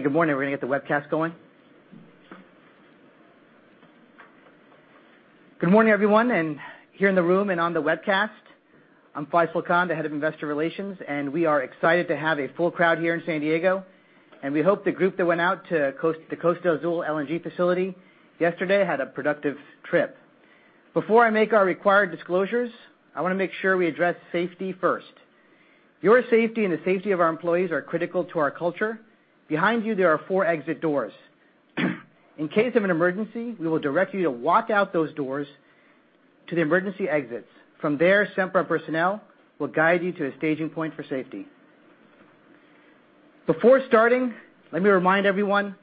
Good morning. We're going to get the webcast going. Good morning, everyone. Here in the room and on the webcast, I'm Faisel Khan, the head of investor relations, and we are excited to have a full crowd here in San Diego, and we hope the group that went out to the Costa Azul LNG facility yesterday had a productive trip. Before I make our required disclosures, I want to make sure we address safety first. Your safety and the safety of our employees are critical to our culture. Behind you, there are four exit doors. In case of an emergency, we will direct you to walk out those doors to the emergency exits. From there, Sempra personnel will guide you to a staging point for safety. Before starting, let me remind everyone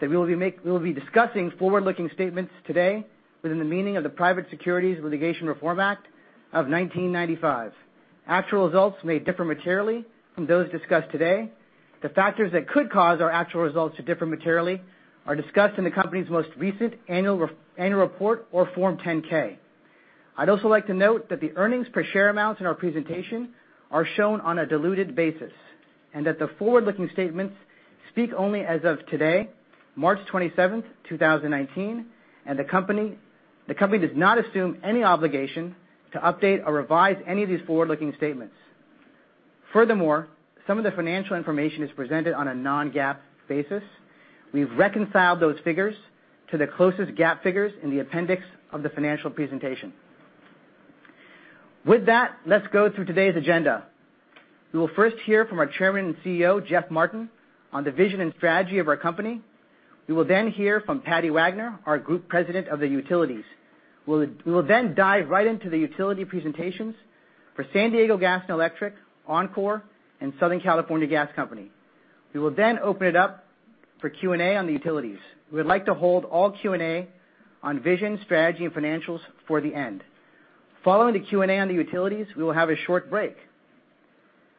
that we will be discussing forward-looking statements today within the meaning of the Private Securities Litigation Reform Act of 1995. Actual results may differ materially from those discussed today. The factors that could cause our actual results to differ materially are discussed in the company's most recent annual report or Form 10-K. I'd also like to note that the earnings per share amounts in our presentation are shown on a diluted basis. The forward-looking statements speak only as of today, March 27th, 2019, and the company does not assume any obligation to update or revise any of these forward-looking statements. Furthermore, some of the financial information is presented on a non-GAAP basis. We've reconciled those figures to the closest GAAP figures in the appendix of the financial presentation. With that, let's go through today's agenda. We will first hear from our Chairman and CEO, Jeff Martin, on the vision and strategy of our company. We will then hear from Patti Wagner, our Group President of the utilities. We will then dive right into the utility presentations for San Diego Gas & Electric, Oncor, and Southern California Gas Company. We will then open it up for Q&A on the utilities. We would like to hold all Q&A on vision, strategy, and financials for the end. Following the Q&A on the utilities, we will have a short break.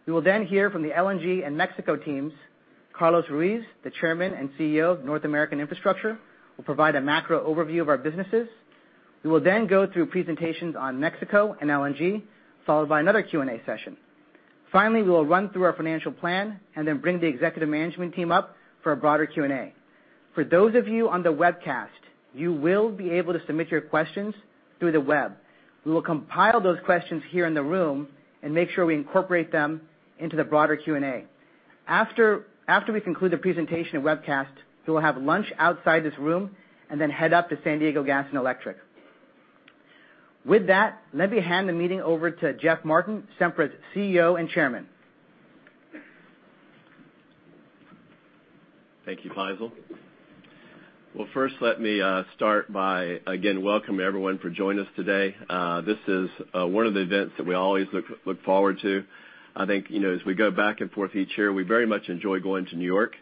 We will then hear from the LNG and Mexico teams. Carlos Ruiz, the Chairman and CEO of North American Infrastructure, will provide a macro overview of our businesses. We will then go through presentations on Mexico and LNG, followed by another Q&A session. Finally, we will run through our financial plan and then bring the executive management team up for a broader Q&A. For those of you on the webcast, you will be able to submit your questions through the web. We will compile those questions here in the room and make sure we incorporate them into the broader Q&A. After we conclude the presentation and webcast, we will have lunch outside this room and then head up to San Diego Gas & Electric. With that, let me hand the meeting over to Jeff Martin, Sempra's CEO and Chairman. Thank you, Faisel. First, let me start by again welcoming everyone for joining us today. This is one of the events that we always look forward to. I think as we go back and forth each year, we very much enjoy going to New York.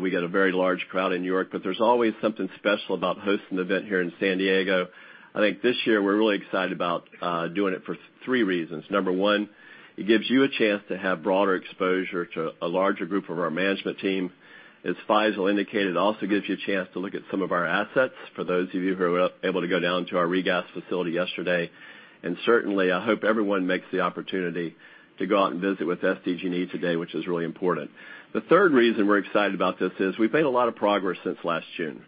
We get a very large crowd in New York, but there's always something special about hosting the event here in San Diego. I think this year we're really excited about doing it for three reasons. Number 1, it gives you a chance to have broader exposure to a larger group of our management team. As Faisel indicated, it also gives you a chance to look at some of our assets for those of you who were able to go down to our regas facility yesterday. Certainly, I hope everyone makes the opportunity to go out and visit with SDG&E today, which is really important. The third reason we're excited about this is we've made a lot of progress since last June.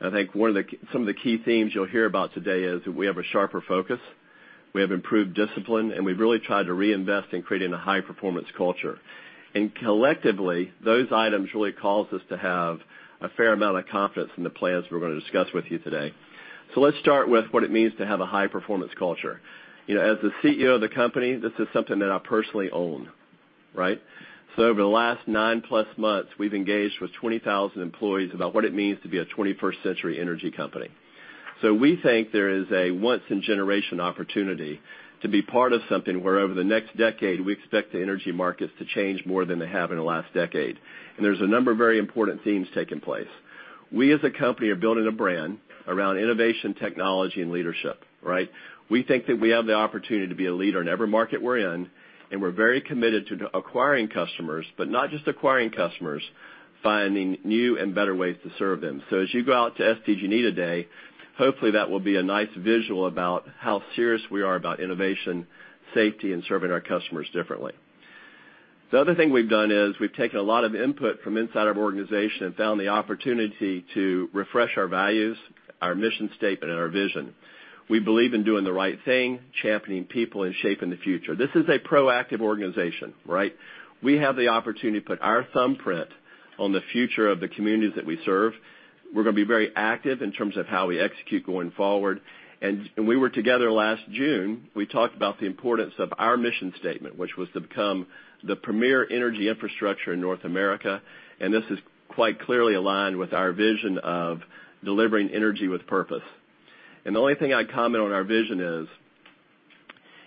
I think some of the key themes you'll hear about today is that we have a sharper focus, we have improved discipline, and we've really tried to reinvest in creating a high-performance culture. Collectively, those items really cause us to have a fair amount of confidence in the plans we're going to discuss with you today. Let's start with what it means to have a high-performance culture. As the CEO of the company, this is something that I personally own. Over the last nine-plus months, we've engaged with 20,000 employees about what it means to be a 21st century energy company. We think there is a once-in-a-generation opportunity to be part of something where over the next decade, we expect the energy markets to change more than they have in the last decade. There's a number of very important themes taking place. We as a company are building a brand around innovation, technology, and leadership. We think that we have the opportunity to be a leader in every market we're in, and we're very committed to acquiring customers, but not just acquiring customers, finding new and better ways to serve them. As you go out to SDG&E today, hopefully that will be a nice visual about how serious we are about innovation, safety, and serving our customers differently. The other thing we've done is we've taken a lot of input from inside our organization and found the opportunity to refresh our values, our mission statement, and our vision. We believe in doing the right thing, championing people, and shaping the future. This is a proactive organization. We have the opportunity to put our thumbprint on the future of the communities that we serve. We're going to be very active in terms of how we execute going forward. When we were together last June, we talked about the importance of our mission statement, which was to become the premier energy infrastructure in North America, this is quite clearly aligned with our vision of delivering energy with purpose. The only thing I'd comment on our vision is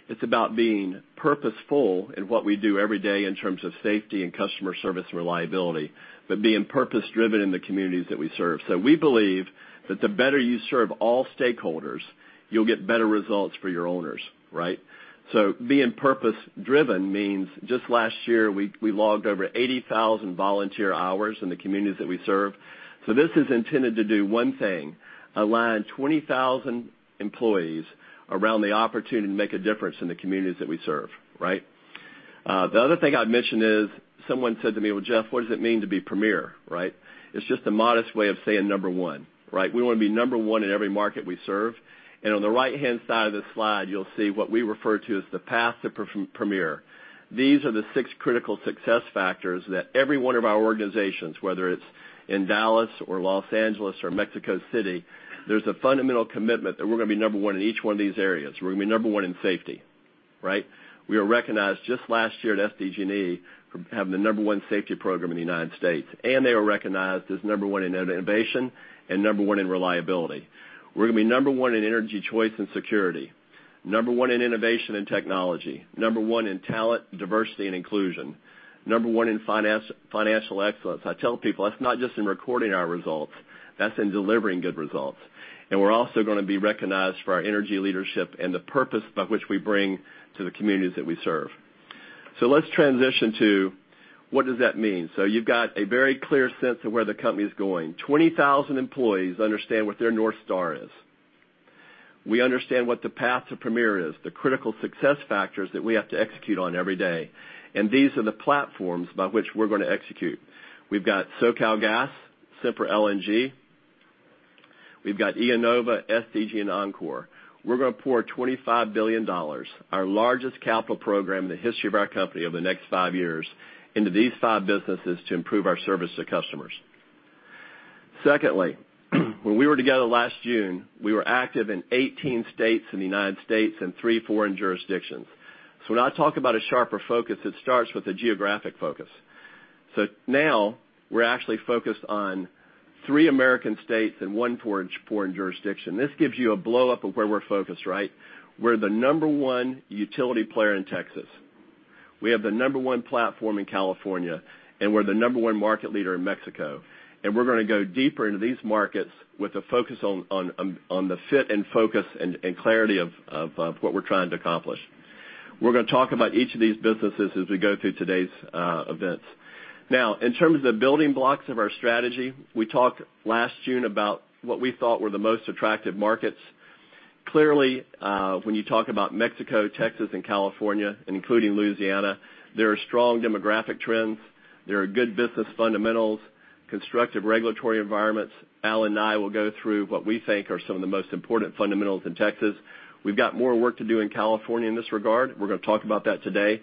it's about being purposeful in what we do every day in terms of safety and customer service reliability, but being purpose-driven in the communities that we serve. We believe that the better you serve all stakeholders, you'll get better results for your owners. Being purpose-driven means just last year, we logged over 80,000 volunteer hours in the communities that we serve. This is intended to do one thing, align 20,000 employees around the opportunity to make a difference in the communities that we serve. The other thing I'd mention is someone said to me, "Well, Jeff, what does it mean to be premier?" Right? It's just a modest way of saying number one. We want to be number one in every market we serve. On the right-hand side of the slide, you'll see what we refer to as the path to premier. These are the six critical success factors that every one of our organizations, whether it's in Dallas or Los Angeles or Mexico City, there's a fundamental commitment that we're going to be number one in each one of these areas. We're going to be number one in safety. We were recognized just last year at SDG&E for having the number one safety program in the U.S., and they were recognized as number one in innovation and number one in reliability. We're going to be number one in energy choice and security, number one in innovation and technology, number one in talent, diversity, and inclusion, number one in financial excellence. I tell people that's not just in recording our results, that's in delivering good results. We're also going to be recognized for our energy leadership and the purpose by which we bring to the communities that we serve. Let's transition to what does that mean. You've got a very clear sense of where the company's going. 20,000 employees understand what their North Star is. We understand what the path to premier is, the critical success factors that we have to execute on every day. These are the platforms by which we're going to execute. We've got SoCalGas, Sempra LNG. We've got IEnova, SDG, and Oncor. We're going to pour $25 billion, our largest capital program in the history of our company, over the next five years into these five businesses to improve our service to customers. Secondly, when we were together last June, we were active in 18 states in the U.S. and three foreign jurisdictions. When I talk about a sharper focus, it starts with a geographic focus. Now we're actually focused on three American states and one foreign jurisdiction. This gives you a blow-up of where we're focused. We're the number one utility player in Texas. We have the number one platform in California, and we're the number one market leader in Mexico. We're going to go deeper into these markets with a focus on the fit and focus and clarity of what we're trying to accomplish. We're going to talk about each of these businesses as we go through today's events. In terms of building blocks of our strategy, we talked last June about what we thought were the most attractive markets. Clearly, when you talk about Mexico, Texas, and California, including Louisiana, there are strong demographic trends. There are good business fundamentals, constructive regulatory environments. Al and I will go through what we think are some of the most important fundamentals in Texas. We've got more work to do in California in this regard. We're going to talk about that today.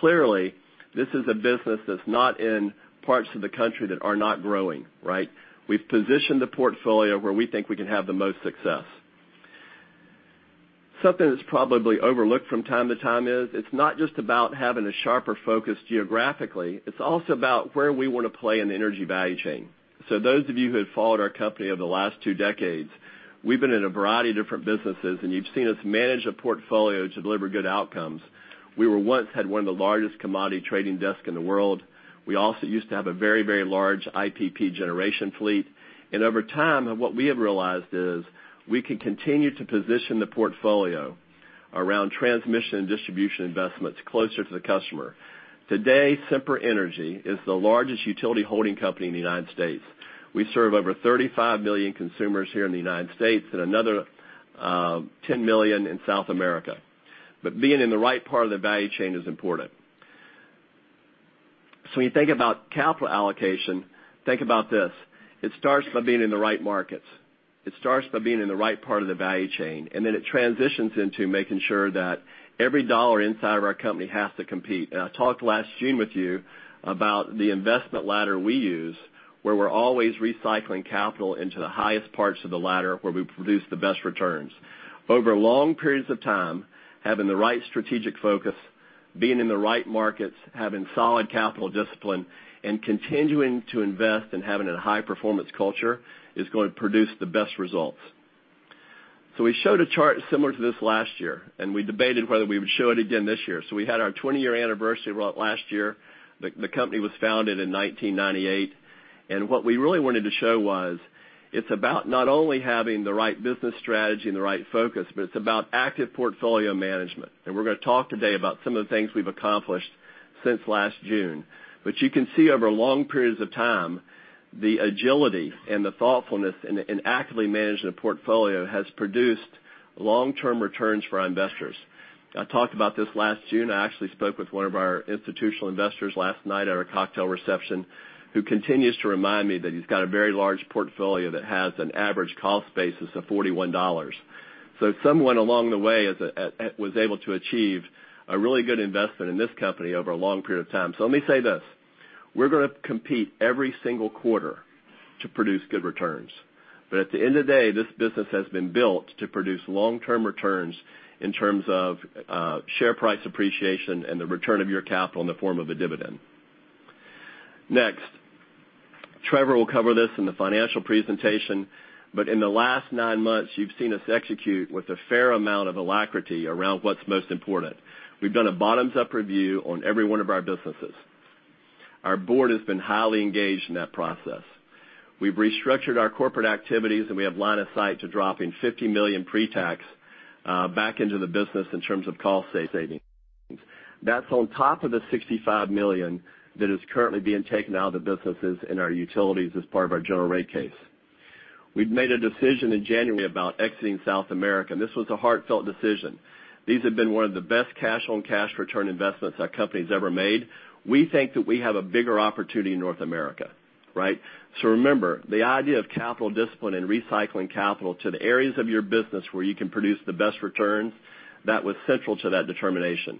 Clearly, this is a business that's not in parts of the country that are not growing. We've positioned the portfolio where we think we can have the most success. Something that's probably overlooked from time to time is it's not just about having a sharper focus geographically, it's also about where we want to play in the energy value chain. Those of you who have followed our company over the last two decades, we've been in a variety of different businesses, and you've seen us manage a portfolio to deliver good outcomes. We once had one of the largest commodity trading desks in the world. We also used to have a very large IPP generation fleet. Over time, what we have realized is we can continue to position the portfolio around transmission and distribution investments closer to the customer. Today, Sempra Energy is the largest utility holding company in the U.S. We serve over 35 million consumers here in the U.S. and another 10 million in South America. Being in the right part of the value chain is important. When you think about capital allocation, think about this. It starts by being in the right markets. It starts by being in the right part of the value chain, and then it transitions into making sure that every dollar inside of our company has to compete. I talked last June with you about the investment ladder we use, where we're always recycling capital into the highest parts of the ladder where we produce the best returns. Over long periods of time, having the right strategic focus, being in the right markets, having solid capital discipline, and continuing to invest and having a high-performance culture is going to produce the best results. We showed a chart similar to this last year, and we debated whether we would show it again this year. We had our 20-year anniversary last year. The company was founded in 1998. What we really wanted to show was it's about not only having the right business strategy and the right focus, but it's about active portfolio management. We're going to talk today about some of the things we've accomplished since last June. You can see over long periods of time, the agility and the thoughtfulness in actively managing the portfolio has produced long-term returns for our investors. I talked about this last June. I actually spoke with one of our institutional investors last night at our cocktail reception, who continues to remind me that he's got a very large portfolio that has an average cost basis of $41. Someone along the way was able to achieve a really good investment in this company over a long period of time. Let me say this, we're going to compete every single quarter to produce good returns. At the end of the day, this business has been built to produce long-term returns in terms of share price appreciation and the return of your capital in the form of a dividend. Next, Trevor will cover this in the financial presentation, but in the last nine months, you've seen us execute with a fair amount of alacrity around what's most important. We've done a bottoms-up review on every one of our businesses. Our board has been highly engaged in that process. We've restructured our corporate activities, and we have line of sight to dropping $50 million pre-tax back into the business in terms of cost savings. That's on top of the $65 million that is currently being taken out of the businesses in our utilities as part of our general rate case. We'd made a decision in January about exiting South America, and this was a heartfelt decision. These have been one of the best cash-on-cash return investments our company's ever made. We think that we have a bigger opportunity in North America. Remember, the idea of capital discipline and recycling capital to the areas of your business where you can produce the best returns, that was central to that determination.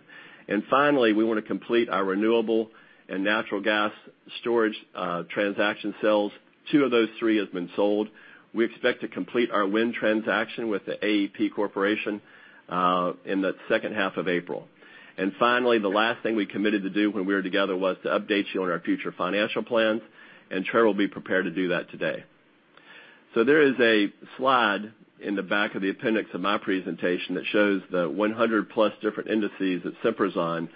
Finally, we want to complete our renewable and natural gas storage transaction sales. Two of those three have been sold. We expect to complete our wind transaction with the AEP Corporation in the second half of April. Finally, the last thing we committed to do when we were together was to update you on our future financial plans, and Trevor will be prepared to do that today. There is a slide in the back of the appendix of my presentation that shows the 100-plus different indices that Sempra's on,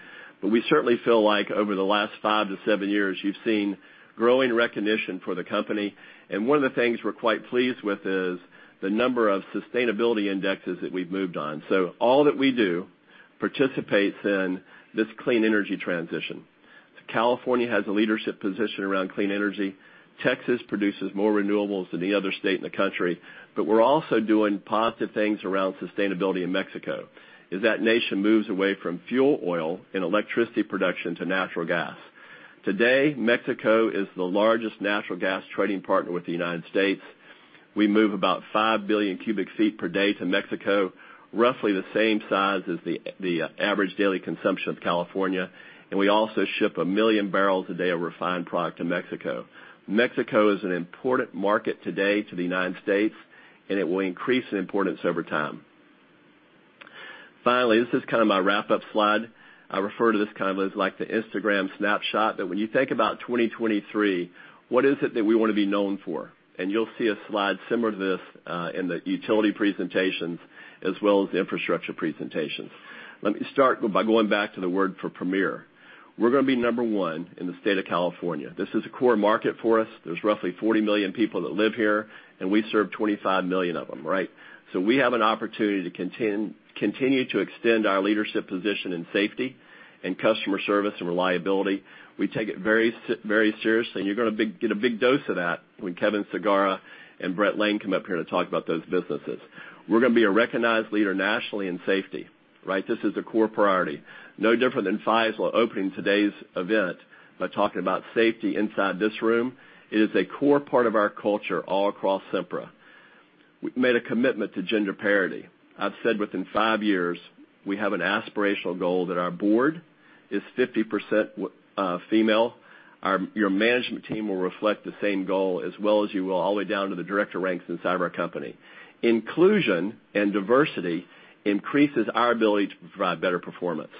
but we certainly feel like over the last five to seven years, you've seen growing recognition for the company. One of the things we're quite pleased with is the number of sustainability indexes that we've moved on. All that we do participates in this clean energy transition. California has a leadership position around clean energy. Texas produces more renewables than any other state in the country, but we're also doing positive things around sustainability in Mexico as that nation moves away from fuel oil and electricity production to natural gas. Today, Mexico is the largest natural gas trading partner with the U.S. We move about 5 billion cubic feet per day to Mexico, roughly the same size as the average daily consumption of California, and we also ship 1 million barrels a day of refined product to Mexico. Mexico is an important market today to the U.S., and it will increase in importance over time. Finally, this is kind of my wrap-up slide. I refer to this kind of as like the Instagram snapshot, that when you think about 2023, what is it that we want to be known for? You'll see a slide similar to this in the utility presentations as well as the infrastructure presentations. Let me start by going back to the word for premier. We're going to be number one in the state of California. This is a core market for us. There's roughly 40 million people that live here, and we serve 25 million of them. We have an opportunity to continue to extend our leadership position in safety and customer service and reliability. We take it very seriously, and you're going to get a big dose of that when Kevin Sagara and Bret Lane come up here to talk about those businesses. We're going to be a recognized leader nationally in safety. This is a core priority. No different than Faisel opening today's event by talking about safety inside this room. It is a core part of our culture all across Sempra. We've made a commitment to gender parity. I've said within five years, we have an aspirational goal that our board is 50% female. Your management team will reflect the same goal as well as you will all the way down to the director ranks inside of our company. Inclusion and diversity increases our ability to provide better performance.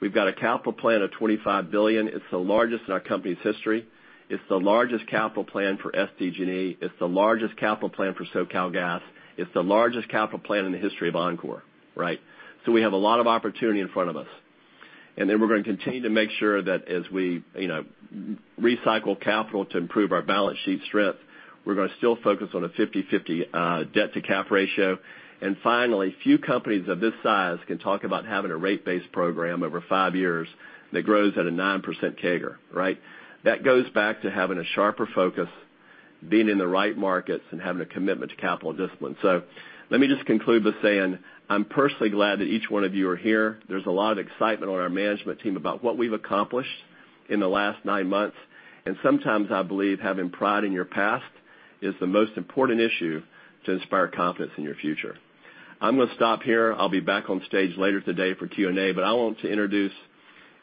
We've got a capital plan of $25 billion. It's the largest in our company's history. It's the largest capital plan for SDG&E. It's the largest capital plan for SoCalGas. It's the largest capital plan in the history of Oncor. We have a lot of opportunity in front of us. We're going to continue to make sure that as we recycle capital to improve our balance sheet strength, we're going to still focus on a 50/50 debt-to-cap ratio. Finally, few companies of this size can talk about having a rate-based program over 5 years that grows at a 9% CAGR. That goes back to having a sharper focus, being in the right markets, and having a commitment to capital discipline. Let me just conclude by saying I'm personally glad that each one of you are here. There's a lot of excitement on our management team about what we've accomplished in the last 9 months, and sometimes I believe having pride in your past is the most important issue to inspire confidence in your future. I'm going to stop here. I'll be back on stage later today for Q&A. I want to introduce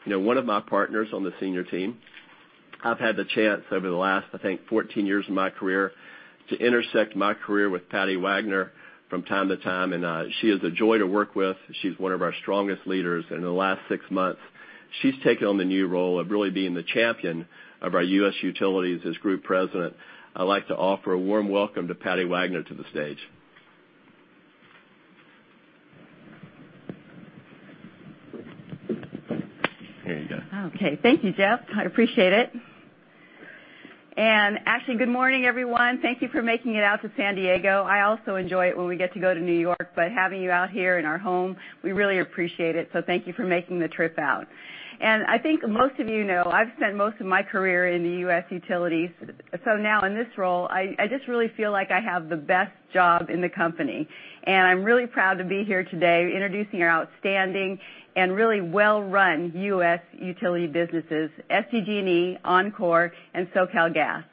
one of my partners on the senior team. I've had the chance over the last, I think, 14 years of my career to intersect my career with Patti Wagner from time to time. She is a joy to work with. She's one of our strongest leaders. In the last 6 months, she's taken on the new role of really being the champion of our U.S. utilities as group president. I'd like to offer a warm welcome to Patti Wagner to the stage. There you go. Okay. Thank you, Jeff. I appreciate it. Actually, good morning, everyone. Thank you for making it out to San Diego. I also enjoy it when we get to go to New York. Having you out here in our home, we really appreciate it. Thank you for making the trip out. I think most of you know, I've spent most of my career in the U.S. utilities. Now in this role, I just really feel like I have the best job in the company. I'm really proud to be here today introducing our outstanding and really well-run U.S. utility businesses, SDG&E, Oncor, and SoCalGas.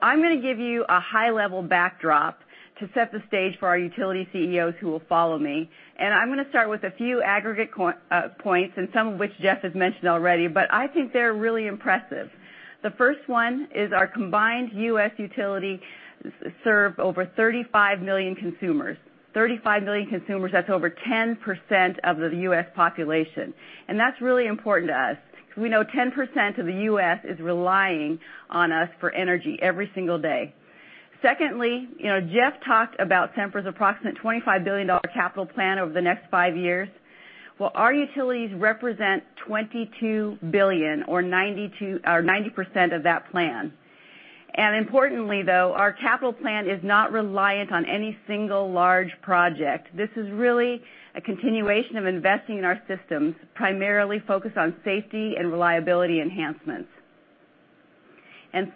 I'm going to give you a high-level backdrop to set the stage for our utility CEOs who will follow me. I'm going to start with a few aggregate points, some of which Jeff has mentioned already, but I think they're really impressive. The first one is our combined U.S. utility serve over 35 million consumers. 35 million consumers, that's over 10% of the U.S. population, and that's really important to us because we know 10% of the U.S. is relying on us for energy every single day. Jeff talked about Sempra's approximate $25 billion capital plan over the next five years. Our utilities represent $22 billion or 90% of that plan. Importantly, though, our capital plan is not reliant on any single large project. This is really a continuation of investing in our systems, primarily focused on safety and reliability enhancements.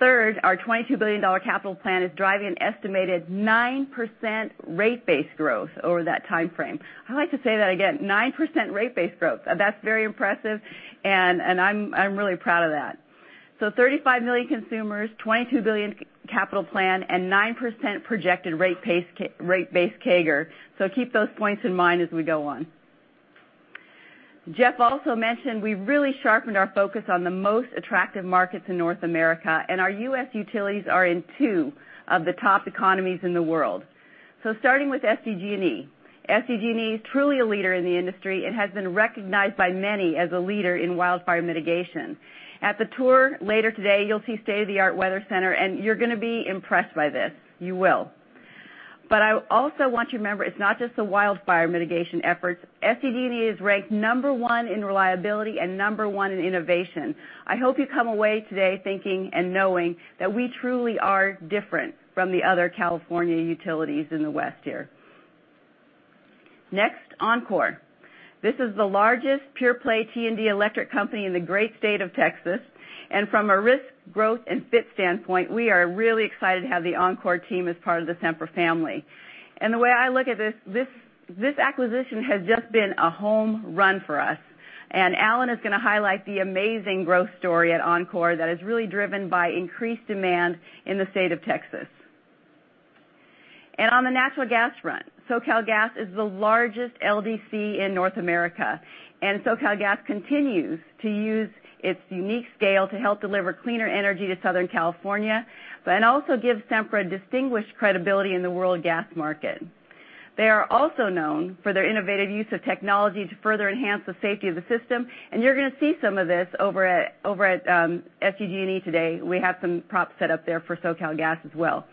Third, our $22 billion capital plan is driving an estimated 9% rate base growth over that timeframe. I'd like to say that again, 9% rate base growth. That's very impressive, and I'm really proud of that. 35 million consumers, $22 billion capital plan, and 9% projected rate base CAGR. Keep those points in mind as we go on. Jeff also mentioned we've really sharpened our focus on the most attractive markets in North America, and our U.S. utilities are in two of the top economies in the world. Starting with SDG&E. SDG&E is truly a leader in the industry and has been recognized by many as a leader in wildfire mitigation. At the tour later today, you'll see state-of-the-art weather center, and you're going to be impressed by this. You will. I also want you to remember, it's not just the wildfire mitigation efforts. SDG&E is ranked number one in reliability and number one in innovation. I hope you come away today thinking and knowing that we truly are different from the other California utilities in the west here. Next, Oncor. This is the largest pure-play T&D electric company in the great state of Texas. From a risk, growth, and fit standpoint, we are really excited to have the Oncor team as part of the Sempra family. The way I look at this acquisition has just been a home run for us. Allen is going to highlight the amazing growth story at Oncor that is really driven by increased demand in the state of Texas. On the natural gas front, SoCalGas is the largest LDC in North America, and SoCalGas continues to use its unique scale to help deliver cleaner energy to Southern California, but it also gives Sempra distinguished credibility in the world gas market. They are also known for their innovative use of technology to further enhance the safety of the system, and you're going to see some of this over at SDG&E today. We have some props set up there for SoCalGas as well.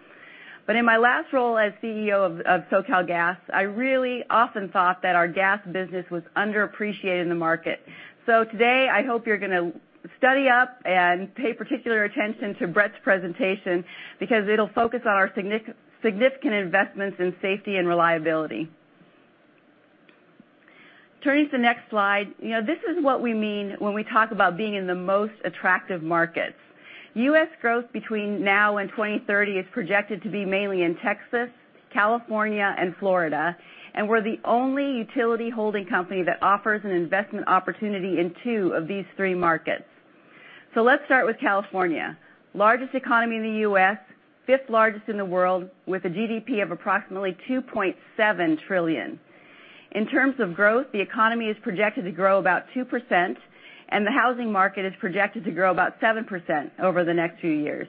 In my last role as CEO of SoCalGas, I really often thought that our gas business was underappreciated in the market. Today, I hope you're going to study up and pay particular attention to Bret's presentation because it'll focus on our significant investments in safety and reliability. Turning to the next slide. This is what we mean when we talk about being in the most attractive markets. U.S. growth between now and 2030 is projected to be mainly in Texas, California, and Florida, and we're the only utility holding company that offers an investment opportunity in two of these three markets. Let's start with California, largest economy in the U.S., fifth largest in the world, with a GDP of approximately $2.7 trillion. In terms of growth, the economy is projected to grow about 2%, and the housing market is projected to grow about 7% over the next few years.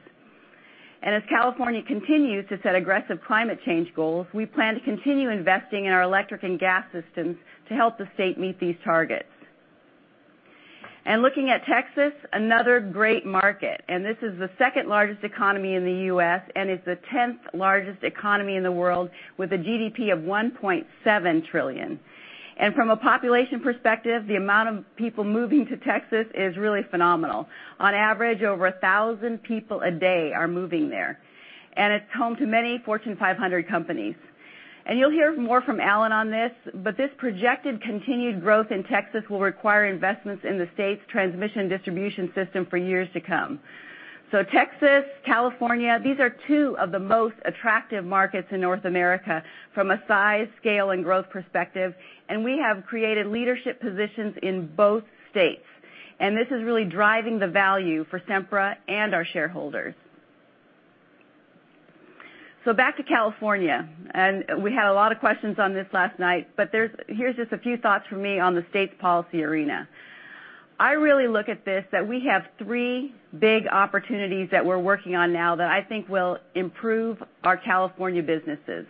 As California continues to set aggressive climate change goals, we plan to continue investing in our electric and gas systems to help the state meet these targets. Looking at Texas, another great market, this is the second-largest economy in the U.S., it's the 10th largest economy in the world with a GDP of $1.7 trillion. From a population perspective, the amount of people moving to Texas is really phenomenal. On average, over 1,000 people a day are moving there. It's home to many Fortune 500 companies. You'll hear more from Allen on this, but this projected continued growth in Texas will require investments in the state's transmission distribution system for years to come. Texas, California, these are two of the most attractive markets in North America from a size, scale, and growth perspective, and we have created leadership positions in both states. This is really driving the value for Sempra and our shareholders. Back to California, we had a lot of questions on this last night, but here's just a few thoughts from me on the state's policy arena. I really look at this that we have three big opportunities that we're working on now that I think will improve our California businesses.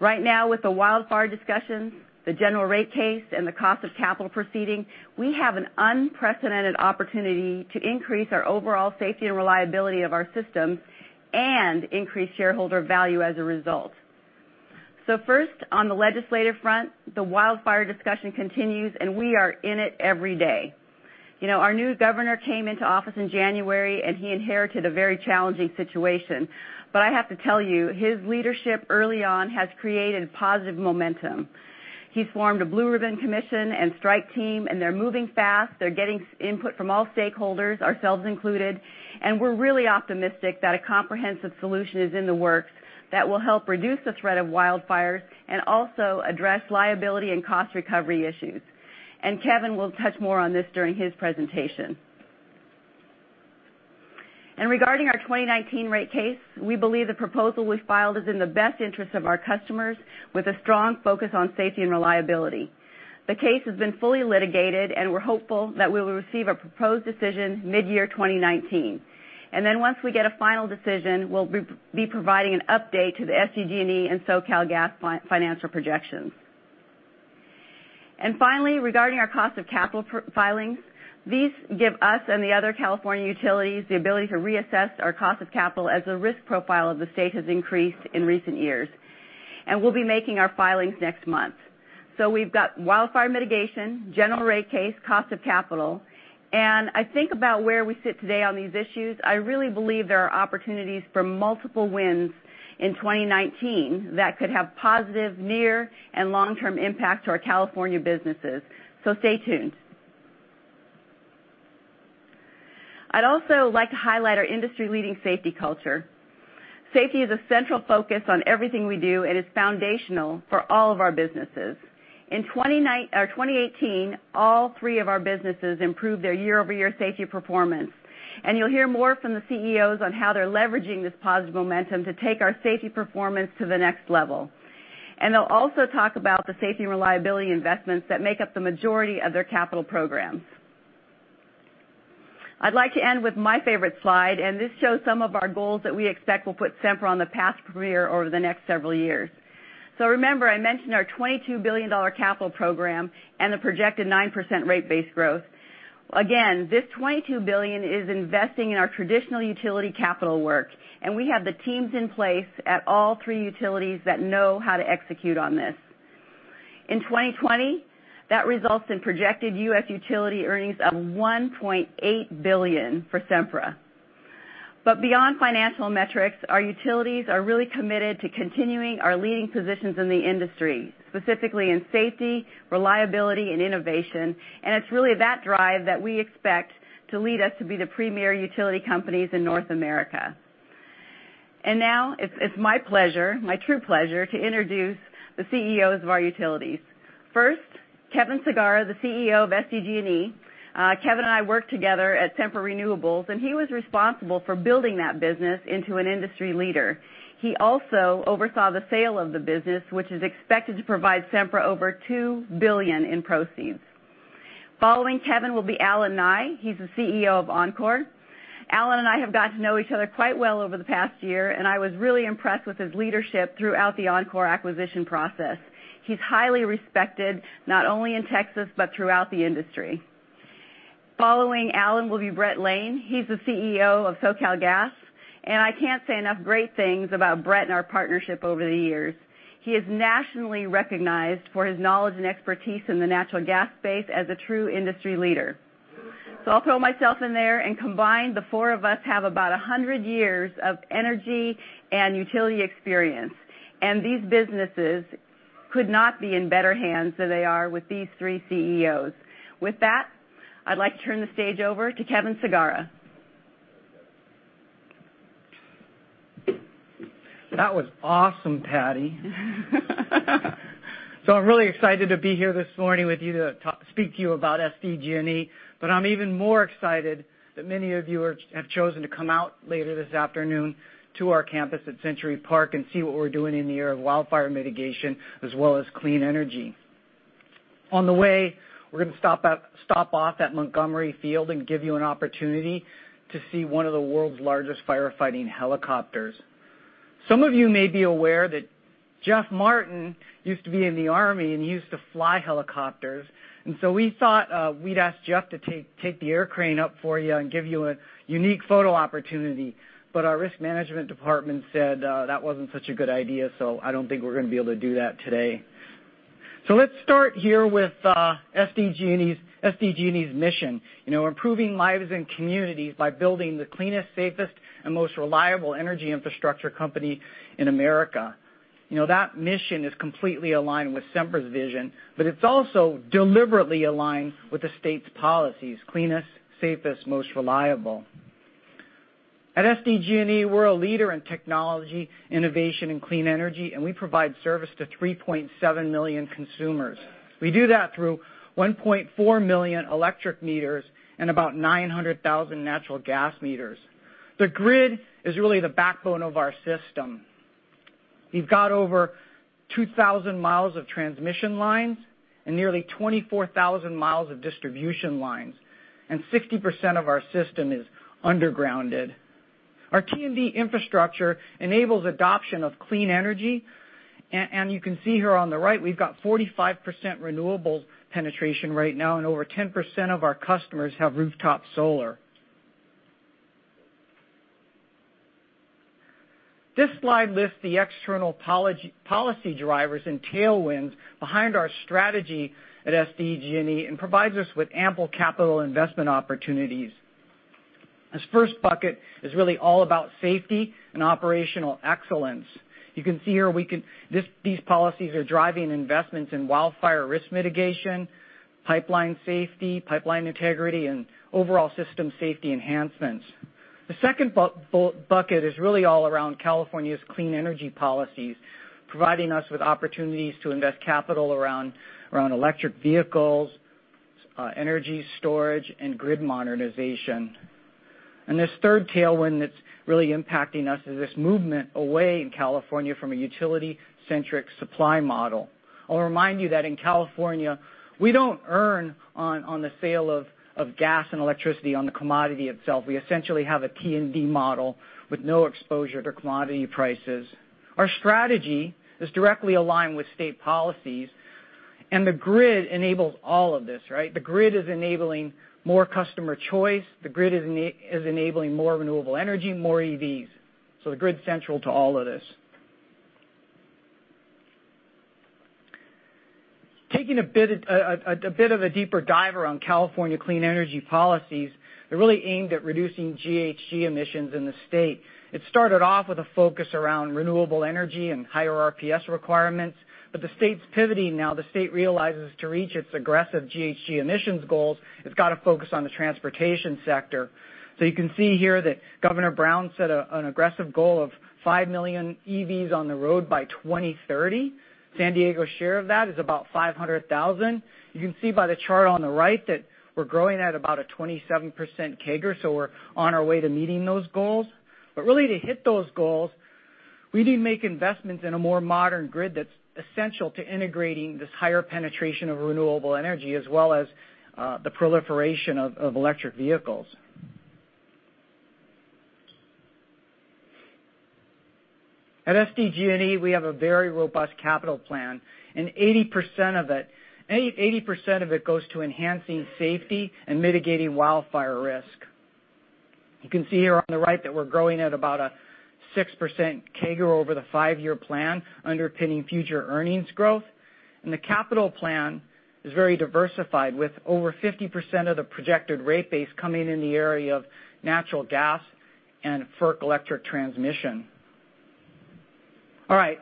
Right now with the wildfire discussions, the general rate case, and the cost of capital proceeding, we have an unprecedented opportunity to increase our overall safety and reliability of our systems and increase shareholder value as a result. First, on the legislative front, the wildfire discussion continues, and we are in it every day. Our new governor came into office in January, and he inherited a very challenging situation. I have to tell you, his leadership early on has created positive momentum. He's formed a Blue Ribbon Commission and strike team, and they're moving fast. They're getting input from all stakeholders, ourselves included, and we're really optimistic that a comprehensive solution is in the works that will help reduce the threat of wildfires and also address liability and cost recovery issues. Kevin will touch more on this during his presentation. Regarding our 2019 rate case, we believe the proposal we filed is in the best interest of our customers with a strong focus on safety and reliability. The case has been fully litigated, and we're hopeful that we will receive a proposed decision mid-year 2019. Once we get a final decision, we'll be providing an update to the SDG&E and SoCalGas financial projections. Finally, regarding our cost of capital filings, these give us and the other California utilities the ability to reassess our cost of capital as the risk profile of the state has increased in recent years. We'll be making our filings next month. We've got wildfire mitigation, general rate case, cost of capital. I think about where we sit today on these issues, I really believe there are opportunities for multiple wins in 2019 that could have positive near and long-term impact to our California businesses. Stay tuned. I'd also like to highlight our industry-leading safety culture. Safety is a central focus on everything we do and is foundational for all of our businesses. In 2018, all three of our businesses improved their year-over-year safety performance. You'll hear more from the CEOs on how they're leveraging this positive momentum to take our safety performance to the next level. They'll also talk about the safety and reliability investments that make up the majority of their capital programs. I'd like to end with my favorite slide, this shows some of our goals that we expect will put Sempra on the path to premier over the next several years. Remember, I mentioned our $22 billion capital program and the projected 9% rate base growth. Again, this $22 billion is investing in our traditional utility capital work, and we have the teams in place at all three utilities that know how to execute on this. In 2020, that results in projected U.S. utility earnings of $1.8 billion for Sempra. Beyond financial metrics, our utilities are really committed to continuing our leading positions in the industry, specifically in safety, reliability, and innovation, it's really that drive that we expect to lead us to be the premier utility companies in North America. Now it's my pleasure, my true pleasure, to introduce the CEOs of our utilities. First, Kevin Sagara, the CEO of SDG&E. Kevin and I worked together at Sempra Renewables, he was responsible for building that business into an industry leader. He also oversaw the sale of the business, which is expected to provide Sempra over $2 billion in proceeds. Following Kevin will be Allen Nye. He's the CEO of Oncor. Allen and I have gotten to know each other quite well over the past year, and I was really impressed with his leadership throughout the Oncor acquisition process. He's highly respected, not only in Texas, but throughout the industry. Following Allen will be Bret Lane. He's the CEO of SoCalGas, I can't say enough great things about Bret and our partnership over the years. He is nationally recognized for his knowledge and expertise in the natural gas space as a true industry leader. I'll throw myself in there, combined, the four of us have about 100 years of energy and utility experience, these businesses could not be in better hands than they are with these three CEOs. With that, I'd like to turn the stage over to Kevin Sagara. That was awesome, Patti. I'm really excited to be here this morning with you to speak to you about SDG&E, but I'm even more excited that many of you have chosen to come out later this afternoon to our campus at Century Park and see what we're doing in the area of wildfire mitigation as well as clean energy. On the way, we're going to stop off at Montgomery Field and give you an opportunity to see one of the world's largest firefighting helicopters. Some of you may be aware that Jeff Martin used to be in the army and used to fly helicopters, we thought we'd ask Jeff to take the air crane up for you and give you a unique photo opportunity. Our risk management department said that wasn't such a good idea, I don't think we're going to be able to do that today. Let's start here with SDG&E's mission. Improving lives and communities by building the cleanest, safest, and most reliable energy infrastructure company in America. That mission is completely aligned with Sempra's vision, but it's also deliberately aligned with the state's policies, cleanest, safest, most reliable. At SDG&E, we're a leader in technology, innovation, and clean energy, and we provide service to 3.7 million consumers. We do that through 1.4 million electric meters and about 900,000 natural gas meters. The grid is really the backbone of our system. We've got over 2,000 miles of transmission lines and nearly 24,000 miles of distribution lines, and 60% of our system is undergrounded. Our T&D infrastructure enables adoption of clean energy. You can see here on the right, we've got 45% renewable penetration right now, and over 10% of our customers have rooftop solar. This slide lists the external policy drivers and tailwinds behind our strategy at SDG&E and provides us with ample capital investment opportunities. This first bucket is really all about safety and operational excellence. You can see here these policies are driving investments in wildfire risk mitigation, pipeline safety, pipeline integrity, and overall system safety enhancements. The second bucket is really all around California's clean energy policies, providing us with opportunities to invest capital around electric vehicles, energy storage, and grid modernization. This third tailwind that's really impacting us is this movement away in California from a utility-centric supply model. I'll remind you that in California, we don't earn on the sale of gas and electricity on the commodity itself. We essentially have a T&D model with no exposure to commodity prices. Our strategy is directly aligned with state policies, the grid enables all of this, right? The grid is enabling more customer choice. The grid is enabling more renewable energy, more EVs. The grid's central to all of this. Taking a bit of a deeper dive around California clean energy policies, they're really aimed at reducing GHG emissions in the state. It started off with a focus around renewable energy and higher RPS requirements, the state's pivoting now. The state realizes to reach its aggressive GHG emissions goals, it's got to focus on the transportation sector. You can see here that Governor Brown set an aggressive goal of 5 million EVs on the road by 2030. San Diego's share of that is about 500,000. You can see by the chart on the right that we're growing at about a 27% CAGR, we're on our way to meeting those goals. Really, to hit those goals, we need to make investments in a more modern grid that's essential to integrating this higher penetration of renewable energy as well as the proliferation of electric vehicles. At SDG&E, we have a very robust capital plan, and 80% of it goes to enhancing safety and mitigating wildfire risk. You can see here on the right that we're growing at about a 6% CAGR over the five-year plan underpinning future earnings growth. The capital plan is very diversified, with over 50% of the projected rate base coming in the area of natural gas and FERC electric transmission. All right.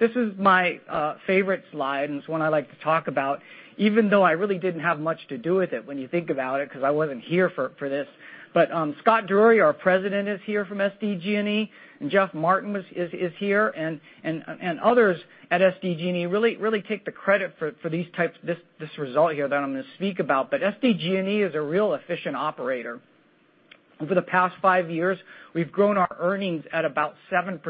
This is my favorite slide, it's one I like to talk about, even though I really didn't have much to do with it when you think about it, because I wasn't here for this. Scott Drury, our president, is here from SDG&E, Jeff Martin is here, others at SDG&E really take the credit for this result here that I'm going to speak about. SDG&E is a real efficient operator. Over the past five years, we've grown our earnings at about 7%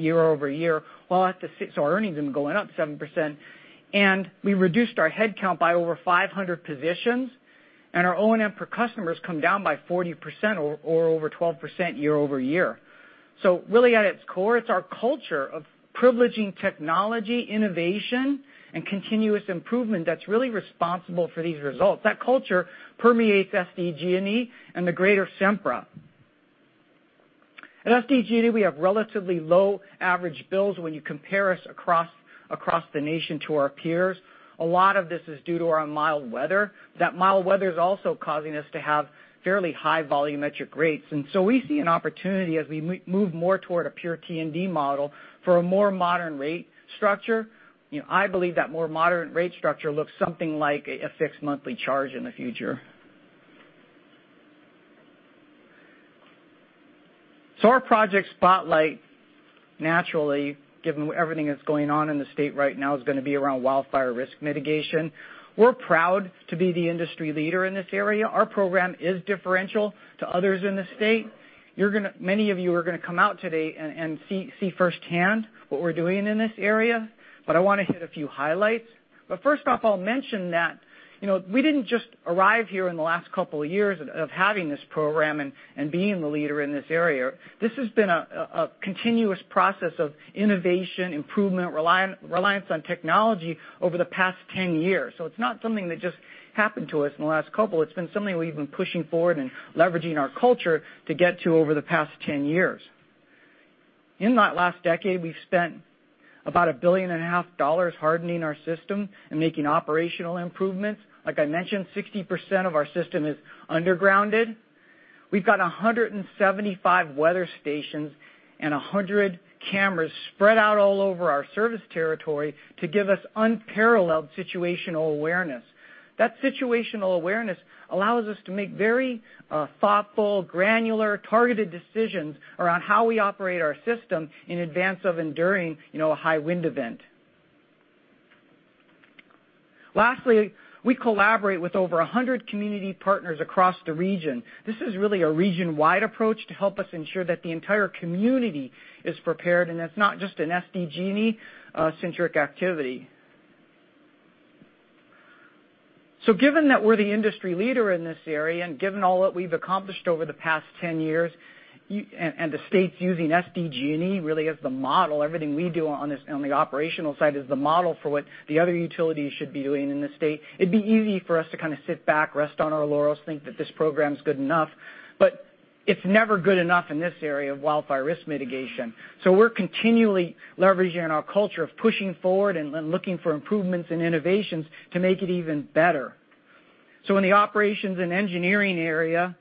year-over-year. Our earnings have been going up 7%, and we reduced our head count by over 500 positions, and our O&M per customer has come down by 40%, or over 12% year-over-year. Really at its core, it's our culture of privileging technology, innovation, and continuous improvement that's really responsible for these results. That culture permeates SDG&E and the greater Sempra. At SDG&E, we have relatively low average bills when you compare us across the nation to our peers. A lot of this is due to our mild weather. That mild weather is also causing us to have fairly high volumetric rates, we see an opportunity as we move more toward a pure T&D model for a more modern rate structure. I believe that more modern rate structure looks something like a fixed monthly charge in the future. Our project spotlight, naturally, given everything that's going on in the state right now, is going to be around wildfire risk mitigation. We're proud to be the industry leader in this area. Our program is differential to others in the state. Many of you are going to come out today and see firsthand what we're doing in this area, I want to hit a few highlights. First off, I'll mention that we didn't just arrive here in the last couple of years of having this program and being the leader in this area. This has been a continuous process of innovation, improvement, reliance on technology over the past 10 years. It's not something that just happened to us in the last couple, it's been something we've been pushing forward and leveraging our culture to get to over the past 10 years. In that last decade, we've spent about a billion and a half dollars hardening our system and making operational improvements. Like I mentioned, 60% of our system is undergrounded. We've got 175 weather stations and 100 cameras spread out all over our service territory to give us unparalleled situational awareness. That situational awareness allows us to make very thoughtful, granular, targeted decisions around how we operate our system in advance of enduring a high wind event. Lastly, we collaborate with over 100 community partners across the region. This is really a region-wide approach to help us ensure that the entire community is prepared, and it's not just an SDG&E-centric activity. Given that we're the industry leader in this area and given all that we've accomplished over the past 10 years, the state's using SDG&E really as the model, everything we do on the operational side is the model for what the other utilities should be doing in the state, it'd be easy for us to kind of sit back, rest on our laurels, think that this program's good enough, it's never good enough in this area of wildfire risk mitigation. We're continually leveraging our culture of pushing forward and looking for improvements and innovations to make it even better. In the operations and engineering area,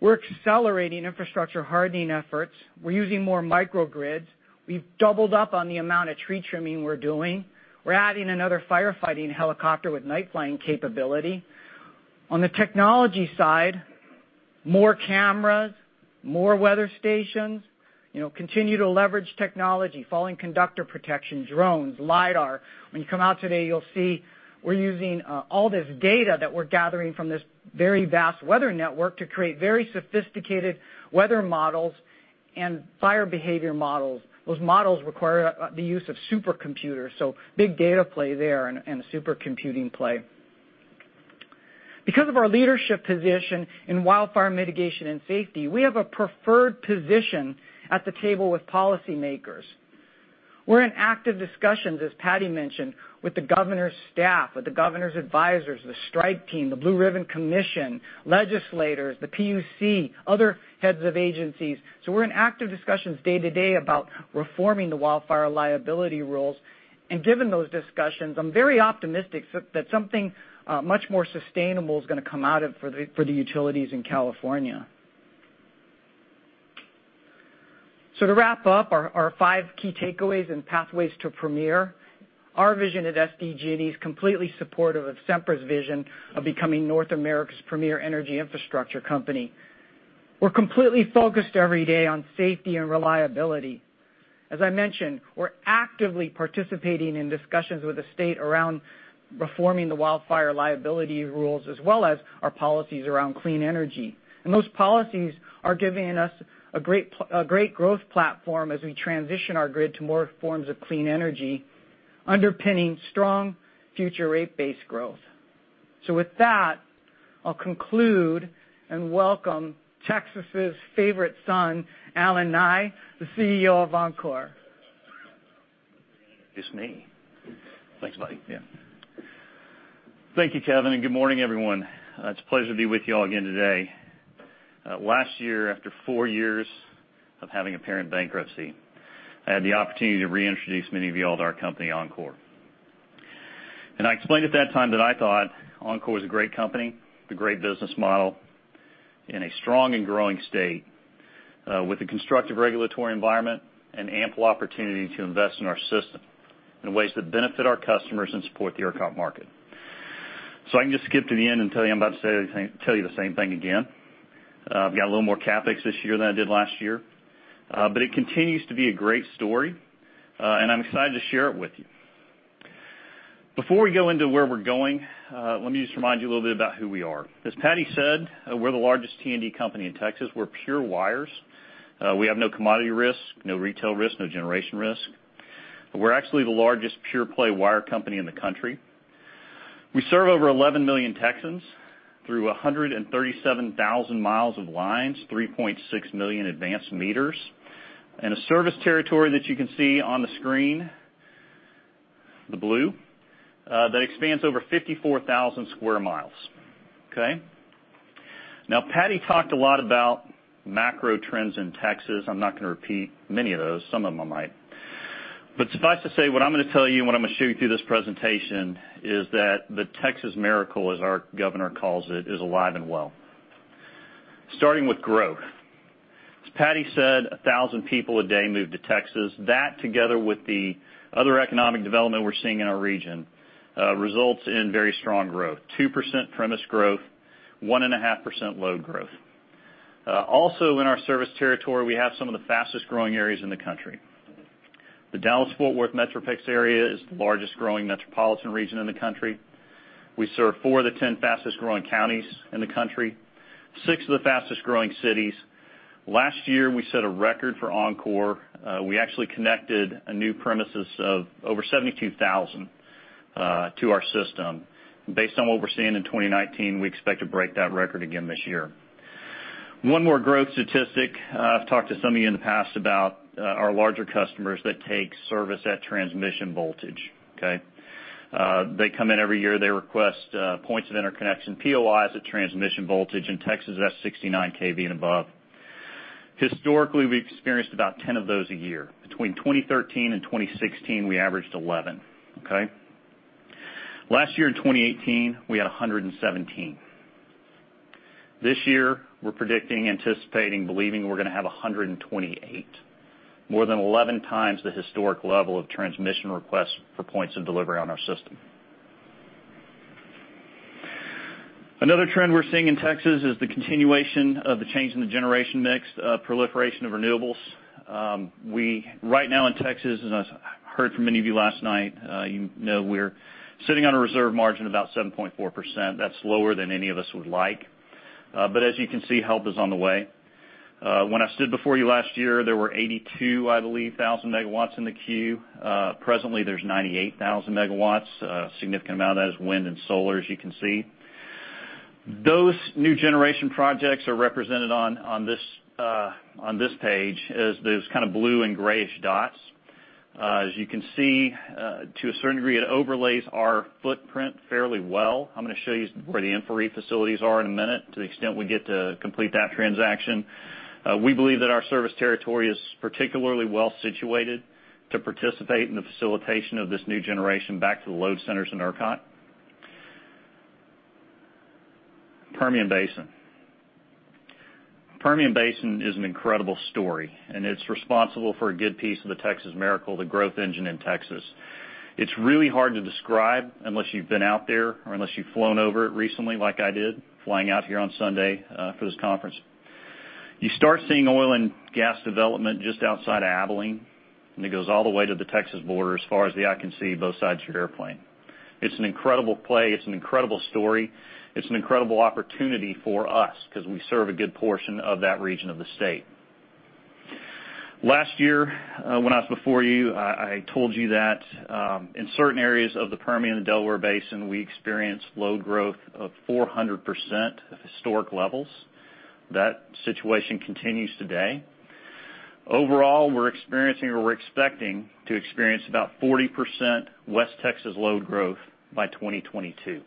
we're accelerating infrastructure hardening efforts. We're using more microgrids. We've doubled up on the amount of tree trimming we're doing. We're adding another firefighting helicopter with night-flying capability. On the technology side, more cameras, more weather stations. Continue to leverage technology, falling conductor protection, drones, LiDAR. When you come out today, you'll see we're using all this data that we're gathering from this very vast weather network to create very sophisticated weather models and fire behavior models. Those models require the use of supercomputers, big data play there and a supercomputing play. Because of our leadership position in wildfire mitigation and safety, we have a preferred position at the table with policymakers. We're in active discussions, as Patti mentioned, with the governor's staff, with the governor's advisors, the strike team, the Blue Ribbon Commission, legislators, the PUC, other heads of agencies. We're in active discussions day to day about reforming the wildfire liability rules. Given those discussions, I'm very optimistic that something much more sustainable is going to come out of it for the utilities in California. To wrap up, our five key takeaways and pathways to premier. Our vision at SDG&E is completely supportive of Sempra's vision of becoming North America's premier energy infrastructure company. We're completely focused every day on safety and reliability. As I mentioned, we're actively participating in discussions with the state around reforming the wildfire liability rules, as well as our policies around clean energy. Those policies are giving us a great growth platform as we transition our grid to more forms of clean energy, underpinning strong future rate base growth. With that, I'll conclude and welcome Texas' favorite son, Allen Nye, the CEO of Oncor. It's me. Thanks, buddy. Yeah. Thank you, Kevin, and good morning, everyone. It's a pleasure to be with you all again today. Last year, after four years of having a parent bankruptcy, I had the opportunity to reintroduce many of you all to our company, Oncor. I explained at that time that I thought Oncor is a great company with a great business model in a strong and growing state, with a constructive regulatory environment and ample opportunity to invest in our system in ways that benefit our customers and support the ERCOT market. I can just skip to the end and tell you I'm about to tell you the same thing again. I've got a little more CapEx this year than I did last year. It continues to be a great story, and I'm excited to share it with you. Before we go into where we're going, let me just remind you a little bit about who we are. As Patti said, we're the largest T&D company in Texas. We're pure wires. We have no commodity risk, no retail risk, no generation risk. We're actually the largest pure play wire company in the country. We serve over 11 million Texans through 137,000 miles of lines, 3.6 million advanced meters, and a service territory that you can see on the screen, the blue, that expands over 54,000 sq mi. Okay? Patti talked a lot about macro trends in Texas. I'm not going to repeat many of those. Some of them I might. Suffice to say, what I'm going to tell you and what I'm going to show you through this presentation is that the Texas miracle, as our governor calls it, is alive and well. Starting with growth. As Patti said, 1,000 people a day move to Texas. That, together with the other economic development we're seeing in our region, results in very strong growth, 2% premise growth, 1.5% load growth. Also in our service territory, we have some of the fastest-growing areas in the country. The Dallas-Fort Worth metroplex area is the largest-growing metropolitan region in the country. We serve four of the 10 fastest-growing counties in the country, six of the fastest-growing cities. Last year, we set a record for Oncor. We actually connected a new premises of over 72,000 to our system. Based on what we're seeing in 2019, we expect to break that record again this year. One more growth statistic. I've talked to some of you in the past about our larger customers that take service at transmission voltage. Okay? They come in every year. They request points of interconnection, POIs, at transmission voltage. In Texas, that's 69 kV and above. Historically, we've experienced about 10 of those a year. Between 2013 and 2016, we averaged 11. Okay? Last year in 2018, we had 117. This year, we're predicting, anticipating, believing we're going to have 128, more than 11 times the historic level of transmission requests for points of delivery on our system. Another trend we're seeing in Texas is the continuation of the change in the generation mix, proliferation of renewables. Right now in Texas, and as I heard from many of you last night, you know we're sitting on a reserve margin about 7.4%. That's lower than any of us would like. As you can see, help is on the way. When I stood before you last year, there were 82,000 MW in the queue. Presently, there's 98,000 MW. A significant amount of that is wind and solar, as you can see. Those new generation projects are represented on this page as those kind of blue and grayish dots. As you can see, to a certain degree, it overlays our footprint fairly well. I'm going to show you where the InfraREIT facilities are in a minute to the extent we get to complete that transaction. We believe that our service territory is particularly well-situated to participate in the facilitation of this new generation back to the load centers in ERCOT. Permian Basin. Permian Basin is an incredible story, and it's responsible for a good piece of the Texas miracle, the growth engine in Texas. It's really hard to describe unless you've been out there or unless you've flown over it recently like I did, flying out here on Sunday for this conference. You start seeing oil and gas development just outside of Abilene, and it goes all the way to the Texas border as far as the eye can see both sides of your airplane. It's an incredible play. It's an incredible story. It's an incredible opportunity for us because we serve a good portion of that region of the state. Last year, when I was before you, I told you that in certain areas of the Permian and the Delaware Basin, we experienced load growth of 400% of historic levels. That situation continues today. Overall, we're experiencing or we're expecting to experience about 40% West Texas load growth by 2022.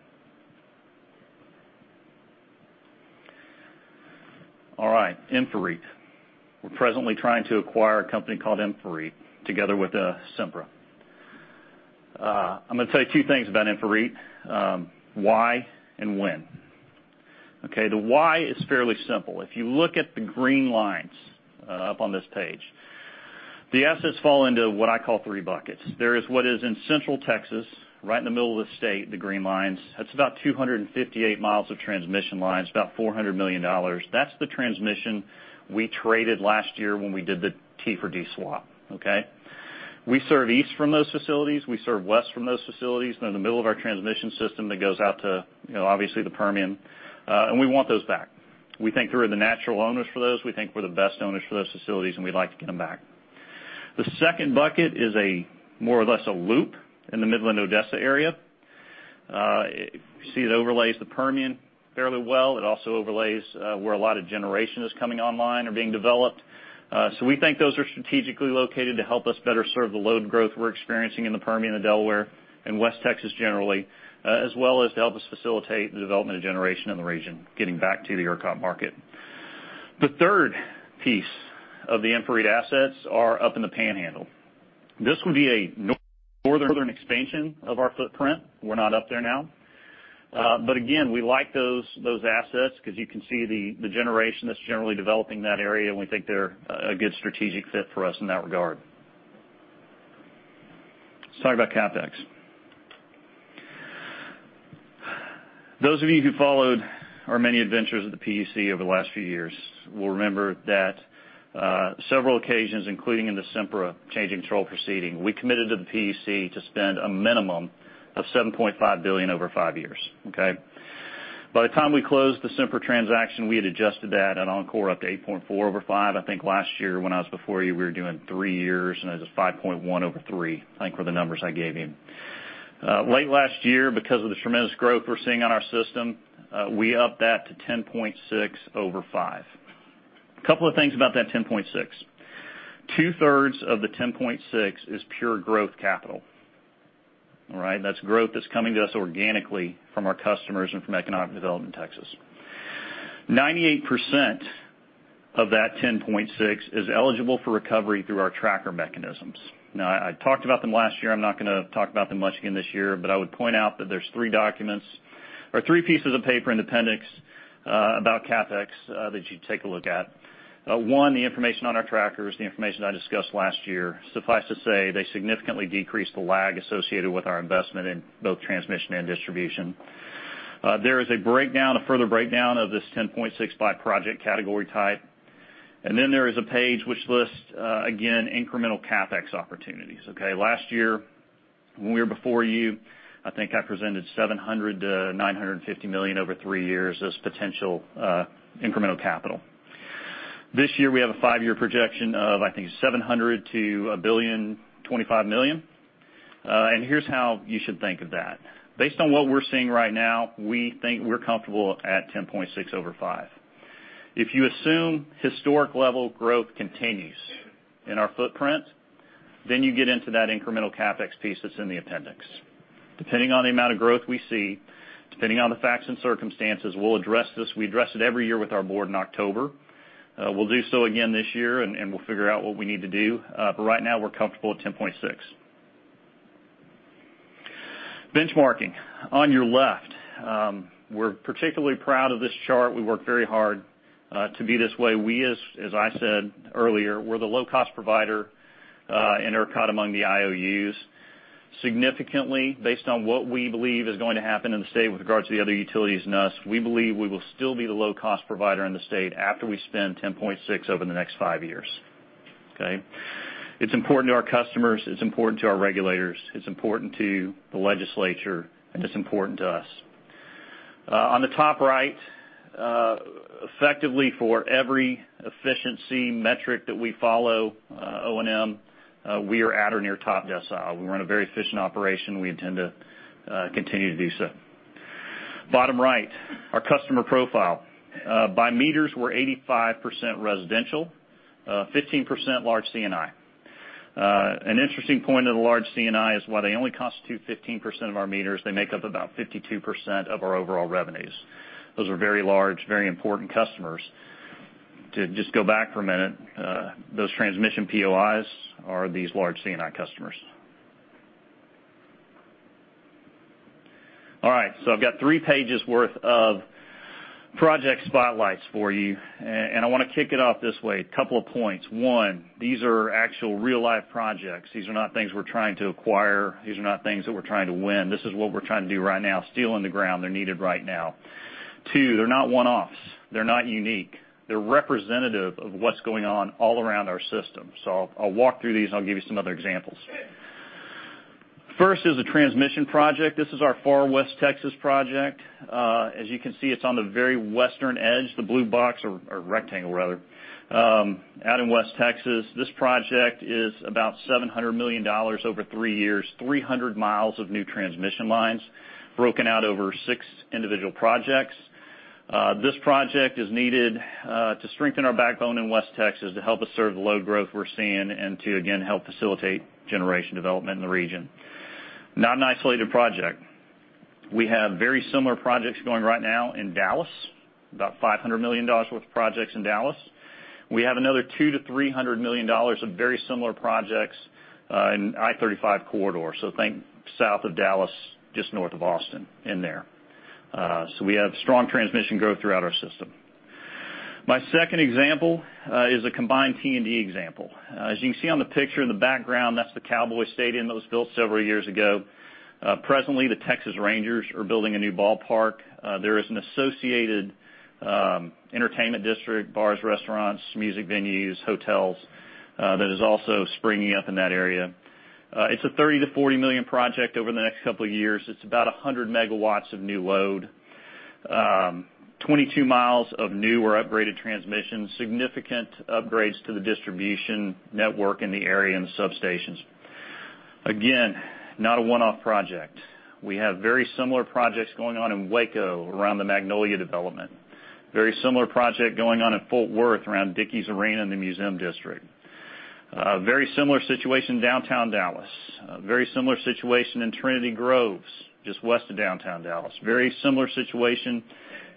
All right. InfraREIT. We're presently trying to acquire a company called InfraREIT together with Sempra. I'm going to tell you two things about InfraREIT. Why and when. Okay? The why is fairly simple. If you look at the green lines up on this page, the assets fall into what I call three buckets. There is what is in Central Texas, right in the middle of the state, the green lines. That's about 258 miles of transmission lines, about $400 million. That's the transmission we traded last year when we did the T for D swap. Okay? We serve east from those facilities, we serve west from those facilities, they're in the middle of our transmission system that goes out to obviously the Permian. We want those back. We think we're the natural owners for those, we think we're the best owners for those facilities, and we'd like to get them back. The second bucket is a more or less a loop in the Midland, Odessa area. You see it overlays the Permian fairly well. It also overlays where a lot of generation is coming online or being developed. We think those are strategically located to help us better serve the load growth we're experiencing in the Permian and Delaware and West Texas generally, as well as to help us facilitate the development of generation in the region, getting back to the ERCOT market. The third piece of the InfraREIT assets are up in the Panhandle. This would be a northern expansion of our footprint. We're not up there now. Again, we like those assets because you can see the generation that's generally developing in that area, and we think they're a good strategic fit for us in that regard. Let's talk about CapEx. Those of you who followed our many adventures at the PUC over the last few years will remember that several occasions, including in the Sempra change in control proceeding, we committed to the PUC to spend a minimum of $7.5 billion over five years. Okay? By the time we closed the Sempra transaction, we had adjusted that at Oncor up to $8.4 over five. I think last year when I was before you, we were doing three years, and it was a $5.1 over three, I think were the numbers I gave you. Late last year because of the tremendous growth we're seeing on our system, we upped that to $10.6 over five. Couple of things about that $10.6. Two-thirds of the $10.6 is pure growth capital. All right? That's growth that's coming to us organically from our customers and from economic development in Texas. 98% of that $10.6 is eligible for recovery through our tracker mechanisms. I talked about them last year. I'm not going to talk about them much again this year, but I would point out that there's three documents or three pieces of paper in the appendix about CapEx that you take a look at. One, the information on our trackers, the information I discussed last year. Suffice to say, they significantly decreased the lag associated with our investment in both transmission and distribution. There is a further breakdown of this $10.6 by project category type. There is a page which lists, again, incremental CapEx opportunities. Okay? Last year when we were before you, I think I presented $700 million to $950 million over three years as potential incremental capital. This year we have a five-year projection of, I think, $700 million to $1.025 billion. Here's how you should think of that. Based on what we're seeing right now, we think we're comfortable at $10.6 over five. If you assume historic level growth continues in our footprint, you get into that incremental CapEx piece that's in the appendix. Depending on the amount of growth we see, depending on the facts and circumstances, we'll address this. We address it every year with our board in October. We'll do so again this year, and we'll figure out what we need to do. Right now, we're comfortable at $10.6. Benchmarking. On your left, we're particularly proud of this chart. We worked very hard to be this way. We, as I said earlier, we're the low-cost provider in ERCOT among the IOUs. Significantly, based on what we believe is going to happen in the state with regards to the other utilities and us, we believe we will still be the low-cost provider in the state after we spend $10.6 over the next five years. Okay? It's important to our customers, it's important to our regulators, it's important to the legislature, and it's important to us. On the top right, effectively for every efficiency metric that we follow, O&M, we are at or near top decile. We run a very efficient operation. We intend to continue to do so. Bottom right, our customer profile. By meters, we're 85% residential, 15% large C&I. An interesting point of the large C&I is while they only constitute 15% of our meters, they make up about 52% of our overall revenues. Those are very large, very important customers. To just go back for a minute, those transmission POIs are these large C&I customers. All right. I've got three pages worth of project spotlights for you. I want to kick it off this way, a couple of points. One. These are actual real-life projects. These are not things we're trying to acquire. These are not things that we're trying to win. This is what we're trying to do right now, steel in the ground. They're needed right now. Two. They're not one-offs. They're not unique. They're representative of what's going on all around our system. I'll walk through these and I'll give you some other examples. First is a transmission project. This is our Far West Texas project. As you can see, it's on the very western edge, the blue box or rectangle rather out in West Texas. This project is about $700 million over 3 years, 300 miles of new transmission lines broken out over six individual projects. This project is needed to strengthen our backbone in West Texas to help us serve the load growth we're seeing and to, again, help facilitate generation development in the region. Not an isolated project. We have very similar projects going right now in Dallas, about $500 million worth of projects in Dallas. We have another $200 million-$300 million of very similar projects in I-35 corridor. Think south of Dallas, just north of Austin, in there. We have strong transmission growth throughout our system. My second example is a combined T&D example. As you can see on the picture in the background, that's the Cowboys Stadium that was built several years ago. Presently, the Texas Rangers are building a new ballpark. There is an associated entertainment district, bars, restaurants, music venues, hotels, that is also springing up in that area. It's a $30 million-$40 million project over the next couple of years. It's about 100 MW of new load. 22 miles of new or upgraded transmission. Significant upgrades to the distribution network in the area and the substations. Again, not a one-off project. We have very similar projects going on in Waco around the Magnolia development. Very similar project going on at Fort Worth around Dickies Arena in the Museum District. A very similar situation, downtown Dallas. A very similar situation in Trinity Groves, just west of downtown Dallas. Very similar situation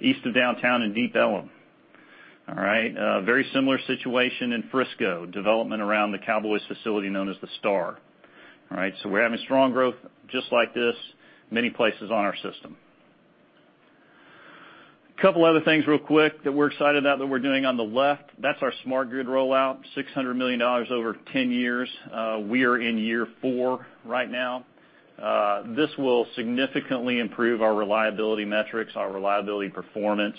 east of downtown in Deep Ellum. All right. A very similar situation in Frisco, development around the Cowboys facility known as The Star. All right. We're having strong growth just like this many places on our system. Couple other things real quick that we're excited about, that we're doing on the left. That's our smart grid rollout, $600 million over 10 years. We are in year four right now. This will significantly improve our reliability metrics, our reliability performance,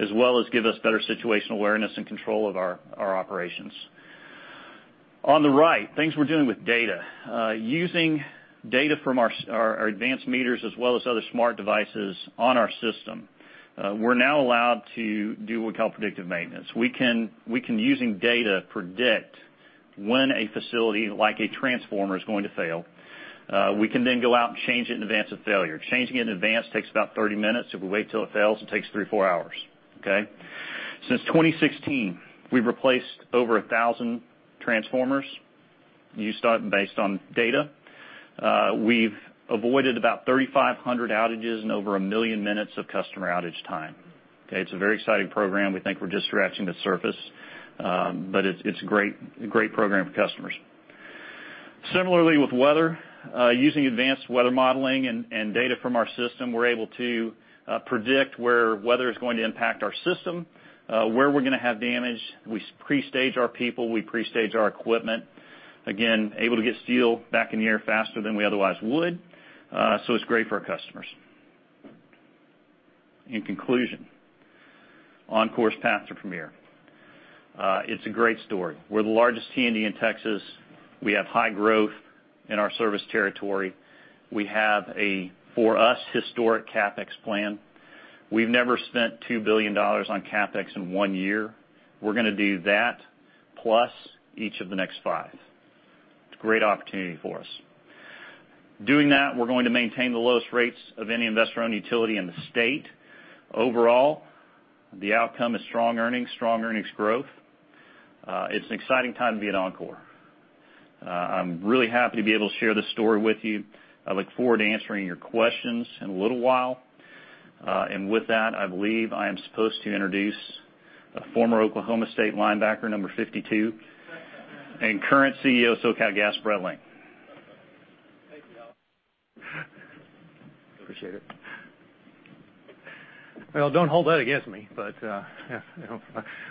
as well as give us better situational awareness and control of our operations. On the right, things we're doing with data. Using data from our advanced meters as well as other smart devices on our system, we're now allowed to do what we call predictive maintenance. We can, using data, predict when a facility like a transformer is going to fail. We can then go out and change it in advance of failure. Changing it in advance takes about 30 minutes. If we wait till it fails, it takes 3, 4 hours, okay. Since 2016, we've replaced over 1,000 transformers based on data. We've avoided about 3,500 outages and over a million minutes of customer outage time. Okay. It's a very exciting program. We think we're just scratching the surface. It's a great program for customers. Similarly with weather. Using advanced weather modeling and data from our system, we're able to predict where weather is going to impact our system, where we're going to have damage. We pre-stage our people, we pre-stage our equipment. Again, able to get steel back in the air faster than we otherwise would. It's great for our customers. In conclusion, Oncor's path to premier. It's a great story. We're the largest T&D in Texas. We have high growth in our service territory. We have a, for us, historic CapEx plan. We've never spent $2 billion on CapEx in one year. We're going to do that plus each of the next five. It's a great opportunity for us. Doing that, we're going to maintain the lowest rates of any investor-owned utility in the state. Overall, the outcome is strong earnings, strong earnings growth. It's an exciting time to be at Oncor. I'm really happy to be able to share this story with you. I look forward to answering your questions in a little while. With that, I believe I am supposed to introduce a former Oklahoma State linebacker, number 52. Current CEO of SoCalGas Bret Lane. Thank you. Appreciate it. Don't hold that against me, but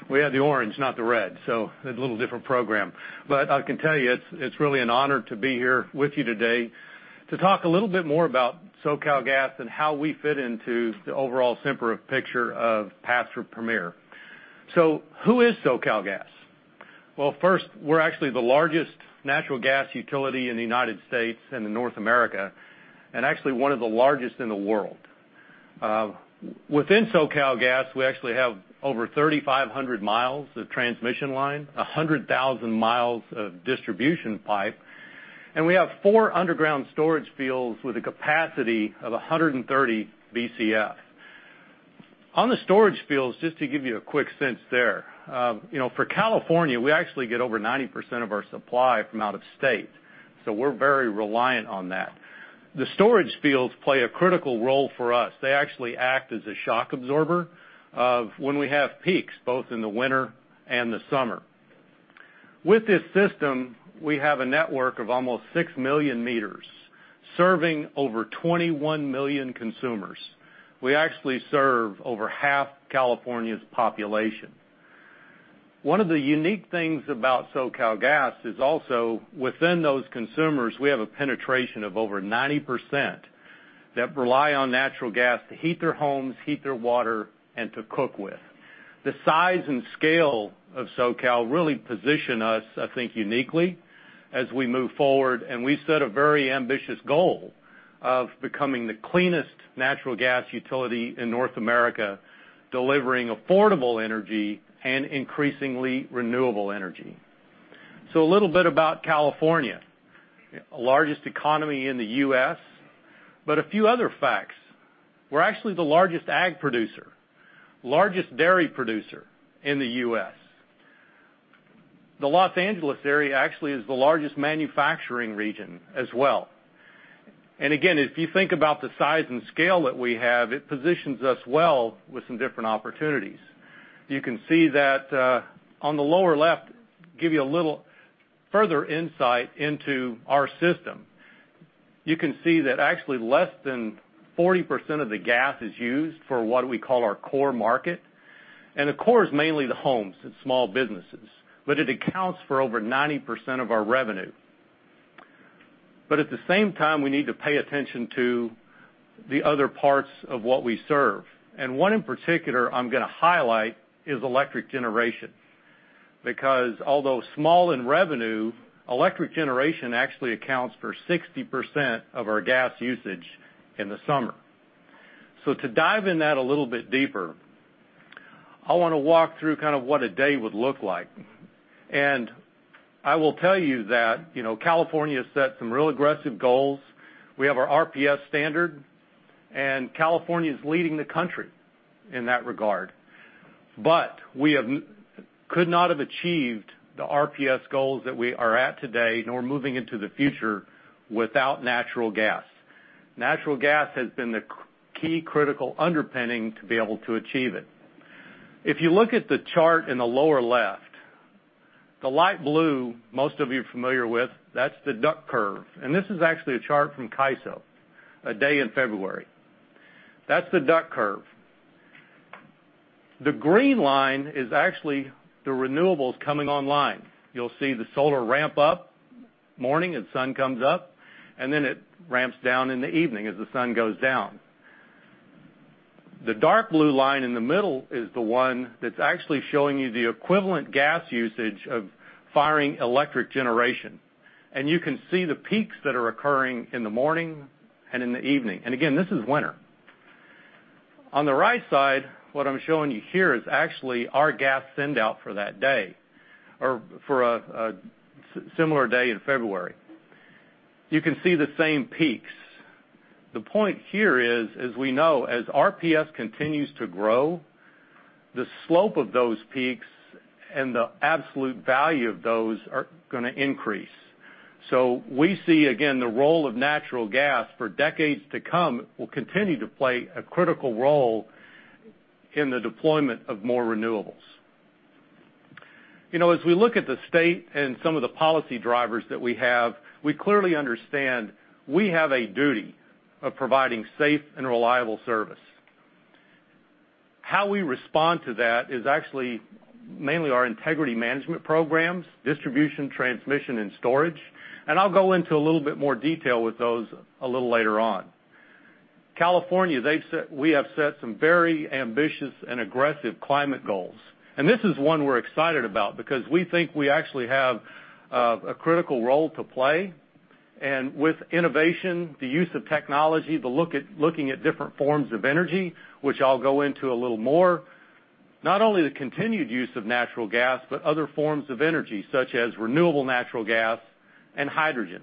we had the orange, not the red, so it's a little different program. I can tell you, it's really an honor to be here with you today to talk a little bit more about SoCalGas and how we fit into the overall Sempra picture of path to premier. Who is SoCalGas? First, we're actually the largest natural gas utility in the U.S. and in North America, and actually one of the largest in the world. Within SoCalGas, we actually have over 3,500 miles of transmission line, 100,000 miles of distribution pipe, and we have four underground storage fields with a capacity of 130 BCF. On the storage fields, just to give you a quick sense there, for California, we actually get over 90% of our supply from out of state, so we're very reliant on that. The storage fields play a critical role for us. They actually act as a shock absorber when we have peaks, both in the winter and the summer. With this system, we have a network of almost 6 million meters serving over 21 million consumers. We actually serve over half California's population. One of the unique things about SoCalGas is also within those consumers, we have a penetration of over 90% that rely on natural gas to heat their homes, heat their water, and to cook with. The size and scale of SoCal really position us, I think, uniquely as we move forward, and we set a very ambitious goal of becoming the cleanest natural gas utility in North America, delivering affordable energy and increasingly renewable energy. A little about California, largest economy in the U.S., but a few other facts. We're actually the largest ag producer, largest dairy producer in the U.S. The L.A. area actually is the largest manufacturing region as well. Again, if you think about the size and scale that we have, it positions us well with some different opportunities. You can see that on the lower left, give you a little further insight into our system. You can see that actually less than 40% of the gas is used for what we call our core market. The core is mainly the homes and small businesses, but it accounts for over 90% of our revenue. At the same time, we need to pay attention to the other parts of what we serve. One in particular I'm going to highlight is electric generation, because although small in revenue, electric generation actually accounts for 60% of our gas usage in the summer. To dive in that a little bit deeper, I want to walk through kind of what a day would look like. I will tell you that California has set some real aggressive goals. We have our RPS standard, and California is leading the country in that regard. But we could not have achieved the RPS goals that we are at today, nor moving into the future without natural gas. Natural gas has been the key critical underpinning to be able to achieve it. If you look at the chart in the lower left, the light blue, most of you are familiar with, that's the duck curve. This is actually a chart from CAISO, a day in February. That's the duck curve. The green line is actually the renewables coming online. You'll see the solar ramp up morning as sun comes up, then it ramps down in the evening as the sun goes down. The dark blue line in the middle is the one that's actually showing you the equivalent gas usage of firing electric generation. You can see the peaks that are occurring in the morning and in the evening. Again, this is winter. On the right side, what I'm showing you here is actually our gas sendout for that day, or for a similar day in February. You can see the same peaks. The point here is, as we know, as RPS continues to grow, the slope of those peaks and the absolute value of those are going to increase. We see, again, the role of natural gas for decades to come will continue to play a critical role in the deployment of more renewables. As we look at the state and some of the policy drivers that we have, we clearly understand we have a duty of providing safe and reliable service. How we respond to that is actually mainly our integrity management programs, distribution, transmission, and storage. I'll go into a little bit more detail with those a little later on. California, we have set some very ambitious and aggressive climate goals. This is one we're excited about because we think we actually have a critical role to play. With innovation, the use of technology, looking at different forms of energy, which I'll go into a little more, not only the continued use of natural gas, but other forms of energy, such as renewable natural gas and hydrogen.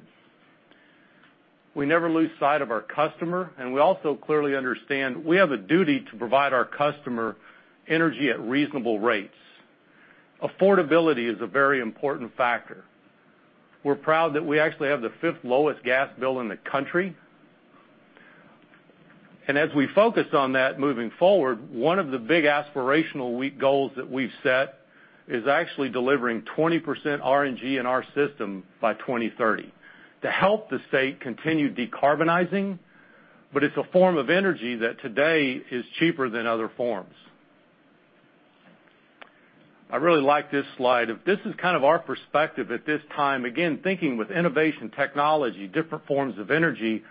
We never lose sight of our customer, we also clearly understand we have a duty to provide our customer energy at reasonable rates. Affordability is a very important factor. We're proud that we actually have the fifth lowest gas bill in the country. As we focus on that moving forward, one of the big aspirational goals that we've set is actually delivering 20% RNG in our system by 2030 to help the state continue decarbonizing, but it's a form of energy that today is cheaper than other forms. I really like this slide. This is kind of our perspective at this time, again, thinking with innovation technology, different forms of energy,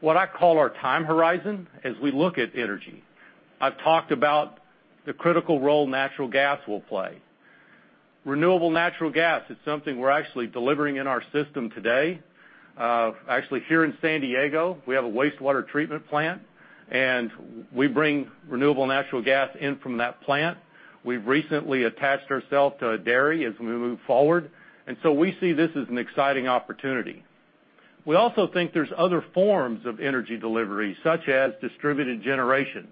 what I call our time horizon as we look at energy. I've talked about the critical role natural gas will play. Renewable natural gas is something we're actually delivering in our system today. Actually, here in San Diego, we have a wastewater treatment plant, we bring renewable natural gas in from that plant. We've recently attached ourself to a dairy as we move forward. We see this as an exciting opportunity. We also think there's other forms of energy delivery, such as distributed generation,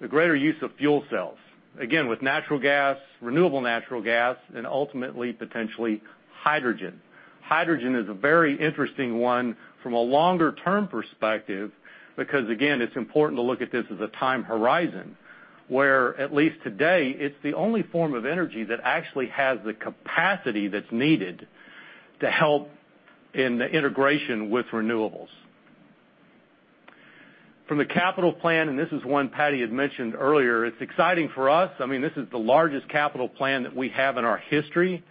the greater use of fuel cells, again, with natural gas, renewable natural gas, ultimately, potentially, hydrogen. Hydrogen is a very interesting one from a longer-term perspective, because again, it's important to look at this as a time horizon, where at least today, it's the only form of energy that actually has the capacity that's needed to help in the integration with renewables. From the capital plan, this is one Patti had mentioned earlier, it's exciting for us. This is the largest capital plan that we have in our history.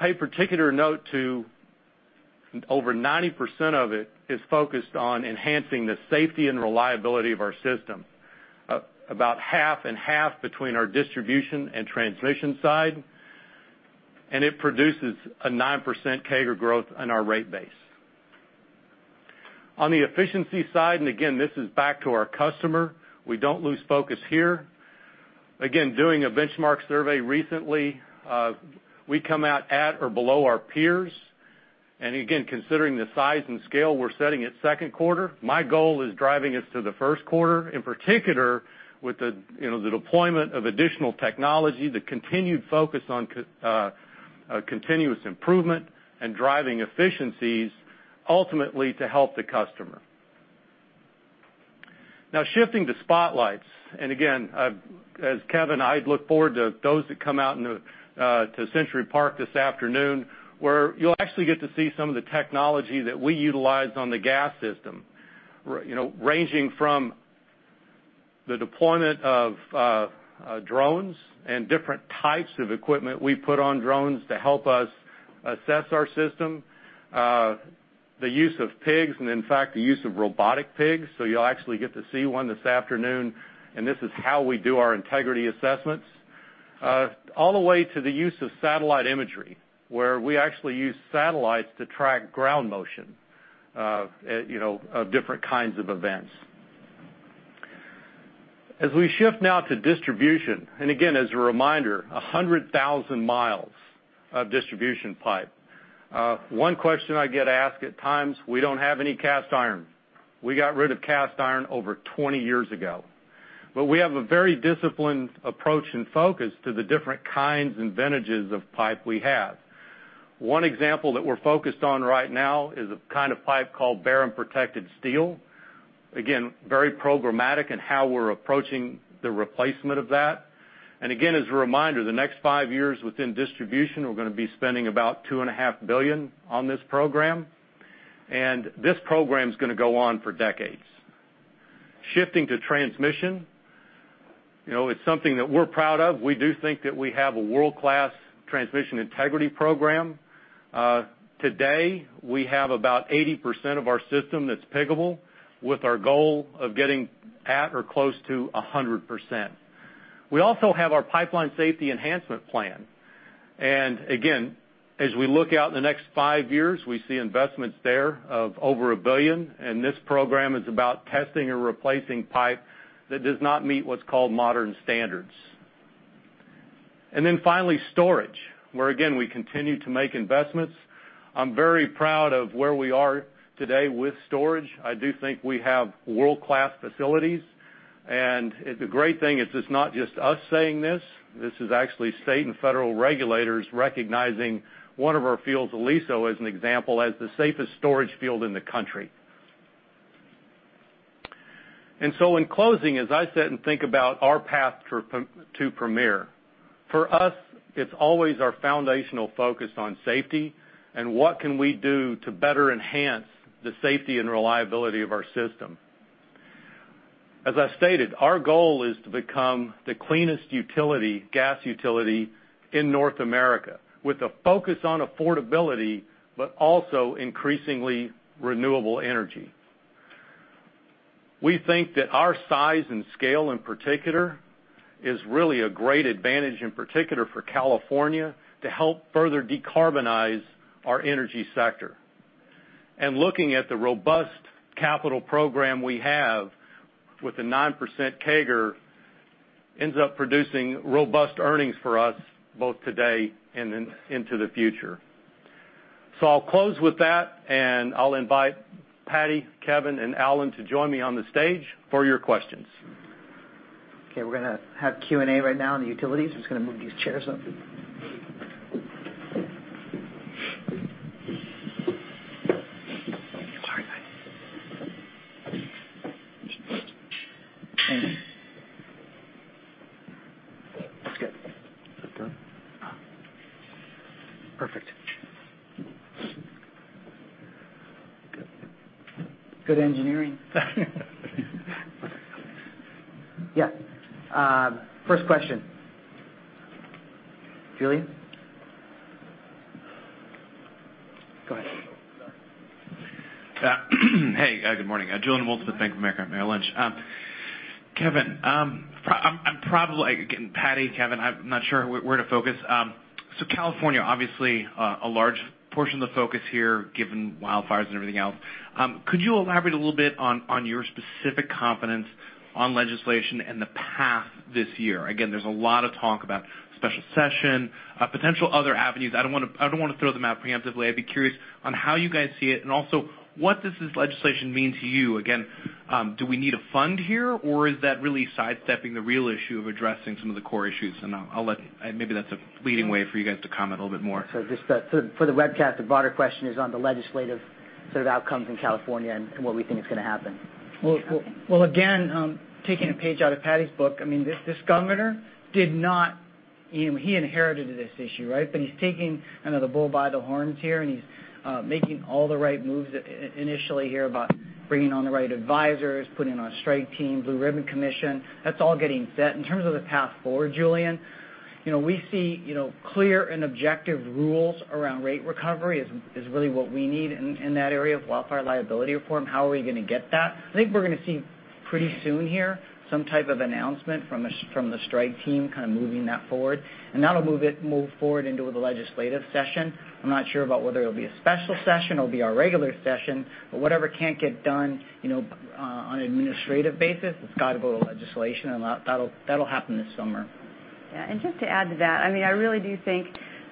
Pay particular note to over 90% of it is focused on enhancing the safety and reliability of our system, about half and half between our distribution and transmission side, and it produces a 9% CAGR growth on our rate base. On the efficiency side, this is back to our customer, we don't lose focus here. Again, doing a benchmark survey recently, we come out at or below our peers. Again, considering the size and scale we're setting at second quarter, my goal is driving us to the first quarter, in particular with the deployment of additional technology, the continued focus on continuous improvement and driving efficiencies ultimately to help the customer. Shifting to spotlights, as Kevin, I look forward to those that come out to Century Park this afternoon, where you'll actually get to see some of the technology that we utilized on the gas system, ranging from the deployment of drones and different types of equipment we put on drones to help us assess our system, the use of pigs, and in fact, the use of robotic pigs. You'll actually get to see one this afternoon, and this is how we do our integrity assessments. All the way to the use of satellite imagery, where we actually use satellites to track ground motion of different kinds of events. As we shift now to distribution, as a reminder, 100,000 miles of distribution pipe. One question I get asked at times, we don't have any cast iron. We got rid of cast iron over 20 years ago. We have a very disciplined approach and focus to the different kinds and vintages of pipe we have. One example that we're focused on right now is a kind of pipe called bare protected steel. Very programmatic in how we're approaching the replacement of that. As a reminder, the next five years within distribution, we're going to be spending about two and a half billion on this program. This program's going to go on for decades. Shifting to transmission, it's something that we're proud of. We do think that we have a world-class transmission integrity program. Today, we have about 80% of our system that's piggable with our goal of getting at or close to 100%. We also have our pipeline safety enhancement plan. As we look out in the next five years, we see investments there of over $1 billion, and this program is about testing or replacing pipe that does not meet what's called modern standards. Finally, storage, where again, we continue to make investments. I'm very proud of where we are today with storage. I do think we have world-class facilities, and the great thing is it's not just us saying this. This is actually state and federal regulators recognizing one of our fields, Aliso, as an example, as the safest storage field in the country. In closing, as I sit and think about our path to premier, for us, it's always our foundational focus on safety and what can we do to better enhance the safety and reliability of our system. As I stated, our goal is to become the cleanest gas utility in North America with a focus on affordability, but also increasingly renewable energy. We think that our size and scale in particular is really a great advantage in particular for California to help further decarbonize our energy sector. Looking at the robust capital program we have with a 9% CAGR ends up producing robust earnings for us both today and into the future. I'll close with that, and I'll invite Patti, Kevin, and Allen to join me on the stage for your questions. Okay, we're going to have Q&A right now on the utilities. I'm just going to move these chairs up. That's good. Is that done? Perfect. Good engineering. Yeah. First question. Julien? Go ahead. Hey, good morning. Julien Dumoulin-Smith with Bank of America. Merrill Lynch. Kevin, I'm not sure where to focus. California, obviously a large portion of the focus here given wildfires and everything else. Could you elaborate a little bit on your specific confidence on legislation and the path this year? There's a lot of talk about special session, potential other avenues. I don't want to throw them out preemptively. I'd be curious on how you guys see it, and also what does this legislation mean to you? Do we need a fund here, or is that really sidestepping the real issue of addressing some of the core issues? I'll let maybe that's a leading way for you guys to comment a little bit more. Just for the webcast, the broader question is on the legislative sort of outcomes in California and what we think is going to happen. Again, taking a page out of Patti's book, this governor he inherited this issue, right? He's taking kind of the bull by the horns here, and he's making all the right moves initially here about bringing on the right advisors, putting on a strike team, Blue Ribbon Commission. That's all getting set. In terms of the path forward, Julien, we see clear and objective rules around rate recovery is really what we need in that area of wildfire liability reform. How are we going to get that? I think we're going to see pretty soon here some type of announcement from the strike team kind of moving that forward. That'll move forward into the legislative session. I'm not sure about whether it'll be a special session, it'll be our regular session. Whatever can't get done on an administrative basis, it's got to go to legislation, and that'll happen this summer. Yeah. Just to add to that, I really do think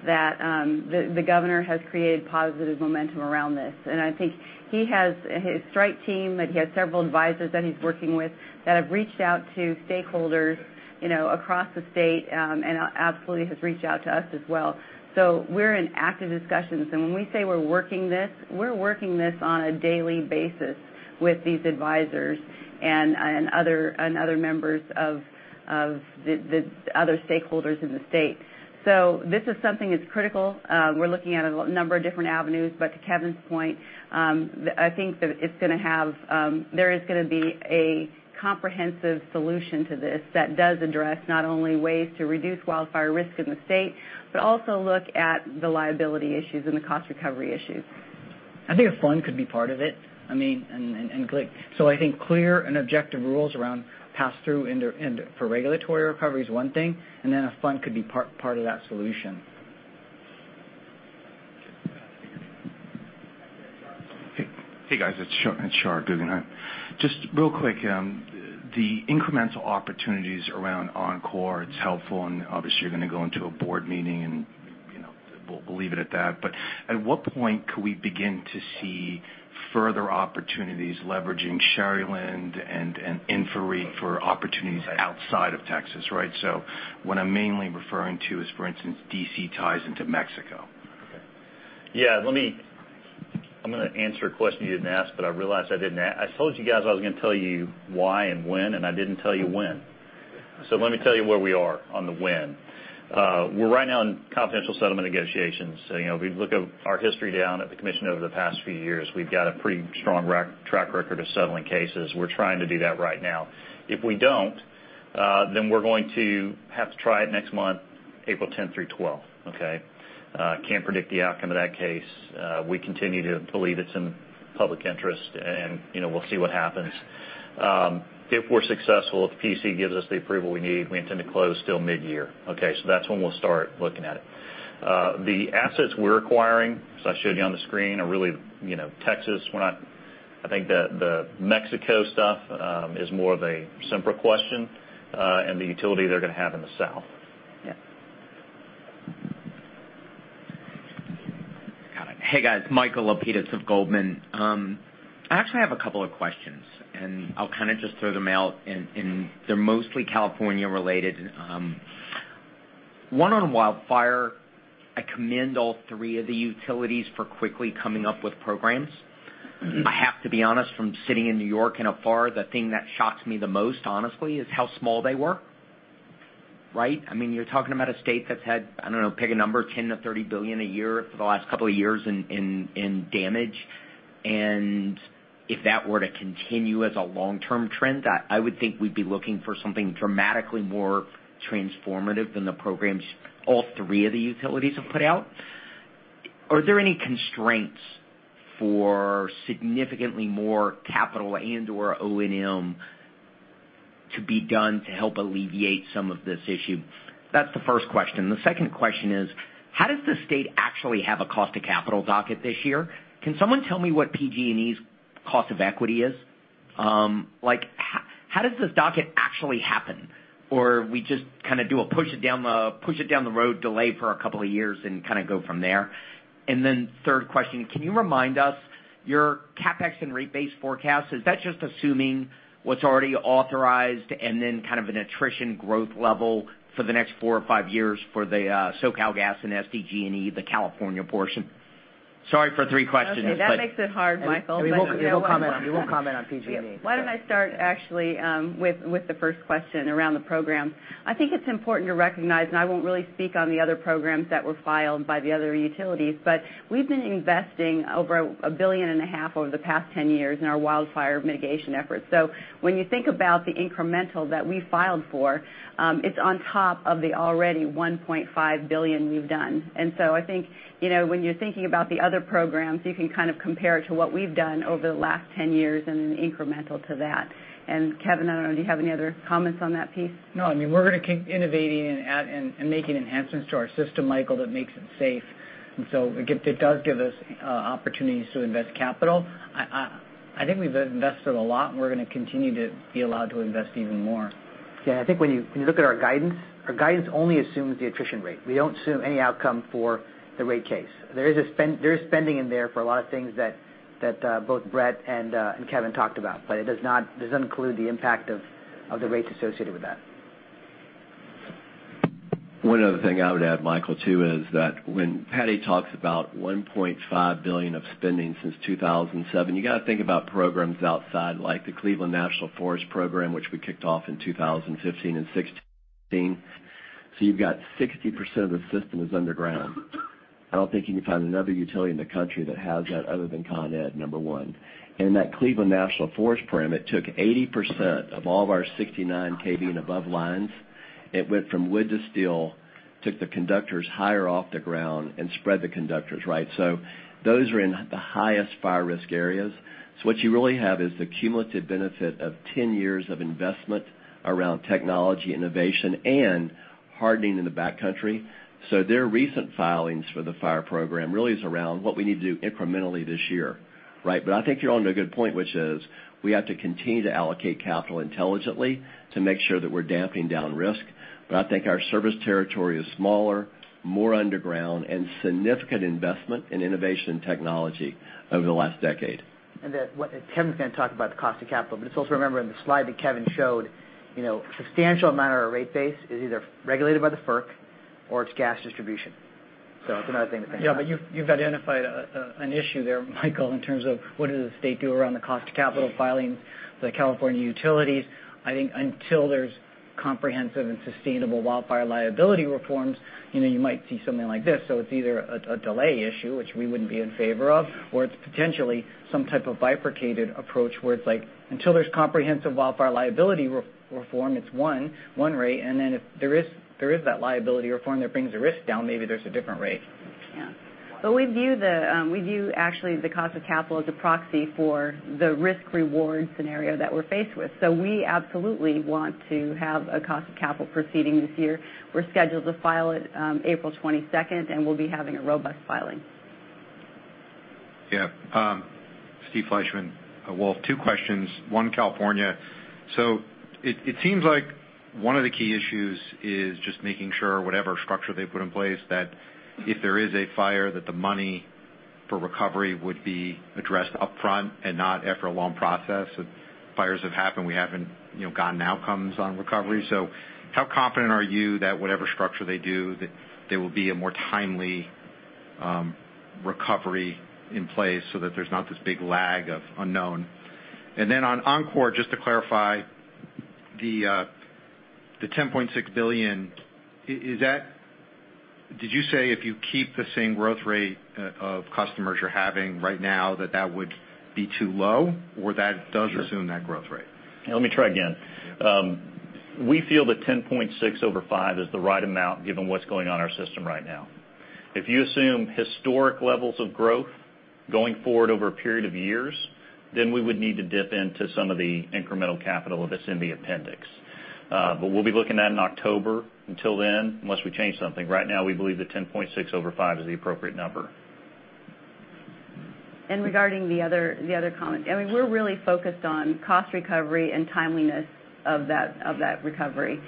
that the governor has created positive momentum around this. I think he has his strike team, that he has several advisors that he's working with that have reached out to stakeholders across the state, and absolutely has reached out to us as well. We're in active discussions. When we say we're working this, we're working this on a daily basis with these advisors and other members of the other stakeholders in the state. This is something that's critical. We're looking at a number of different avenues. To Kevin's point, I think there is going to be a comprehensive solution to this that does address not only ways to reduce wildfire risk in the state, but also look at the liability issues and the cost recovery issues. I think a fund could be part of it. I think clear and objective rules around passthrough for regulatory recovery is one thing, and then a fund could be part of that solution. Hey, guys, it's Shar Guggenheim. Just real quick, the incremental opportunities around Oncor, it's helpful, and obviously you're going to go into a board meeting, and we'll leave it at that. At what point could we begin to see further opportunities leveraging Sharyland and InfraREIT for opportunities outside of Texas, right? What I'm mainly referring to is, for instance, DC ties into Mexico. Okay. Yeah. I'm going to answer a question you didn't ask, but I realize I told you guys I was going to tell you why and when, and I didn't tell you when. Let me tell you where we are on the when. We're right now in confidential settlement negotiations. If we look at our history down at the commission over the past few years, we've got a pretty strong track record of settling cases. We're trying to do that right now. If we don't, then we're going to have to try it next month, April 10th through 12th. Okay? Can't predict the outcome of that case. We continue to believe it's in public interest, and we'll see what happens. If we're successful, if the PUC gives us the approval we need, we intend to close still mid-year. Okay? That's when we'll start looking at it. The assets we're acquiring, as I showed you on the screen, are really Texas. I think the Mexico stuff is more of a Sempra question, and the utility they're going to have in the south. Yes. Got it. Hey, guys. Michael Lapides of Goldman. I actually have a couple of questions, I'll kind of just throw them out, and they're mostly California related. One on wildfire. I commend all three of the utilities for quickly coming up with programs. I have to be honest, from sitting in New York and afar, the thing that shocks me the most, honestly, is how small they were. Right? You're talking about a state that's had, I don't know, pick a number, $10 billion-$30 billion a year for the last couple of years in damage. If that were to continue as a long-term trend, I would think we'd be looking for something dramatically more transformative than the programs all three of the utilities have put out. Are there any constraints for significantly more capital and/or O&M to be done to help alleviate some of this issue? That's the first question. The second question is, how does the state actually have a cost to capital docket this year? Can someone tell me what PG&E's cost of equity is? How does this docket actually happen? We just kind of do a push it down the road delay for a couple of years and kind of go from there? Third question, can you remind us your CapEx and rate base forecast, is that just assuming what's already authorized and then kind of an attrition growth level for the next four or five years for the SoCalGas and SDG&E, the California portion? Sorry for three questions. Okay. That makes it hard, Michael, but you know what. We won't comment on PG&E. Why don't I start actually with the first question around the program. I think it's important to recognize, and I won't really speak on the other programs that were filed by the other utilities, but we've been investing over a billion and a half over the past 10 years in our wildfire mitigation efforts. When you think about the incremental that we filed for, it's on top of the already $1.5 billion we've done. I think, when you're thinking about the other programs, you can kind of compare it to what we've done over the last 10 years and then incremental to that. Kevin, I don't know, do you have any other comments on that piece? No, we're going to keep innovating and making enhancements to our system, Michael, that makes it safe. It does give us opportunities to invest capital. I think we've invested a lot, and we're going to continue to be allowed to invest even more. Yeah, I think when you look at our guidance, our guidance only assumes the attrition rate. We don't assume any outcome for the rate case. There is spending in there for a lot of things that both Bret and Kevin talked about, but it doesn't include the impact of the rates associated with that. One other thing I would add, Michael, too, is that when Patti talks about $1.5 billion of spending since 2007, you've got 60% of the system is underground. I don't think you can find another utility in the country that has that other than Con Ed, number one. That Cleveland National Forest program, it took 80% of all of our 69 kV and above lines. It went from wood to steel, took the conductors higher off the ground and spread the conductors, right? Those are in the highest fire risk areas. What you really have is the cumulative benefit of 10 years of investment around technology, innovation, and hardening in the backcountry. Their recent filings for the fire program really is around what we need to do incrementally this year. Right? I think you're on to a good point, which is we have to continue to allocate capital intelligently to make sure that we're damping down risk. I think our service territory is smaller, more underground, and significant investment in innovation and technology over the last decade. What Kevin's going to talk about the cost of capital, it's also remember in the slide that Kevin showed, substantial amount of our rate base is either regulated by the FERC or it's gas distribution. It's a nice thing to think about. You've identified an issue there, Michael, in terms of what does the state do around the cost of capital filing for the California utilities. I think until there's comprehensive and sustainable wildfire liability reforms, you might see something like this. It's either a delay issue, which we wouldn't be in favor of, or it's potentially some type of bifurcated approach where it's like until there's comprehensive wildfire liability reform, it's one rate. If there is that liability reform that brings the risk down, maybe there's a different rate. We view, actually, the cost of capital as a proxy for the risk-reward scenario that we're faced with. We absolutely want to have a cost of capital proceeding this year. We're scheduled to file it April 22nd, and we'll be having a robust filing. Steve Fleishman, Wolfe. Two questions. One, California. It seems like one of the key issues is just making sure whatever structure they put in place, that if there is a fire, that the money for recovery would be addressed upfront and not after a long process. Fires have happened, we haven't gotten outcomes on recovery. How confident are you that whatever structure they do, that there will be a more timely recovery in place so that there's not this big lag of unknown? On Oncor, just to clarify, the $10.6 billion, did you say if you keep the same growth rate of customers you're having right now that that would be too low? Or that does assume that growth rate? Let me try again. Yeah. We feel that 10.6 over five is the right amount given what's going on in our system right now. If you assume historic levels of growth going forward over a period of years, we would need to dip into some of the incremental capital that's in the appendix. We'll be looking at in October. Until then, unless we change something, right now, we believe that 10.6 over five is the appropriate number. Regarding the other comment. I mean, we're really focused on cost recovery and timeliness of that recovery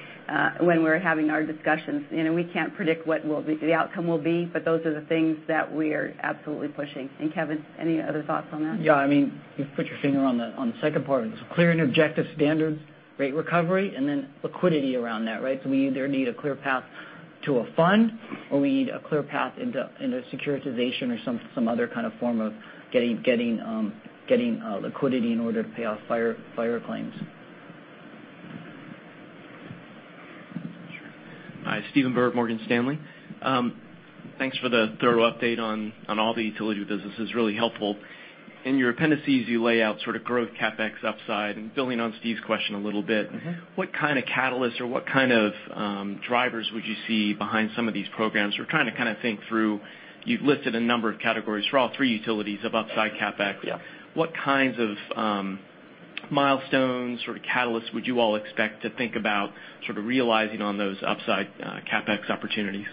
when we're having our discussions. We can't predict what the outcome will be, those are the things that we are absolutely pushing. Kevin, any other thoughts on that? You've put your finger on the second part. It's clear and objective standards, rate recovery, then liquidity around that, right? We either need a clear path to a fund, or we need a clear path into a securitization or some other kind of form of getting liquidity in order to pay off fire claims. Sure. Hi, Stephen Byrd, Morgan Stanley. Thanks for the thorough update on all the utility businesses. Really helpful. In your appendices, you lay out sort of growth CapEx upside, building on Steve's question a little bit- What kind of catalyst or what kind of drivers would you see behind some of these programs? We're trying to kind of think through. You've listed a number of categories for all three utilities of upside CapEx. Yeah. What kinds of milestones or catalysts would you all expect to think about sort of realizing on those upside CapEx opportunities?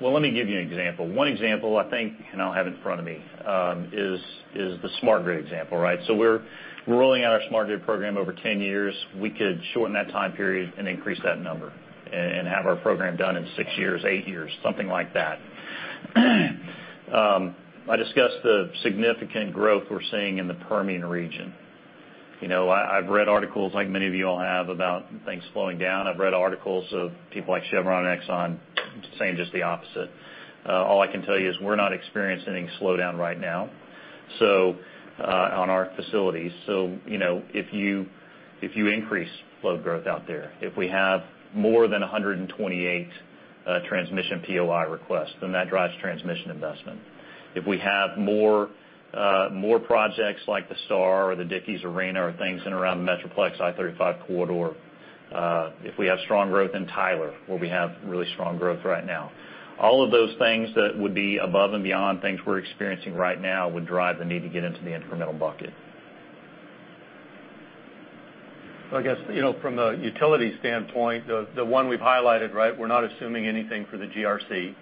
Well, let me give you an example. One example I think, and I'll have it in front of me, is the smart grid example, right? We're rolling out our smart grid program over 10 years. We could shorten that time period and increase that number and have our program done in six years, eight years, something like that. I discussed the significant growth we're seeing in the Permian region. I've read articles, like many of you all have, about things slowing down. I've read articles of people like Chevron and Exxon saying just the opposite. All I can tell you is we're not experiencing any slowdown right now on our facilities. If you increase load growth out there, if we have more than 128 transmission POI requests, that drives transmission investment. If we have more projects like the STAR or the Dickies Arena or things in around the Metroplex I-35 corridor, if we have strong growth in Tyler where we have really strong growth right now. All of those things that would be above and beyond things we're experiencing right now would drive the need to get into the incremental bucket. I guess, from a utility standpoint, the one we've highlighted, we're not assuming anything for the GRC,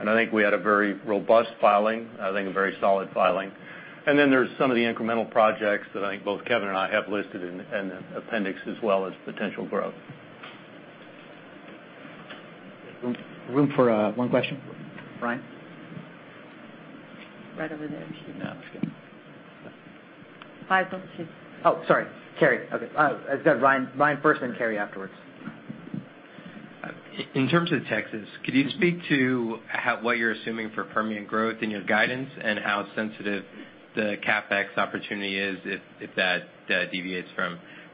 and I think we had a very robust filing. I think a very solid filing. Then there's some of the incremental projects that I think both Kevin and I have listed in the appendix as well as potential growth. Room for one question. Brian? Right over there. No, that's good. Michael, Steve. Oh, sorry, Kerry. Okay. I said Ryan first, then Kerry afterwards. In terms of Texas, could you speak to what you're assuming for Permian growth in your guidance and how sensitive the CapEx opportunity is if that deviates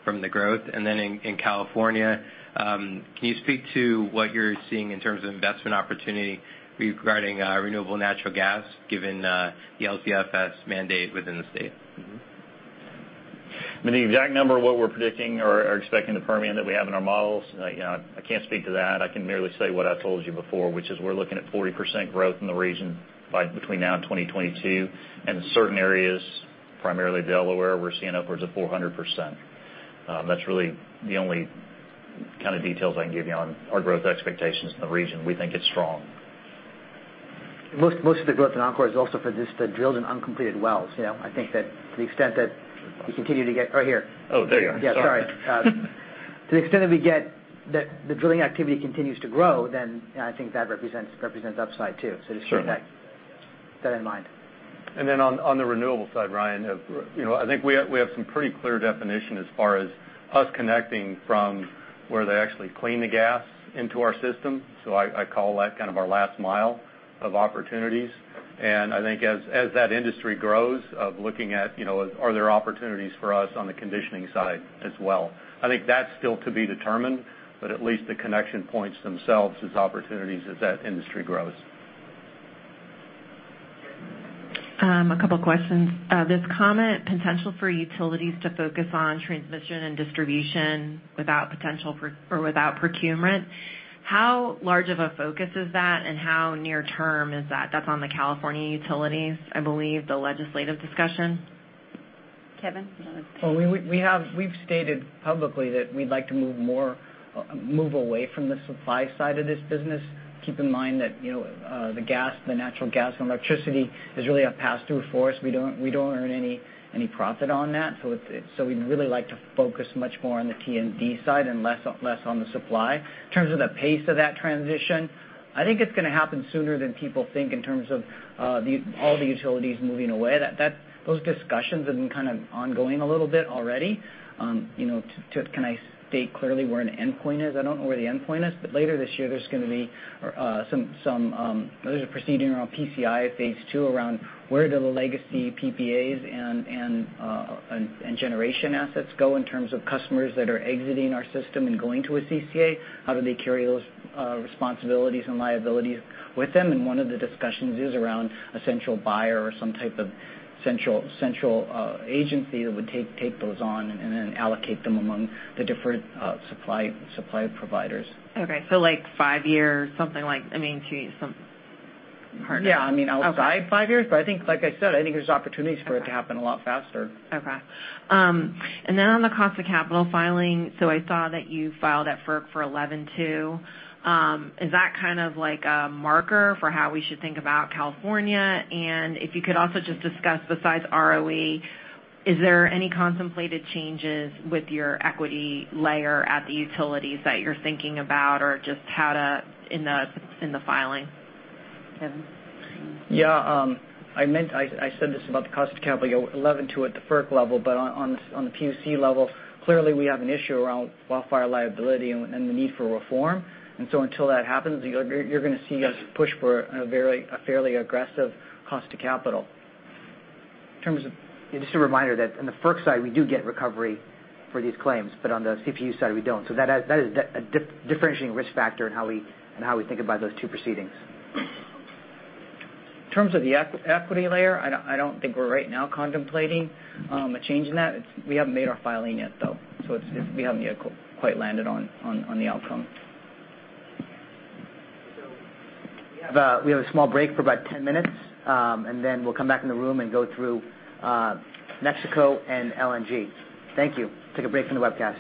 from the growth? Then in California, can you speak to what you're seeing in terms of investment opportunity regarding renewable natural gas given the LCFS mandate within the state? The exact number of what we're predicting or expecting the Permian that we have in our models, I can't speak to that. I can merely say what I've told you before, which is we're looking at 40% growth in the region between now and 2022. In certain areas, primarily Delaware, we're seeing upwards of 400%. That's really the only kind of details I can give you on our growth expectations in the region. We think it's strong. Most of the growth in Oncor is also for just the drilled and uncompleted wells. I think that to the extent that we continue. Oh, here. Oh, there you are. Sorry. Yeah, sorry. To the extent that the drilling activity continues to grow, I think that represents upside too. Sure That in mind. On the renewable side, Ryan, I think we have some pretty clear definition as far as us connecting from where they actually clean the gas into our system. I call that kind of our last mile of opportunities. I think as that industry grows, of looking at, are there opportunities for us on the conditioning side as well? I think that's still to be determined, but at least the connection points themselves as opportunities as that industry grows. A couple of questions. This comment, potential for utilities to focus on transmission and distribution without procurement. How large of a focus is that, and how near-term is that? That's on the California utilities, I believe, the legislative discussion. Kevin? We've stated publicly that we'd like to move away from the supply side of this business. Keep in mind that the natural gas and electricity is really a pass-through for us. We don't earn any profit on that. We'd really like to focus much more on the T&D side and less on the supply. In terms of the pace of that transition, I think it's going to happen sooner than people think in terms of all the utilities moving away. Those discussions have been kind of ongoing a little bit already. Can I state clearly where an endpoint is? I don't know where the endpoint is. Later this year, there's a proceeding around PCIA phase 2 around where do the legacy PPAs and generation assets go in terms of customers that are exiting our system and going to a CCA? How do they carry those responsibilities and liabilities with them? One of the discussions is around a central buyer or some type of central agency that would take those on and then allocate them among the different supply providers. Okay, something like I mean, to some partner. Yeah, outside five years. I think, like I said, I think there's opportunities for it to happen a lot faster. Okay. On the cost of capital filing, I saw that you filed at FERC for 11.2. Is that kind of like a marker for how we should think about California? If you could also just discuss, besides ROE, is there any contemplated changes with your equity layer at the utilities that you're thinking about, or just how to in the filing? Kevin? Yeah. I said this about the cost of capital, you got 11.2 at the FERC level. On the PUC level, clearly we have an issue around wildfire liability and the need for reform. Until that happens, you're going to see us push for a fairly aggressive cost to capital. Just a reminder that on the FERC side, we do get recovery for these claims, but on the CPUC side, we don't. That is a differentiating risk factor in how we think about those two proceedings. In terms of the equity layer, I don't think we're right now contemplating a change in that. We haven't made our filing yet, though, so we haven't yet quite landed on the outcome. We have a small break for about 10 minutes, and then we'll come back in the room and go through Mexico and LNG. Thank you. Take a break from the webcast.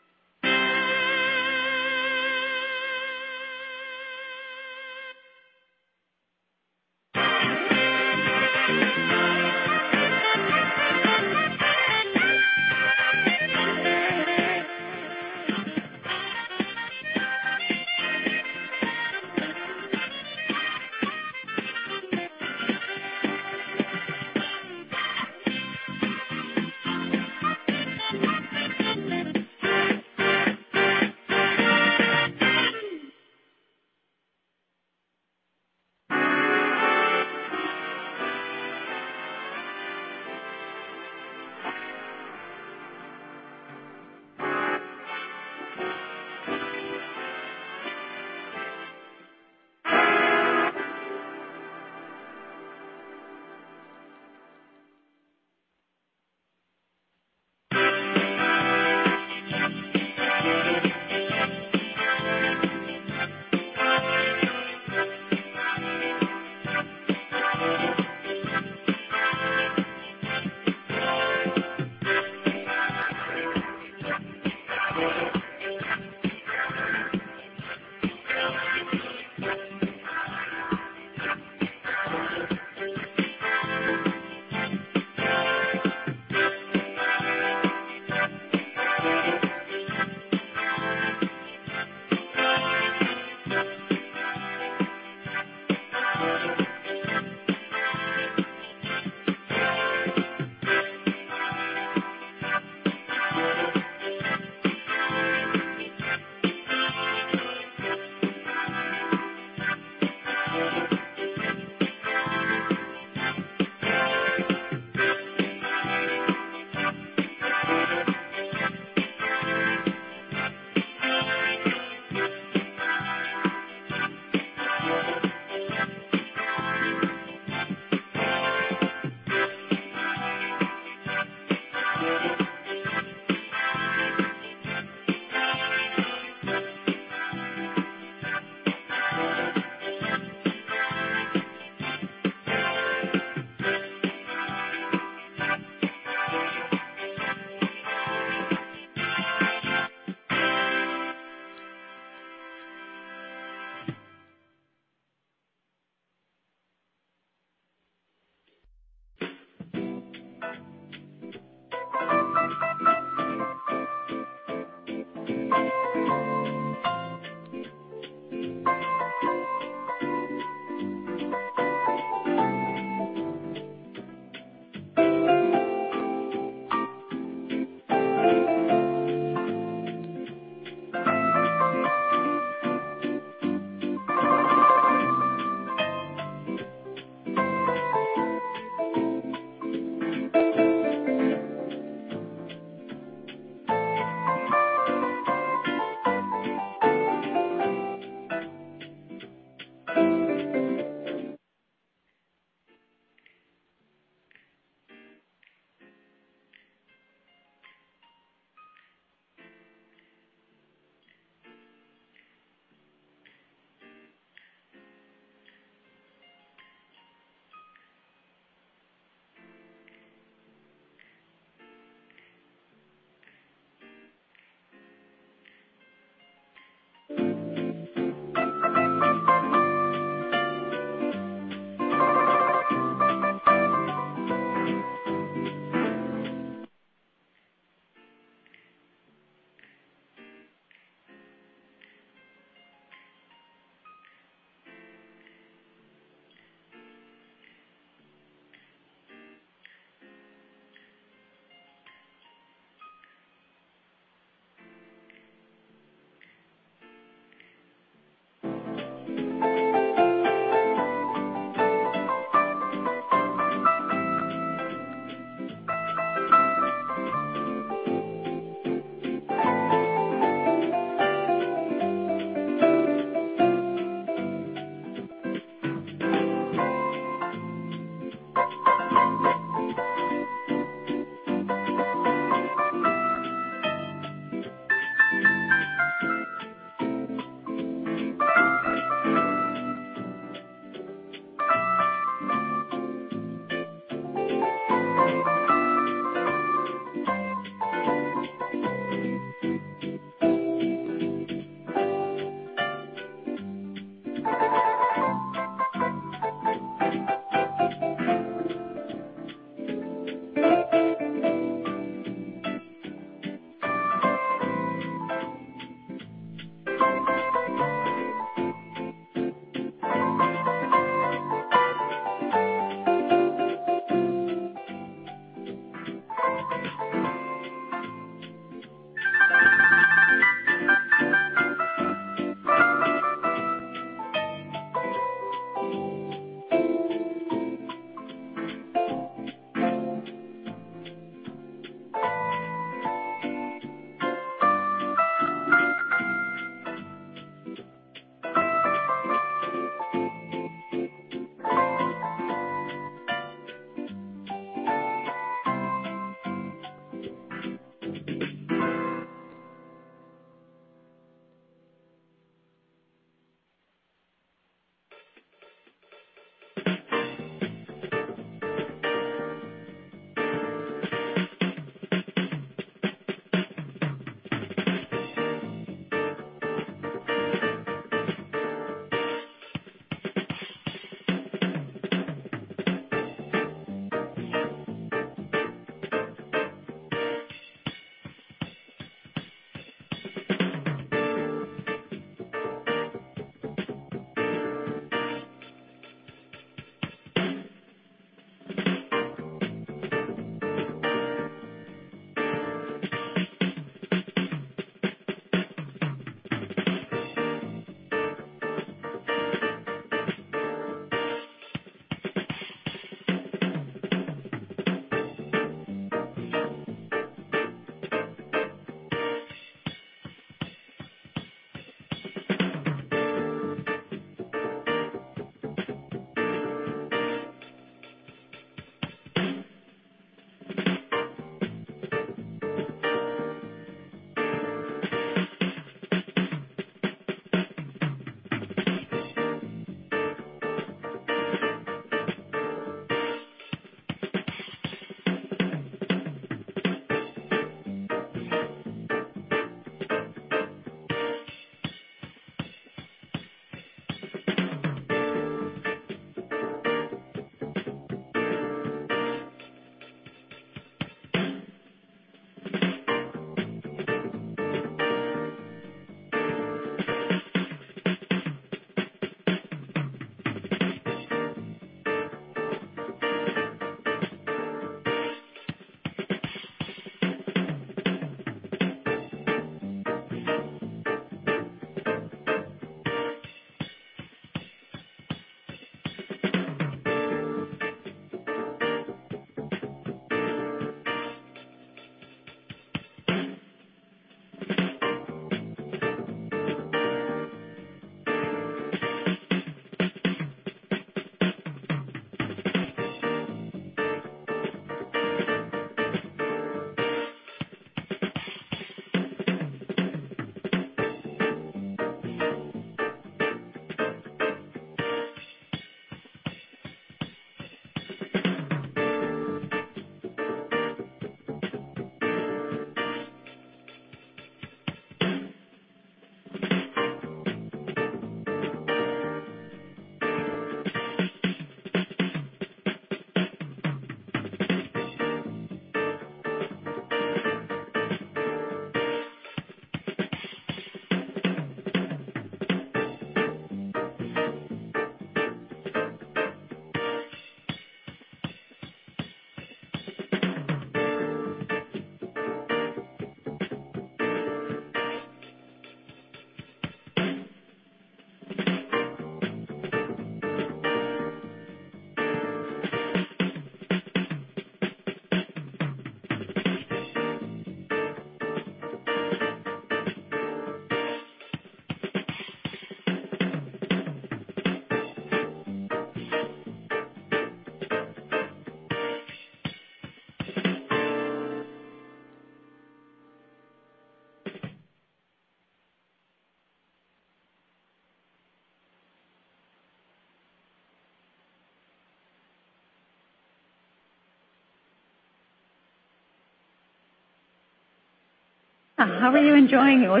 How are you enjoying it? Well,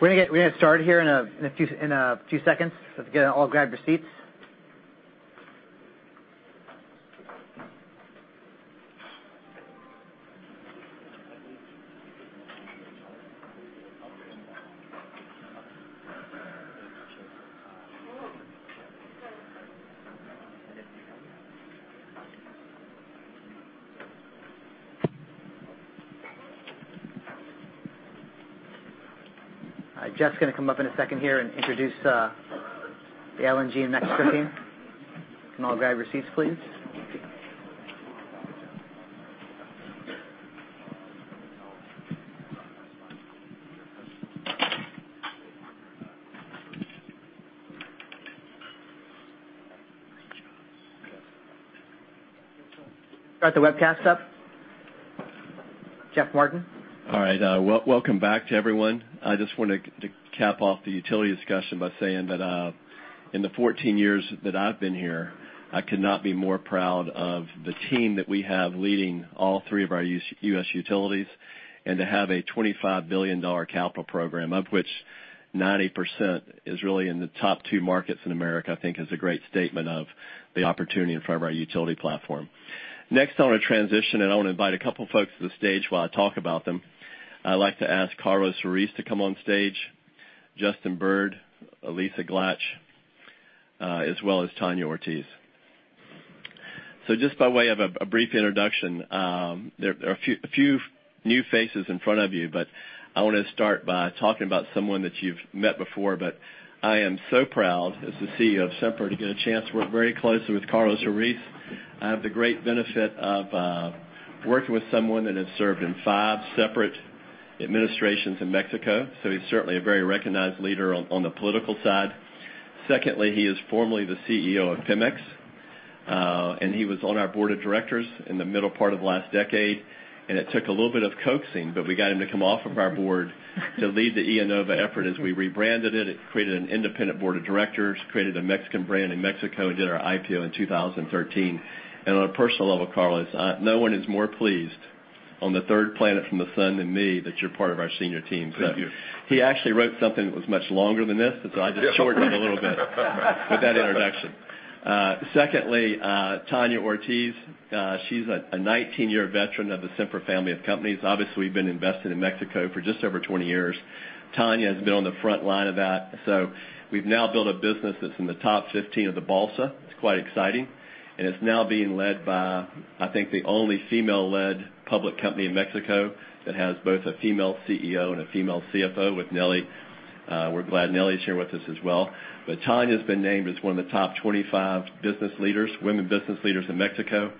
We're going to get started here in a few seconds. Let's get all grab your seats. Jeff's going to come up in a second here and introduce the LNG and next 15. Can all grab your seats, please? Got the webcast up? Jeff Martin. All right. Welcome back to everyone. I just wanted to cap off the utility discussion by saying that in the 14 years that I've been here, I could not be more proud of the team that we have leading all three of our U.S. utilities. To have a $25 billion capital program, of which 90% is really in the top two markets in America, I think is a great statement of the opportunity in front of our utility platform. Next, I want to transition, and I want to invite a couple folks to the stage while I talk about them. I'd like to ask Carlos Ruiz to come on stage, Justin Bird, Lisa Glatch, as well as Tania Ortiz. Just by way of a brief introduction, there are a few new faces in front of you, but I want to start by talking about someone that you've met before, but I am so proud as the CEO of Sempra to get a chance to work very closely with Carlos Ruiz. I have the great benefit of working with someone that has served in five separate administrations in Mexico, so he's certainly a very recognized leader on the political side. Secondly, he is formerly the CEO of Pemex, and he was on our board of directors in the middle part of last decade. It took a little bit of coaxing, but we got him to come off of our board to lead the IEnova effort as we rebranded it created an independent board of directors, created a Mexican brand in Mexico, and did our IPO in 2013. On a personal level, Carlos, no one is more pleased on the third planet from the sun than me that you're part of our senior team. Thank you. He actually wrote something that was much longer than this, I just shortened it a little bit with that introduction. Secondly, Tania Ortiz. She's a 19-year veteran of the Sempra family of companies. Obviously, we've been invested in Mexico for just over 20 years. Tania has been on the front line of that. We've now built a business that's in the top 15 of the Bolsa. It's quite exciting, and it's now being led by, I think, the only female-led public company in Mexico that has both a female CEO and a female CFO with Nelly. We're glad Nelly's here with us as well. Tania's been named as one of the top 25 business leaders, women business leaders in Mexico.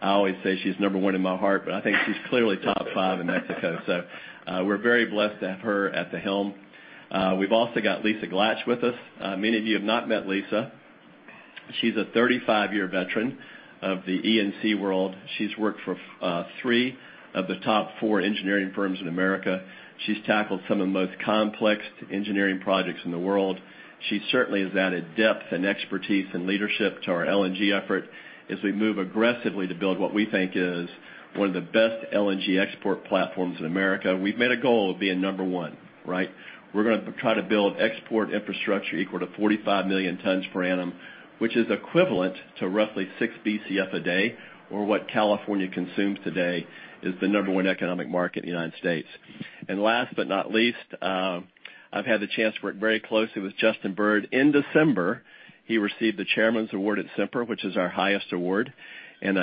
I always say she's number one in my heart, but I think she's clearly top five in Mexico. We're very blessed to have her at the helm. We've also got Lisa Glatch with us. Many of you have not met Lisa. She's a 35-year veteran of the E&C world. She's worked for three of the top four engineering firms in America. She's tackled some of the most complex engineering projects in the world. She certainly has added depth, expertise, and leadership to our LNG effort as we move aggressively to build what we think is one of the best LNG export platforms in America. We've made a goal of being number one, right? We're gonna try to build export infrastructure equal to 45 million tons per annum, which is equivalent to roughly six Bcf a day or what California consumes today as the number one economic market in the U.S. Last but not least, I've had the chance to work very closely with Justin Bird. In December, he received the Chairman's Award at Sempra, which is our highest award.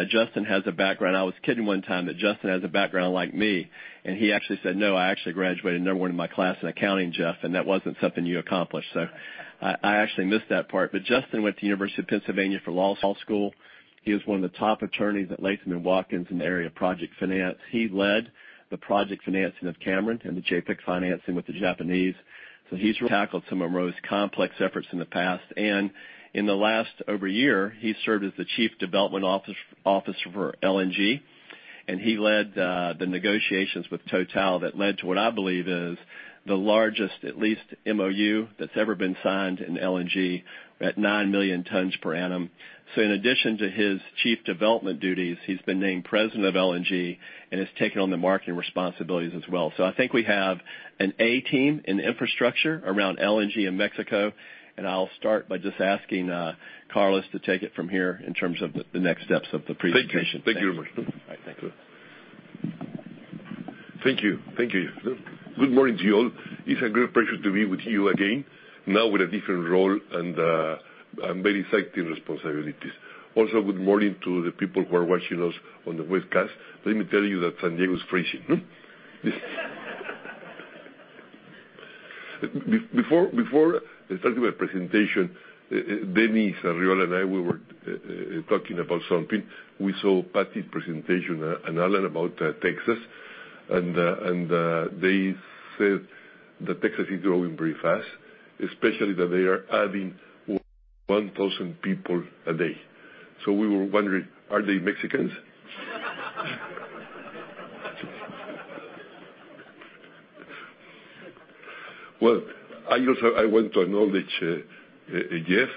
Justin has a background. I was kidding one time that Justin has a background like me, and he actually said, "No, I actually graduated number one in my class in accounting, Jeff, and that wasn't something you accomplished." I actually missed that part. Justin went to University of Pennsylvania for law school. He was one of the top attorneys at Latham & Watkins in the area of project finance. He led the project financing of Cameron and the JBIC financing with the Japanese. He's tackled some of our most complex efforts in the past. In the last over a year, he served as the Chief Development Officer for LNG, and he led the negotiations with Total that led to what I believe is the largest, at least, MOU that's ever been signed in LNG. We're at nine million tons per annum. In addition to his chief development duties, he's been named President of LNG and has taken on the marketing responsibilities as well. I think we have an A team in infrastructure around LNG in Mexico, and I'll start by just asking Carlos to take it from here in terms of the next steps of the presentation. Thank you. Thank you very much. All right. Thank you. Thank you. Thank you. Good morning to you all. It's a great pleasure to be with you again, now with a different role and very exciting responsibilities. Good morning to the people who are watching us on the webcast. Let me tell you that San Diego is freezing. Before I start my presentation, Dennis Arriola, and I, we were talking about something. We saw Patti's presentation, and Allen, about Texas, and they said that Texas is growing very fast, especially that they are adding 1,000 people a day. We were wondering, are they Mexicans? I also, I want to acknowledge Jeff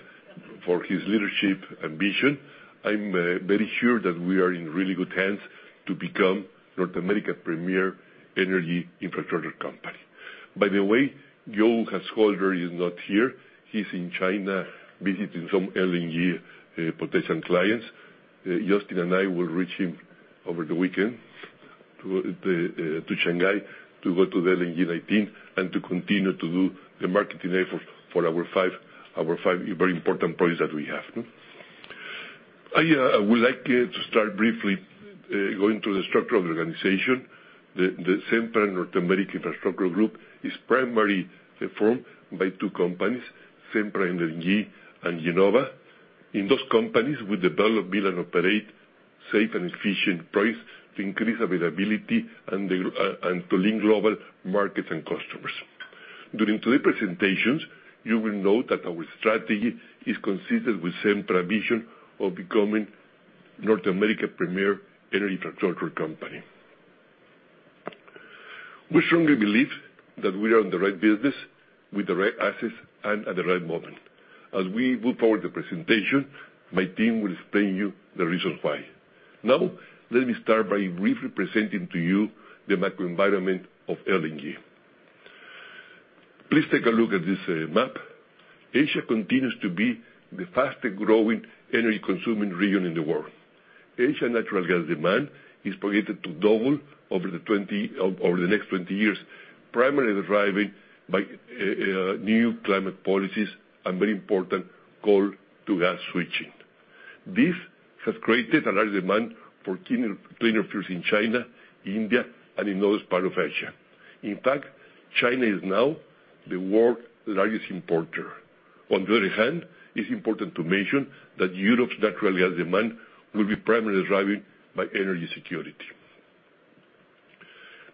for his leadership and vision. I'm very sure that we are in really good hands to become North America premier energy infrastructure company. By the way, Joe Householder is not here. He's in China visiting some LNG potential clients. Justin and I will reach him over the weekend to Shanghai to go to the LNG19 and to continue to do the marketing effort for our five very important projects that we have. I would like to start briefly going through the structure of the organization. The Sempra North American Infrastructure Group is primarily formed by two companies, Sempra LNG and IEnova. In those companies, we develop, build, and operate safe and efficient projects to increase availability and to link global markets and customers. During today's presentations, you will note that our strategy is consistent with Sempra vision of becoming North America premier energy infrastructure company. We strongly believe that we are in the right business with the right assets and at the right moment. We move forward the presentation, my team will explain you the reasons why. Let me start by briefly presenting to you the macro environment of LNG. Please take a look at this map. Asia continues to be the fastest-growing energy-consuming region in the world. Asia natural gas demand is projected to double over the next 20 years, primarily driven by new climate policies and very important coal to gas switching. This has created a large demand for cleaner fuels in China, India, and in other parts of Asia. In fact, China is now the world's largest importer. It's important to mention that Europe's natural gas demand will be primarily driven by energy security.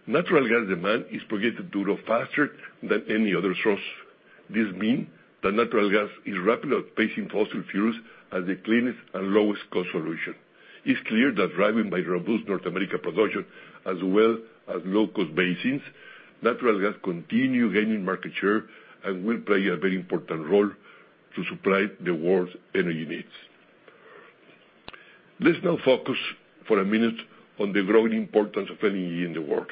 Natural gas demand is projected to grow faster than any other source. This means that natural gas is rapidly outpacing fossil fuels as the cleanest and lowest cost solution. It's clear that driven by robust North American production, as well as low-cost basins, natural gas continue gaining market share and will play a very important role to supply the world's energy needs. Let's now focus for a minute on the growing importance of LNG in the world.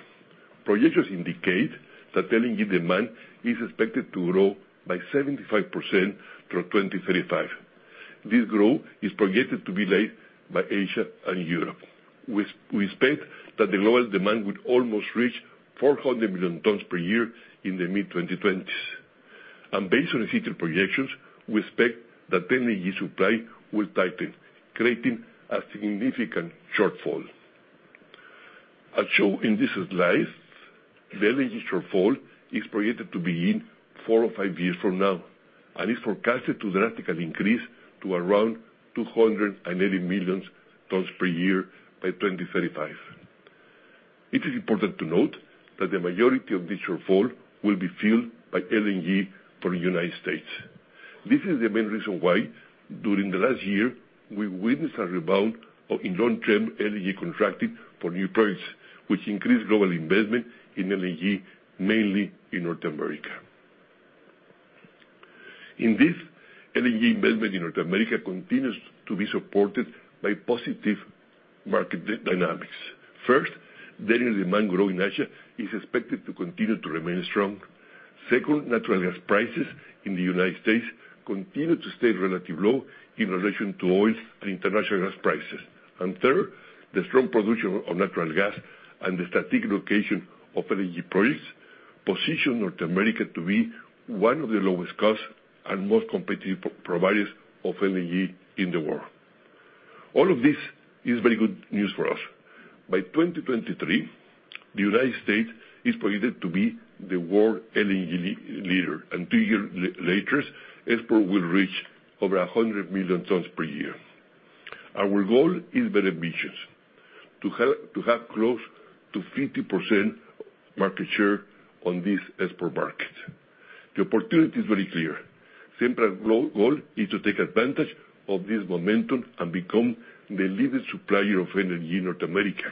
Projections indicate that LNG demand is expected to grow by 75% through 2035. This growth is projected to be led by Asia and Europe. We expect that the lowest demand would almost reach 400 million tons per year in the mid-2020s. Based on future projections, we expect that LNG supply will tighten, creating a significant shortfall. As shown in this slide, the LNG shortfall is projected to begin four or five years from now, and is forecasted to radically increase to around 280 million tons per year by 2035. It is important to note that the majority of this shortfall will be filled by LNG from the United States. This is the main reason why, during the last year, we witnessed a rebound of long-term LNG contracting for new projects, which increased global investment in LNG, mainly in North America. In this, LNG investment in North America continues to be supported by positive market dynamics. First, the demand growth in Asia is expected to continue to remain strong. Second, natural gas prices in the United States continue to stay relatively low in relation to oil and international gas prices. Third, the strong production of natural gas and the strategic location of LNG projects position North America to be one of the lowest cost and most competitive providers of LNG in the world. All of this is very good news for us. By 2023, the United States is projected to be the world LNG leader, and two years later, export will reach over 100 million tons per year. Our goal is very ambitious: to have close to 50% market share on this export market. The opportunity is very clear. Sempra goal is to take advantage of this momentum and become the leading supplier of LNG in North America.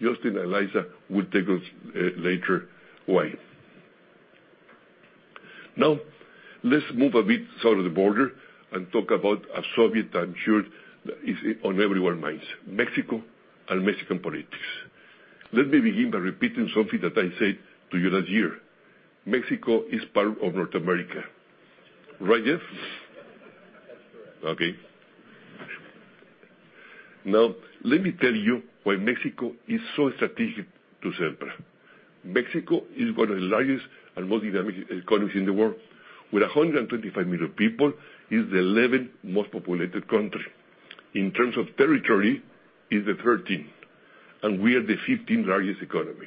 Justin and Lisa will take us later why. Now, let's move a bit south of the border and talk about a subject I'm sure that is on everyone minds, Mexico and Mexican politics. Let me begin by repeating something that I said to you last year. Mexico is part of North America. Right, Jeff? That's correct. Let me tell you why Mexico is so strategic to Sempra. Mexico is one of the largest and most dynamic economies in the world. With 125 million people, it's the 11th most populated country. In terms of territory, it's the 13th, and we are the 15th largest economy.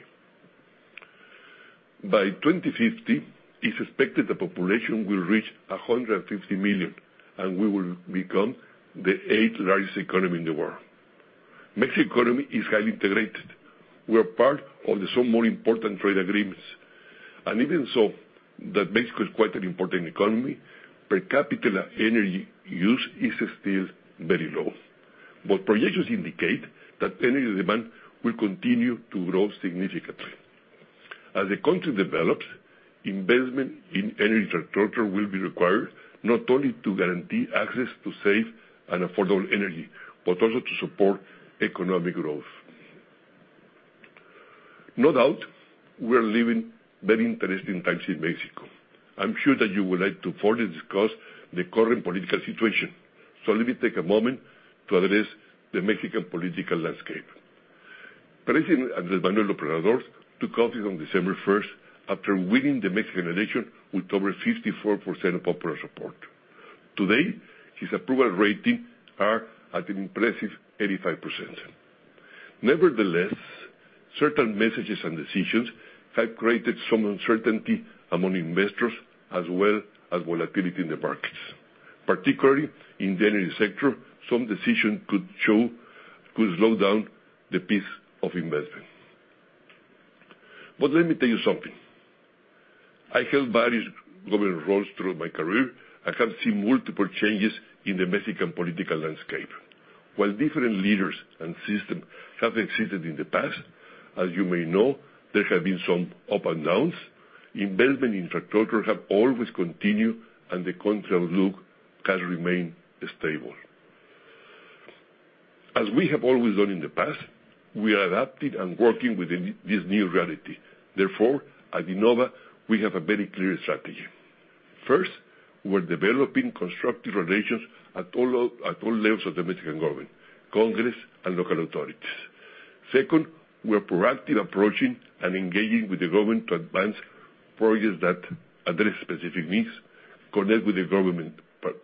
By 2050, it's expected the population will reach 150 million, and we will become the eighth largest economy in the world. Mexico's economy is highly integrated. We are part of some of the more important trade agreements. Even so that Mexico is quite an important economy, per capita energy use is still very low. Projections indicate that energy demand will continue to grow significantly. As the country develops, investment in energy infrastructure will be required, not only to guarantee access to safe and affordable energy, but also to support economic growth. No doubt, we are living very interesting times in Mexico. I'm sure that you would like to further discuss the current political situation. Let me take a moment to address the Mexican political landscape. President Andrés Manuel López Obrador took office on December 1st, after winning the Mexican election with over 54% of popular support. Today, his approval ratings are at an impressive 85%. Nevertheless, certain messages and decisions have created some uncertainty among investors, as well as volatility in the markets. Particularly in the energy sector, some decisions could slow down the pace of investment. Let me tell you something. I held various government roles through my career. I have seen multiple changes in the Mexican political landscape. While different leaders and systems have existed in the past, as you may know, there have been some ups and downs. Investment in infrastructure have always continued, and the country look has remained stable. As we have always done in the past, we are adapting and working within this new reality. Therefore, at IEnova, we have a very clear strategy. First, we're developing constructive relations at all levels of the Mexican government, Congress, and local authorities. Second, we are proactively approaching and engaging with the government to advance projects that address specific needs. Connect with the government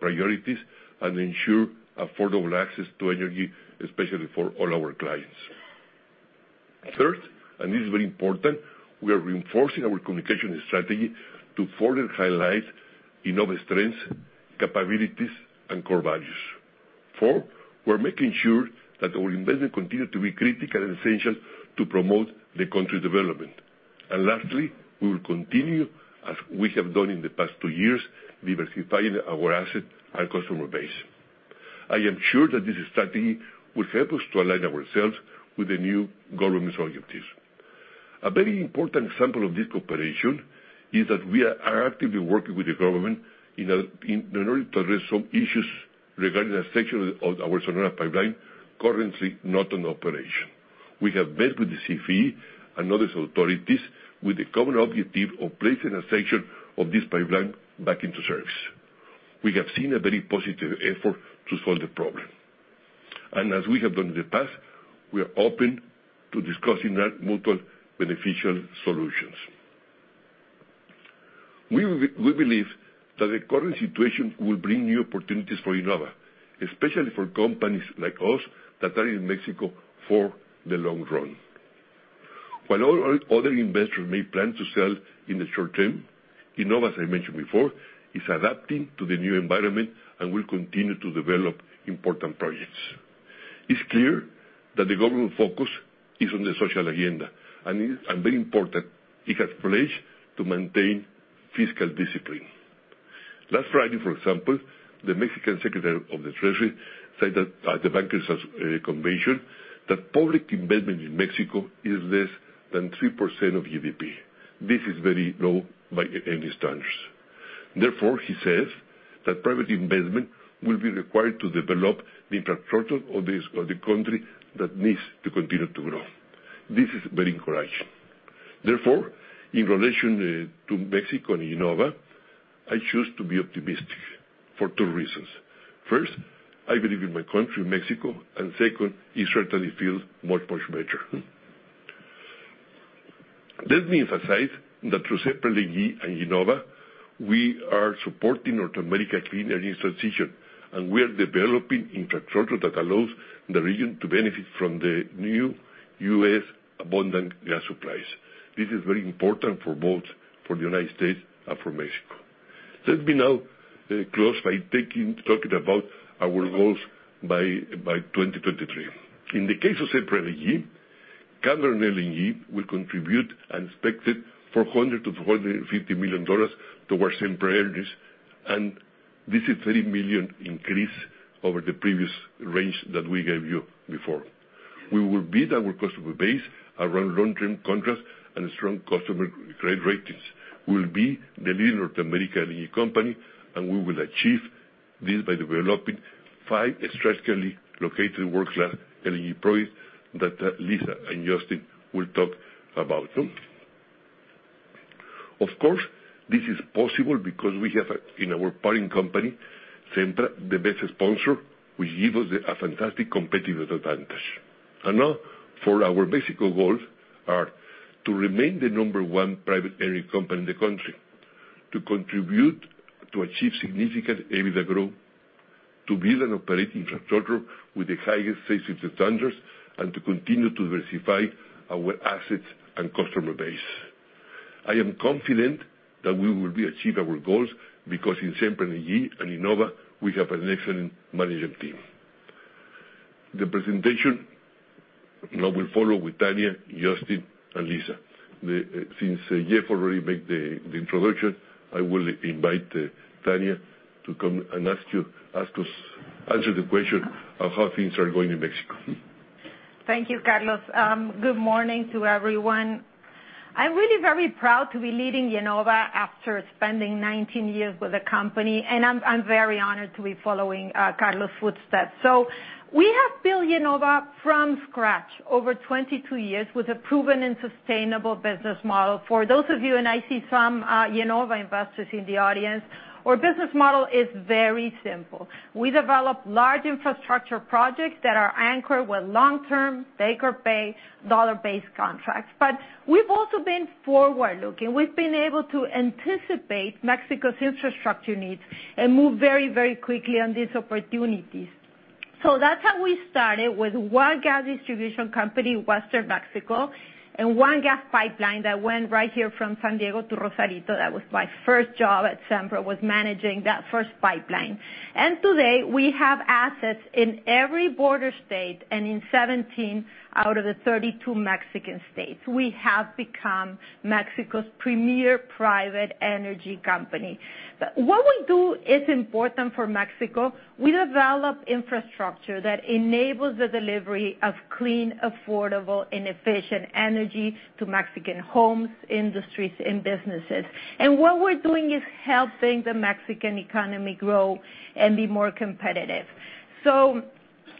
priorities and ensure affordable access to energy, especially for all our clients. Third, and this is very important, we are reinforcing our communication strategy to further highlight IEnova's strengths, capabilities, and core values. Four, we're making sure that our investment continue to be critical and essential to promote the country development. Lastly, we will continue, as we have done in the past two years, diversifying our asset and customer base. I am sure that this strategy will help us to align ourselves with the new government's objectives. A very important example of this cooperation is that we are actively working with the government in order to address some issues regarding a section of our Sonora pipeline currently not in operation. We have met with the CFE and other authorities with the common objective of placing a section of this pipeline back into service. We have seen a very positive effort to solve the problem. As we have done in the past, we are open to discussing mutual beneficial solutions. We believe that the current situation will bring new opportunities for IEnova, especially for companies like us that are in Mexico for the long run. While all other investors may plan to sell in the short term, IEnova, as I mentioned before, is adapting to the new environment and will continue to develop important projects. It's clear that the government focus is on the social agenda, and very important, it has pledged to maintain fiscal discipline. Last Friday, for example, the Mexican Secretary of the Treasury said at the bankers convention that public investment in Mexico is less than 3% of GDP. This is very low by any standards. Therefore, he says that private investment will be required to develop the infrastructure of this country that needs to continue to grow. This is very encouraging. Therefore, in relation to Mexico and IEnova, I choose to be optimistic for two reasons. First, I believe in my country, Mexico, and second, it certainly feels much, much better. Let me emphasize that through Sempra LNG and IEnova, we are supporting North America clean energy transition. We are developing infrastructure that allows the region to benefit from the new U.S. abundant gas supplies. This is very important for both the United States and for Mexico. Let me now close by talking about our goals by 2023. In the case of Sempra LNG, Cameron LNG will contribute an expected $400-$450 million to our Sempra earnings. This is a $30 million increase over the previous range that we gave you before. We will build our customer base around long-term contracts and strong customer credit ratings. We will be the leading North American LNG company. We will achieve this by developing five strategically located world-class LNG projects that Lisa and Justin will talk about. Of course, this is possible because we have, in our parent company, Sempra, the best sponsor, which give us a fantastic competitive advantage. Now for our basic goals are to remain the number one private energy company in the country, to contribute to achieve significant EBITDA growth, to build and operate infrastructure with the highest safety standards, to continue to diversify our assets and customer base. I am confident that we will achieve our goals because in Sempra LNG and IEnova, we have an excellent management team. The presentation now will follow with Tania, Justin, and Lisa. Since Jeff already made the introduction, I will invite Tania to come and answer the question of how things are going in Mexico. Thank you, Carlos. Good morning to everyone. I'm really very proud to be leading IEnova after spending 19 years with the company. I'm very honored to be following Carlos' footsteps. We have built IEnova from scratch over 22 years with a proven and sustainable business model. For those of you, I see some IEnova investors in the audience, our business model is very simple. We develop large infrastructure projects that are anchored with long-term take-or-pay dollar-based contracts. We've also been forward-looking. We've been able to anticipate Mexico's infrastructure needs and move very quickly on these opportunities. That's how we started, with one gas distribution company, Western Mexico, one gas pipeline that went right here from San Diego to Rosarito. That was my first job at Sempra, was managing that first pipeline. Today, we have assets in every border state and in 17 out of the 32 Mexican states. We have become Mexico's premier private energy company. What we do is important for Mexico. We develop infrastructure that enables the delivery of clean, affordable, and efficient energy to Mexican homes, industries, and businesses. What we're doing is helping the Mexican economy grow and be more competitive.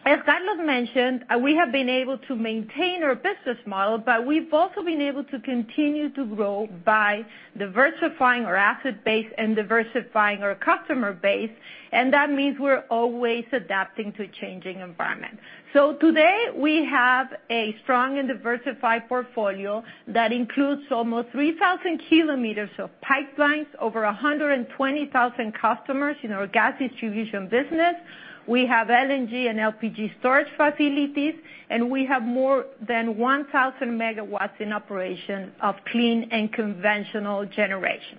As Carlos mentioned, we have been able to maintain our business model, but we've also been able to continue to grow by diversifying our asset base and diversifying our customer base, and that means we're always adapting to a changing environment. Today, we have a strong and diversified portfolio that includes almost 3,000 kilometers of pipelines, over 120,000 customers in our gas distribution business. We have LNG and LPG storage facilities, and we have more than 1,000 megawatts in operation of clean and conventional generation.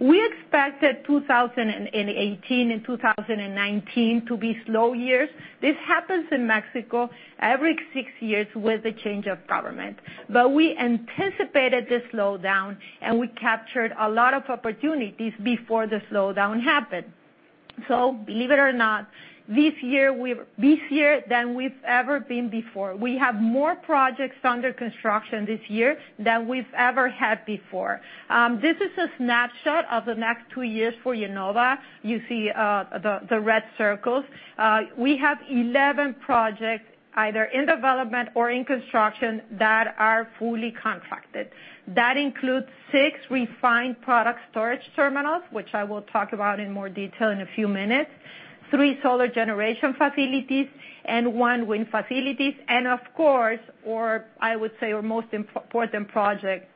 We expected 2018 and 2019 to be slow years. This happens in Mexico every six years with the change of government. We anticipated the slowdown, and we captured a lot of opportunities before the slowdown happened. Believe it or not, this year, we're busier than we've ever been before. We have more projects under construction this year than we've ever had before. This is a snapshot of the next two years for IEnova. You see the red circles. We have 11 projects either in development or in construction that are fully contracted. That includes six refined product storage terminals, which I will talk about in more detail in a few minutes, three solar generation facilities, and one wind facilities, and of course, or I would say our most important project,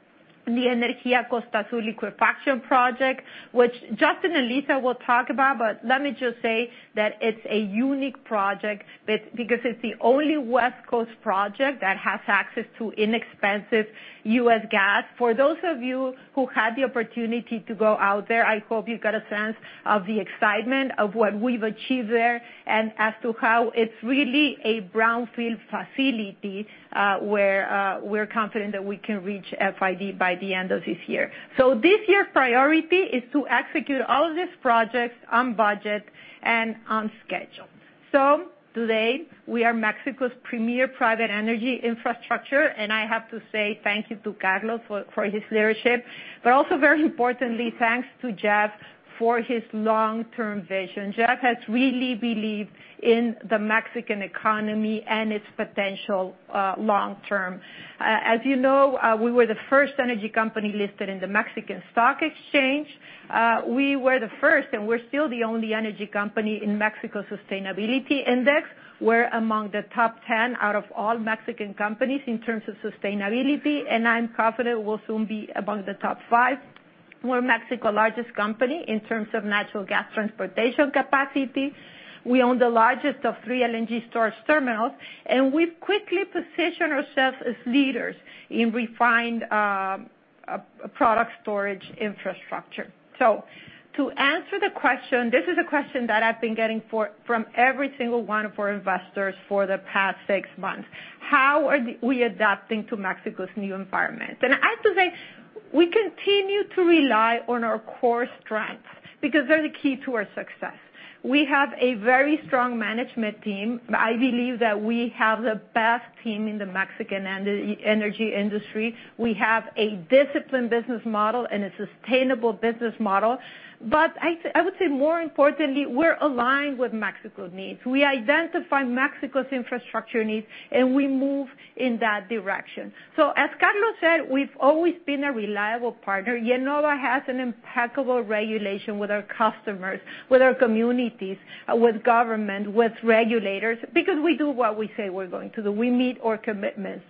the Energía Costa Azul liquefaction project, which Justin and Lisa will talk about. Let me just say that it's a unique project because it's the only West Coast project that has access to inexpensive U.S. gas. For those of you who had the opportunity to go out there, I hope you got a sense of the excitement of what we've achieved there and as to how it's really a brownfield facility, where we're confident that we can reach FID by the end of this year. This year's priority is to execute all these projects on budget and on schedule. Today, we are Mexico's premier private energy infrastructure, and I have to say thank you to Carlos for his leadership, but also very importantly, thanks to Jeff for his long-term vision. Jeff has really believed in the Mexican economy and its potential long term. As you know, we were the first energy company listed in the Mexican Stock Exchange. We were the first, and we're still the only energy company in Mexico Sustainability Index. We're among the top 10 out of all Mexican companies in terms of sustainability, and I'm confident we'll soon be among the top five. We're Mexico's largest company in terms of natural gas transportation capacity. We own the largest of three LNG storage terminals, and we've quickly positioned ourselves as leaders in refined product storage infrastructure. To answer the question, this is a question that I've been getting from every single one of our investors for the past six months. How are we adapting to Mexico's new environment? I have to say, we continue to rely on our core strengths because they're the key to our success. We have a very strong management team. I believe that we have the best team in the Mexican energy industry. We have a disciplined business model and a sustainable business model. I would say more importantly, we're aligned with Mexico's needs. We identify Mexico's infrastructure needs. We move in that direction. As Carlos said, we've always been a reliable partner. IEnova has an impeccable regulation with our customers, with our communities, with government, with regulators, because we do what we say we're going to do. We meet our commitments.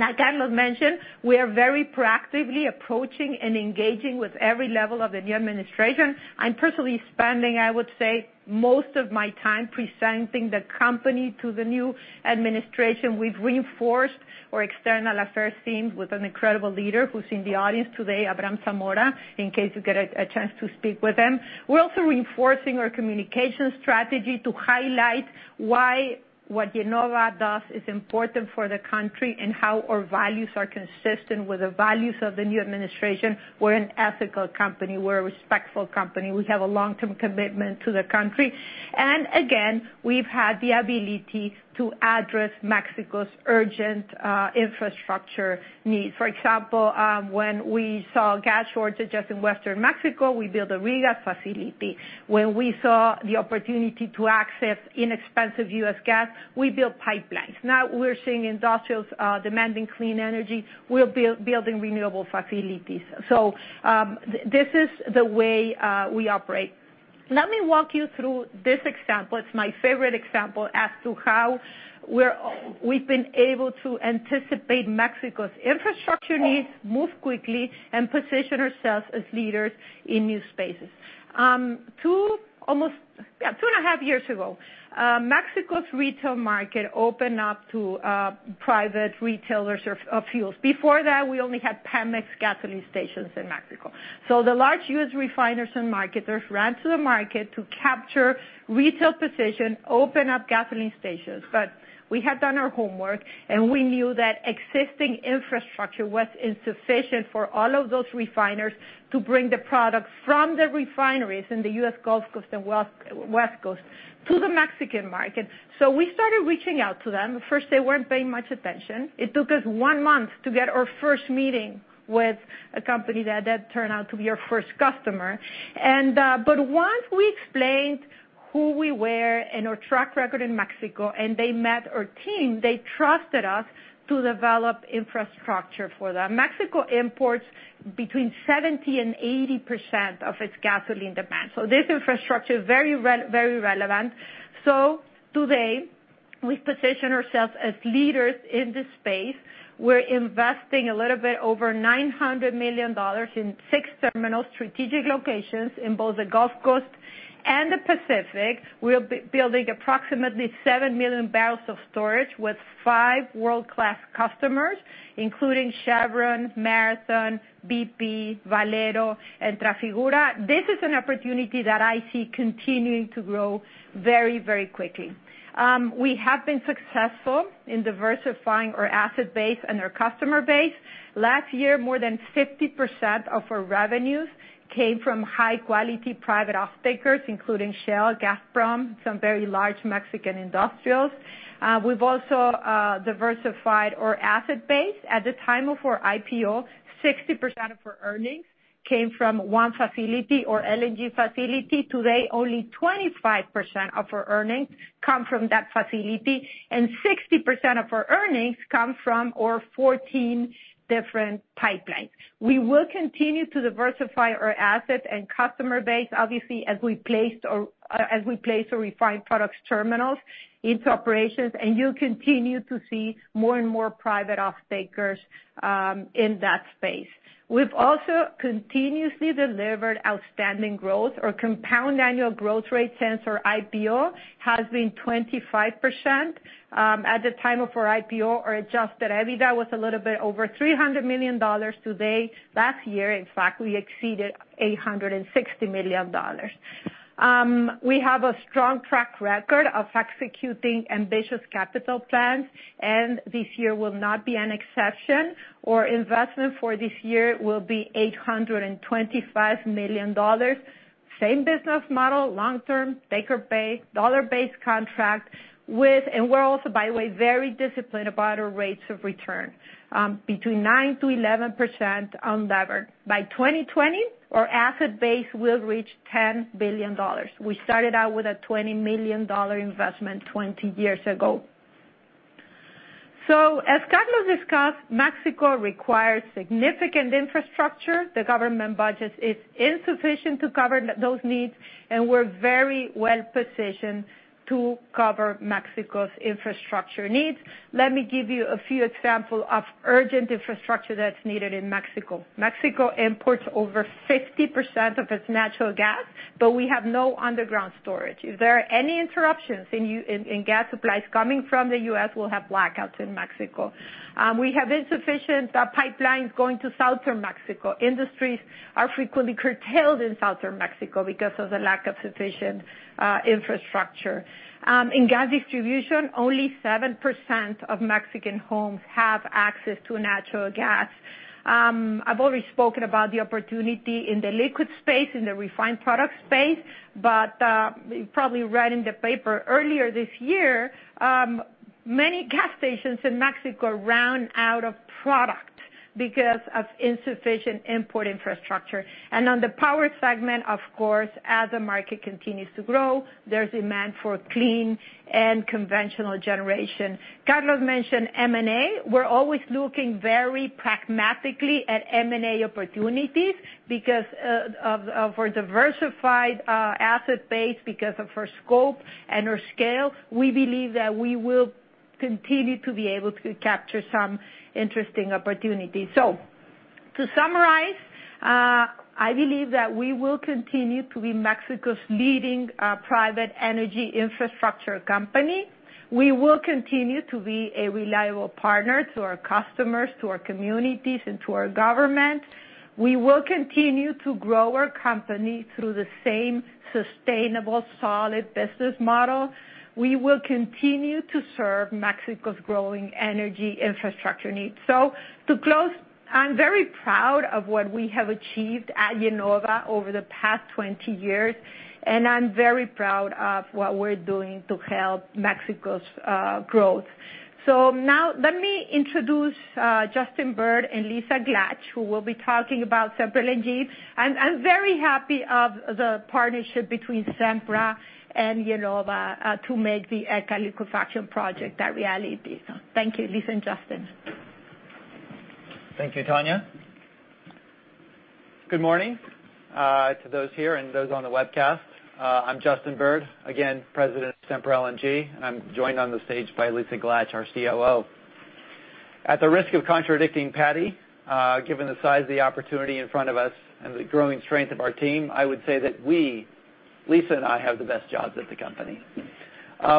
As Carlos mentioned, we are very proactively approaching and engaging with every level of the new administration. I'm personally spending, I would say, most of my time presenting the company to the new administration. We've reinforced our external affairs teams with an incredible leader who's in the audience today, Abraham Zamora, in case you get a chance to speak with him. We're also reinforcing our communication strategy to highlight why what IEnova does is important for the country and how our values are consistent with the values of the new administration. We're an ethical company. We're a respectful company. We have a long-term commitment to the country. Again, we've had the ability to address Mexico's urgent infrastructure needs. For example, when we saw gas shortages in western Mexico, we built a regas facility. When we saw the opportunity to access inexpensive U.S. gas, we built pipelines. Now we're seeing industrials demanding clean energy, we're building renewable facilities. This is the way we operate. Let me walk you through this example. It's my favorite example as to how we've been able to anticipate Mexico's infrastructure needs, move quickly, and position ourselves as leaders in new spaces. Two and a half years ago, Mexico's retail market opened up to private retailers of fuels. Before that, we only had Pemex gasoline stations in Mexico. The large U.S. refiners and marketers ran to the market to capture retail positions, open up gasoline stations. We had done our homework. We knew that existing infrastructure was insufficient for all of those refiners to bring the product from the refineries in the U.S. Gulf Coast and West Coast to the Mexican market. We started reaching out to them. At first, they weren't paying much attention. It took us one month to get our first meeting with a company that turned out to be our first customer. Once we explained who we were and our track record in Mexico, they met our team, they trusted us to develop infrastructure for them. Mexico imports between 70% and 80% of its gasoline demand. This infrastructure is very relevant. Today, we position ourselves as leaders in this space. We're investing a little bit over $900 million in six terminal strategic locations in both the Gulf Coast and the Pacific. We're building approximately seven million barrels of storage with five world-class customers, including Chevron, Marathon, BP, Valero, and Trafigura. This is an opportunity that I see continuing to grow very quickly. We have been successful in diversifying our asset base and our customer base. Last year, more than 50% of our revenues came from high-quality private off-takers, including Shell, Gazprom, some very large Mexican industrials. We've also diversified our asset base. At the time of our IPO, 60% of our earnings came from one facility or LNG facility. Today, only 25% of our earnings come from that facility, and 60% of our earnings come from our 14 different pipelines. We will continue to diversify our asset and customer base, obviously, as we place our refined products terminals into operations, and you'll continue to see more and more private off-takers in that space. We've also continuously delivered outstanding growth. Our compound annual growth rate since our IPO has been 25%. At the time of our IPO, our adjusted EBITDA was a little bit over $300 million today. Last year, in fact, we exceeded $860 million. We have a strong track record of executing ambitious capital plans. This year will not be an exception. Our investment for this year will be $825 million. Same business model, long-term, taker-or-pay, dollar-based contract. We're also, by the way, very disciplined about our rates of return. Between 9%-11% unlevered. By 2020, our asset base will reach $10 billion. We started out with a $20 million investment 20 years ago. As Carlos discussed, Mexico requires significant infrastructure. The government budget is insufficient to cover those needs. We're very well-positioned to cover Mexico's infrastructure needs. Let me give you a few example of urgent infrastructure that's needed in Mexico. Mexico imports over 50% of its natural gas. We have no underground storage. If there are any interruptions in gas supplies coming from the U.S., we'll have blackouts in Mexico. We have insufficient pipelines going to southern Mexico. Industries are frequently curtailed in southern Mexico because of the lack of sufficient infrastructure. In gas distribution, only 7% of Mexican homes have access to natural gas. I've already spoken about the opportunity in the liquid space, in the refined product space. You probably read in the paper earlier this year, many gas stations in Mexico ran out of product because of insufficient import infrastructure. On the power segment, of course, as the market continues to grow, there's demand for clean and conventional generation. Carlos mentioned M&A. We're always looking very pragmatically at M&A opportunities because of our diversified asset base, because of our scope and our scale. We believe that we will continue to be able to capture some interesting opportunities. To summarize, I believe that we will continue to be Mexico's leading private energy infrastructure company. We will continue to be a reliable partner to our customers, to our communities, to our government. We will continue to grow our company through the same sustainable, solid business model. We will continue to serve Mexico's growing energy infrastructure needs. To close, I'm very proud of what we have achieved at IEnova over the past 20 years. I'm very proud of what we're doing to help Mexico's growth. Now let me introduce Justin Bird and Lisa Glatch, who will be talking about Sempra LNG. I'm very happy of the partnership between Sempra and IEnova to make the ECA liquefaction project a reality. Thank you, Lisa and Justin. Thank you, Tania. Good morning to those here and those on the webcast. I'm Justin Bird, again, President of Sempra LNG, and I'm joined on the stage by Lisa Glatch, our COO. At the risk of contradicting Patti, given the size of the opportunity in front of us and the growing strength of our team, I would say that we, Lisa and I, have the best jobs at the company.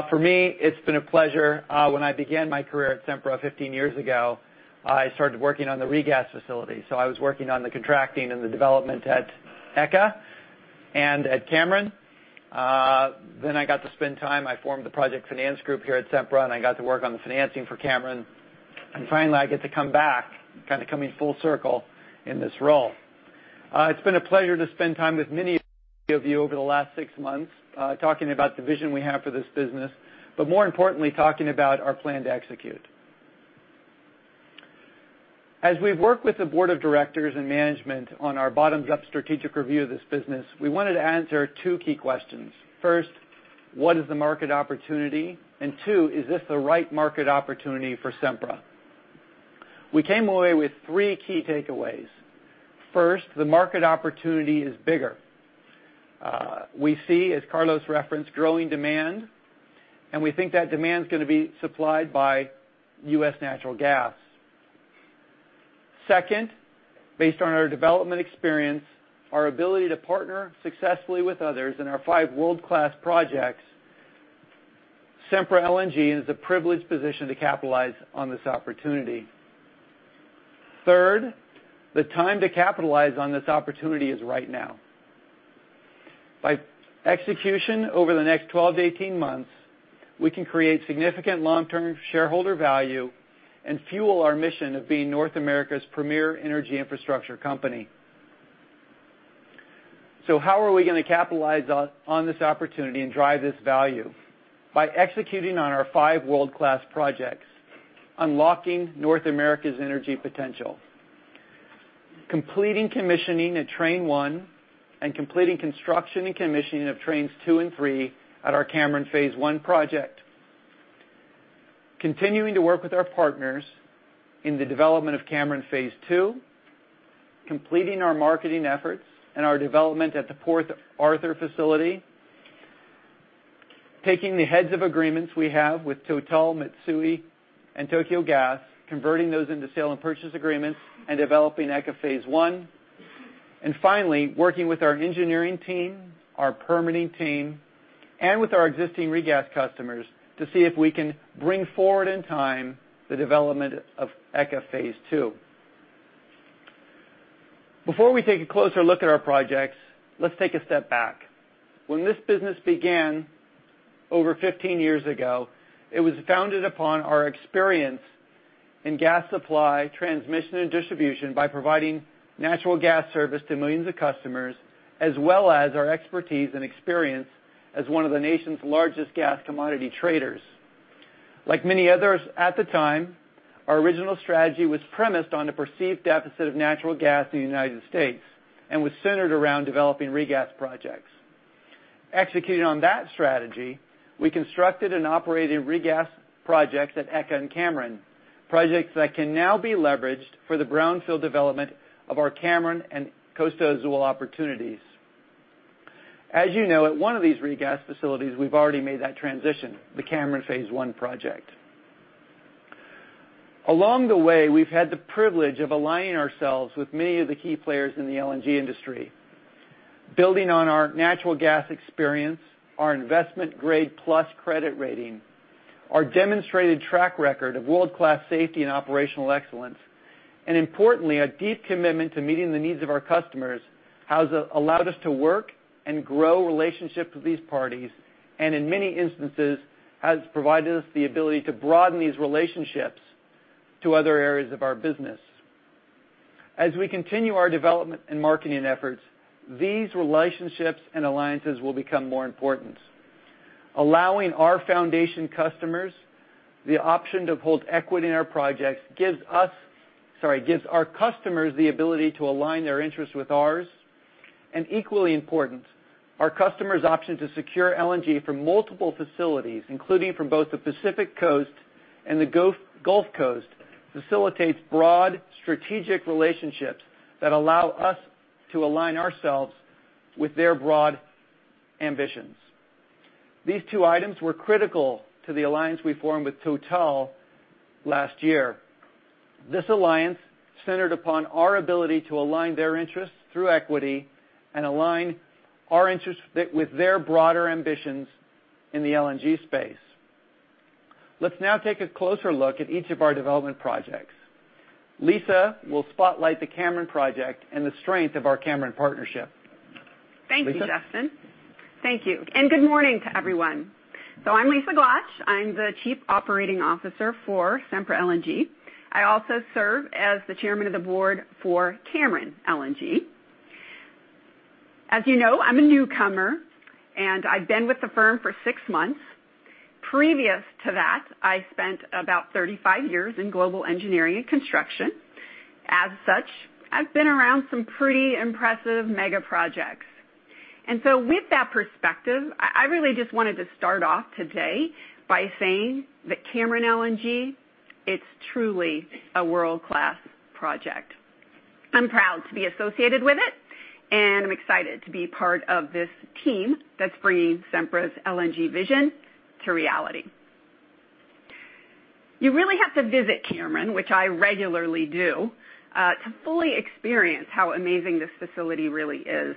For me, it's been a pleasure. When I began my career at Sempra 15 years ago, I started working on the regas facility. I was working on the contracting and the development at ECA and at Cameron. I got to spend time, I formed the project finance group here at Sempra, and I got to work on the financing for Cameron. Finally, I get to come back, kind of coming full circle in this role. It's been a pleasure to spend time with many of you over the last six months, talking about the vision we have for this business, but more importantly, talking about our plan to execute. As we've worked with the board of directors and management on our bottoms-up strategic review of this business, we wanted to answer two key questions. First, what is the market opportunity? Is this the right market opportunity for Sempra? We came away with three key takeaways. First, the market opportunity is bigger. We see, as Carlos referenced, growing demand, and we think that demand's going to be supplied by U.S. natural gas. Second, based on our development experience, our ability to partner successfully with others in our five world-class projects, Sempra LNG is in a privileged position to capitalize on this opportunity. Third, the time to capitalize on this opportunity is right now. By execution over the next 12 to 18 months, we can create significant long-term shareholder value and fuel our mission of being North America's premier energy infrastructure company. How are we going to capitalize on this opportunity and drive this value? By executing on our five world-class projects, unlocking North America's energy potential, completing commissioning at Train 1, and completing construction and commissioning of Trains 2 and 3 at our Cameron Phase One project. Continuing to work with our partners in the development of Cameron Phase Two, completing our marketing efforts and our development at the Port Arthur facility, taking the heads of agreements we have with Total, Mitsui, and Tokyo Gas, converting those into sale and purchase agreements, and developing ECA Phase One. Finally, working with our engineering team, our permitting team, and with our existing regas customers to see if we can bring forward in time the development of ECA Phase Two. Before we take a closer look at our projects, let's take a step back. When this business began over 15 years ago, it was founded upon our experience in gas supply, transmission, and distribution by providing natural gas service to millions of customers, as well as our expertise and experience as one of the nation's largest gas commodity traders. Like many others at the time, our original strategy was premised on the perceived deficit of natural gas in the U.S. and was centered around developing regas projects. Executing on that strategy, we constructed and operated regas projects at ECA and Cameron, projects that can now be leveraged for the brownfield development of our Cameron and Costa Azul opportunities. As you know, at one of these regas facilities, we've already made that transition, the Cameron Phase 1 project. Along the way, we've had the privilege of aligning ourselves with many of the key players in the LNG industry. Building on our natural gas experience, our investment-grade plus credit rating, our demonstrated track record of world-class safety and operational excellence, and importantly, a deep commitment to meeting the needs of our customers, has allowed us to work and grow relationships with these parties, and in many instances, has provided us the ability to broaden these relationships to other areas of our business. As we continue our development and marketing efforts, these relationships and alliances will become more important. Allowing our foundation customers the option to hold equity in our projects gives our customers the ability to align their interests with ours. Equally important, our customers' option to secure LNG from multiple facilities, including from both the Pacific Coast and the Gulf Coast, facilitates broad strategic relationships that allow us to align ourselves with their broad ambitions. These two items were critical to the alliance we formed with Total last year. This alliance centered upon our ability to align their interests through equity and align our interests with their broader ambitions in the LNG space. Let's now take a closer look at each of our development projects. Justin will spotlight the Cameron project and the strength of our Cameron partnership. Lisa? Thank you, Justin. Thank you. Good morning to everyone. I'm Lisa Glatch. I'm the Chief Operating Officer for Sempra LNG. I also serve as the Chairman of the Board for Cameron LNG. As you know, I'm a newcomer, and I've been with the firm for six months. Previous to that, I spent about 35 years in global engineering and construction. As such, I've been around some pretty impressive mega projects. With that perspective, I really just wanted to start off today by saying that Cameron LNG, it's truly a world-class project. I'm proud to be associated with it, and I'm excited to be part of this team that's bringing Sempra's LNG vision to reality. You really have to visit Cameron, which I regularly do, to fully experience how amazing this facility really is.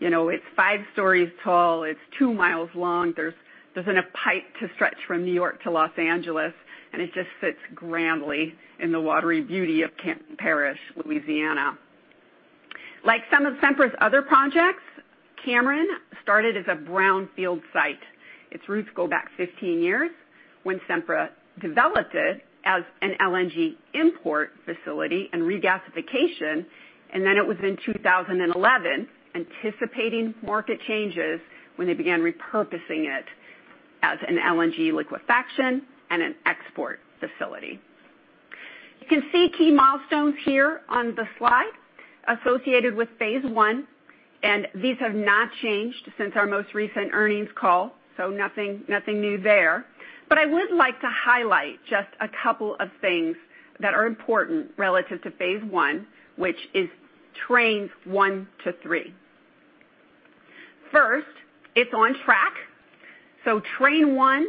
It's five stories tall. It's two miles long. There's enough pipe to stretch from New York to Los Angeles, and it just sits grandly in the watery beauty of Cameron Parish, Louisiana. Like some of Sempra's other projects, Cameron started as a brownfield site. Its roots go back 15 years when Sempra developed it as an LNG import facility and regasification, it was in 2011, anticipating market changes, when they began repurposing it as an LNG liquefaction and an export facility. You can see key milestones here on the slide associated with Phase 1. These have not changed since our most recent earnings call. Nothing new there. I would like to highlight just a couple of things that are important relative to Phase 1, which is trains 1 to 3. First, it's on track. Train 1,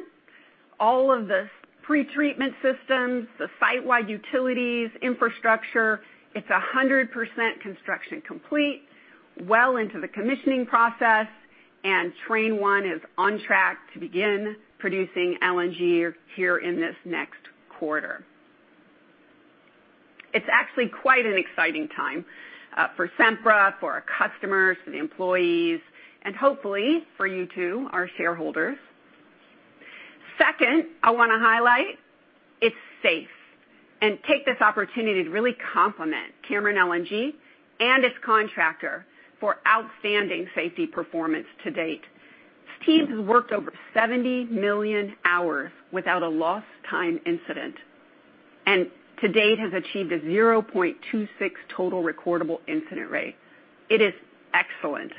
all of the pretreatment systems, the site-wide utilities, infrastructure, it's 100% construction complete, well into the commissioning process, and Train 1 is on track to begin producing LNG here in this next quarter. It's actually quite an exciting time for Sempra, for our customers, for the employees, and hopefully, for you, too, our shareholders. Second, I want to highlight it's safe, and take this opportunity to really compliment Cameron LNG and its contractor for outstanding safety performance to date. These teams have worked over 70 million hours without a lost time incident, and to date, have achieved a 0.26 total recordable incident rate. It is excellent,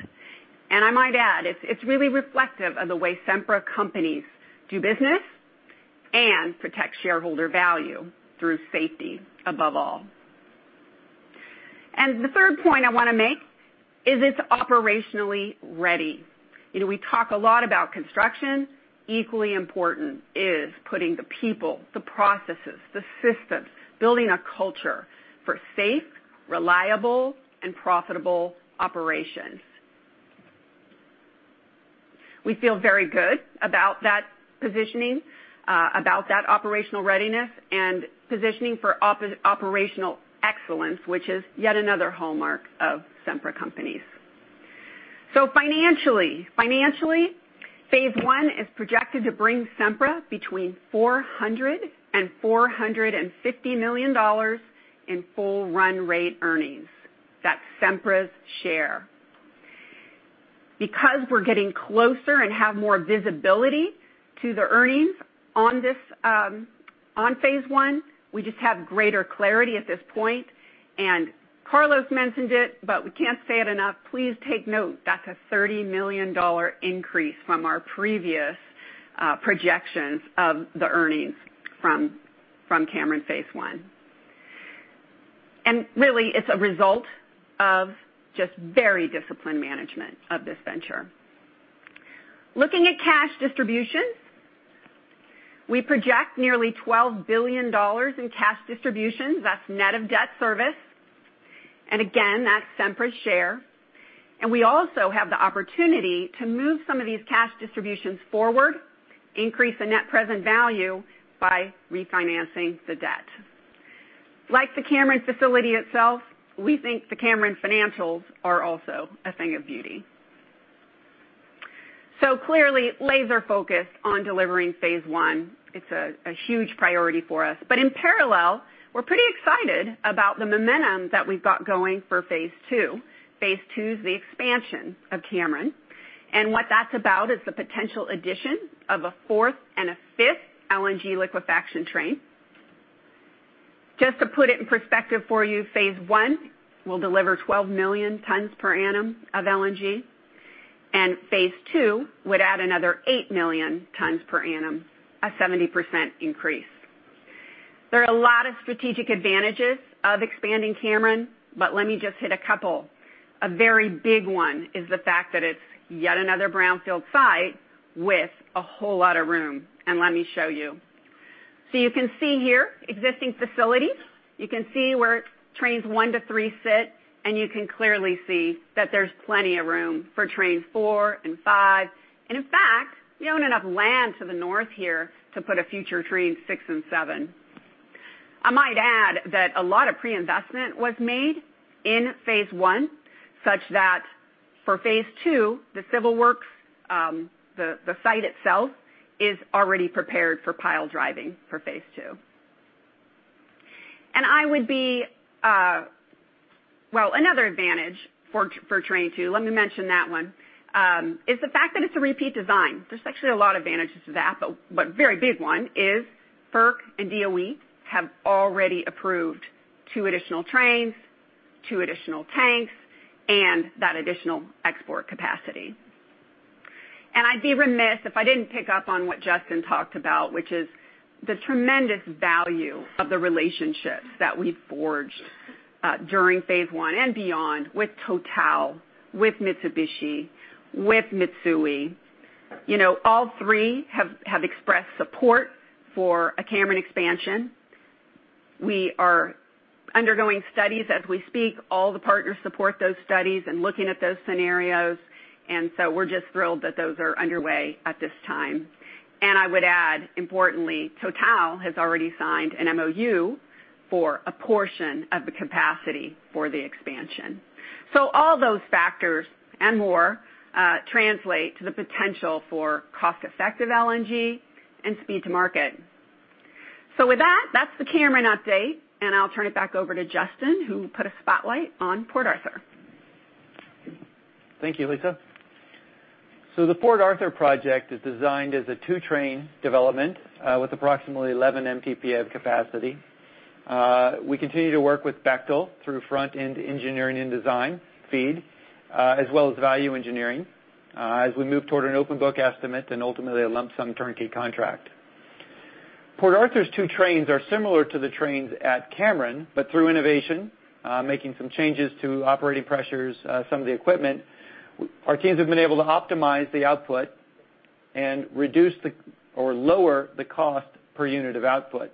and I might add, it's really reflective of the way Sempra companies do business and protect shareholder value through safety above all. The third point I want to make is it's operationally ready. We talk a lot about construction. Equally important is putting the people, the processes, the systems, building a culture for safe, reliable, and profitable operations. We feel very good about that positioning, about that operational readiness, and positioning for operational excellence, which is yet another hallmark of Sempra companies. Financially, Phase 1 is projected to bring Sempra between $400 million and $450 million in full run rate earnings. That's Sempra's share. Because we're getting closer and have more visibility to the earnings on Phase 1, we just have greater clarity at this point. Carlos mentioned it, but we can't say it enough, please take note, that's a $30 million increase from our previous projections of the earnings from Cameron Phase 1. Really, it's a result of just very disciplined management of this venture. Looking at cash distributions, we project nearly $12 billion in cash distributions. That's net of debt service. Again, that's Sempra's share. We also have the opportunity to move some of these cash distributions forward, increase the net present value by refinancing the debt. Like the Cameron facility itself, we think the Cameron financials are also a thing of beauty. Clearly, laser-focused on delivering Phase 1. It's a huge priority for us. In parallel, we're pretty excited about the momentum that we've got going for Phase 2. Phase 2's the expansion of Cameron. What that's about is the potential addition of a fourth and a fifth LNG liquefaction train. Just to put it in perspective for you, Phase 1 will deliver 12 million tons per annum of LNG, and Phase 2 would add another 8 million tons per annum, a 70% increase. There are a lot of strategic advantages of expanding Cameron, but let me just hit a couple. A very big one is the fact that it's yet another brownfield site with a whole lot of room, and let me show you. You can see here existing facilities. You can see where Trains 1 to 3 sit, and you can clearly see that there's plenty of room for Trains 4 and 5. In fact, we own enough land to the north here to put a future Trains 6 and 7. I might add that a lot of pre-investment was made in Phase 1, such that for Phase 2, the civil works, the site itself is already prepared for pile driving for Phase 2. Another advantage for Train 2, let me mention that one, is the fact that it's a repeat design. There's actually a lot of advantages to that, but very big one is FERC and DOE have already approved two additional trains, two additional tanks, and that additional export capacity. I'd be remiss if I didn't pick up on what Justin talked about, which is the tremendous value of the relationships that we've forged, during phase one and beyond, with Total, with Mitsubishi, with Mitsui. All three have expressed support for a Cameron expansion. We are undergoing studies as we speak. All the partners support those studies and looking at those scenarios, and so we're just thrilled that those are underway at this time. I would add, importantly, Total has already signed an MOU for a portion of the capacity for the expansion. All those factors and more translate to the potential for cost-effective LNG and speed to market. With that's the Cameron update, and I'll turn it back over to Justin, who will put a spotlight on Port Arthur. Thank you, Lisa. The Port Arthur project is designed as a two-train development with approximately 11 MTPA of capacity. We continue to work with Bechtel through front-end engineering and design, FEED, as well as value engineering as we move toward an open book estimate and ultimately a lump sum turnkey contract. Port Arthur's two trains are similar to the trains at Cameron, but through innovation, making some changes to operating pressures, some of the equipment, our teams have been able to optimize the output and reduce or lower the cost per unit of output.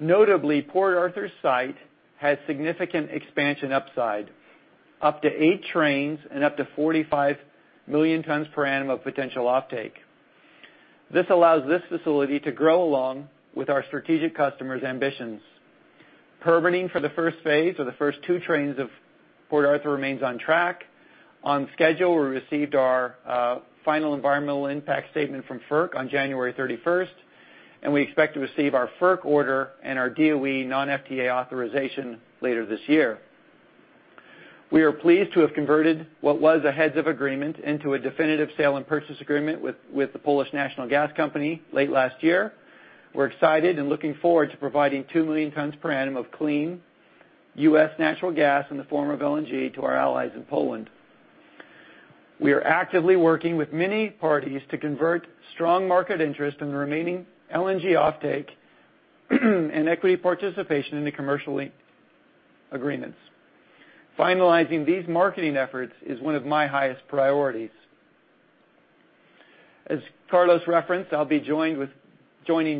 Notably, Port Arthur's site has significant expansion upside, up to eight trains and up to 45 million tons per annum of potential offtake. This allows this facility to grow along with our strategic customers' ambitions. Permitting for the first phase of the first two trains of Port Arthur remains on track, on schedule. We received our final environmental impact statement from FERC on January 31st, and we expect to receive our FERC order and our DOE non-FTA authorization later this year. We are pleased to have converted what was a heads of agreement into a definitive sale and purchase agreement with the Polish Oil and Gas Company late last year. We're excited and looking forward to providing 2 million tons per annum of clean U.S. natural gas in the form of LNG to our allies in Poland. We are actively working with many parties to convert strong market interest in the remaining LNG offtake and equity participation into commercial link agreements. Finalizing these marketing efforts is one of my highest priorities. As Carlos referenced, I'll be joining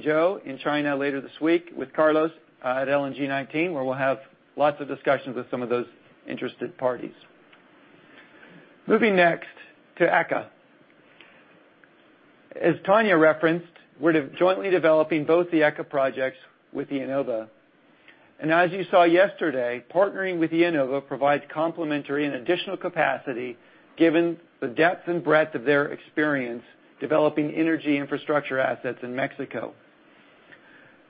Joe in China later this week with Carlos at LNG19, where we'll have lots of discussions with some of those interested parties. Moving next to ECA. As Tania referenced, we're jointly developing both the ECA projects with IEnova. As you saw yesterday, partnering with IEnova provides complementary and additional capacity given the depth and breadth of their experience developing energy infrastructure assets in Mexico.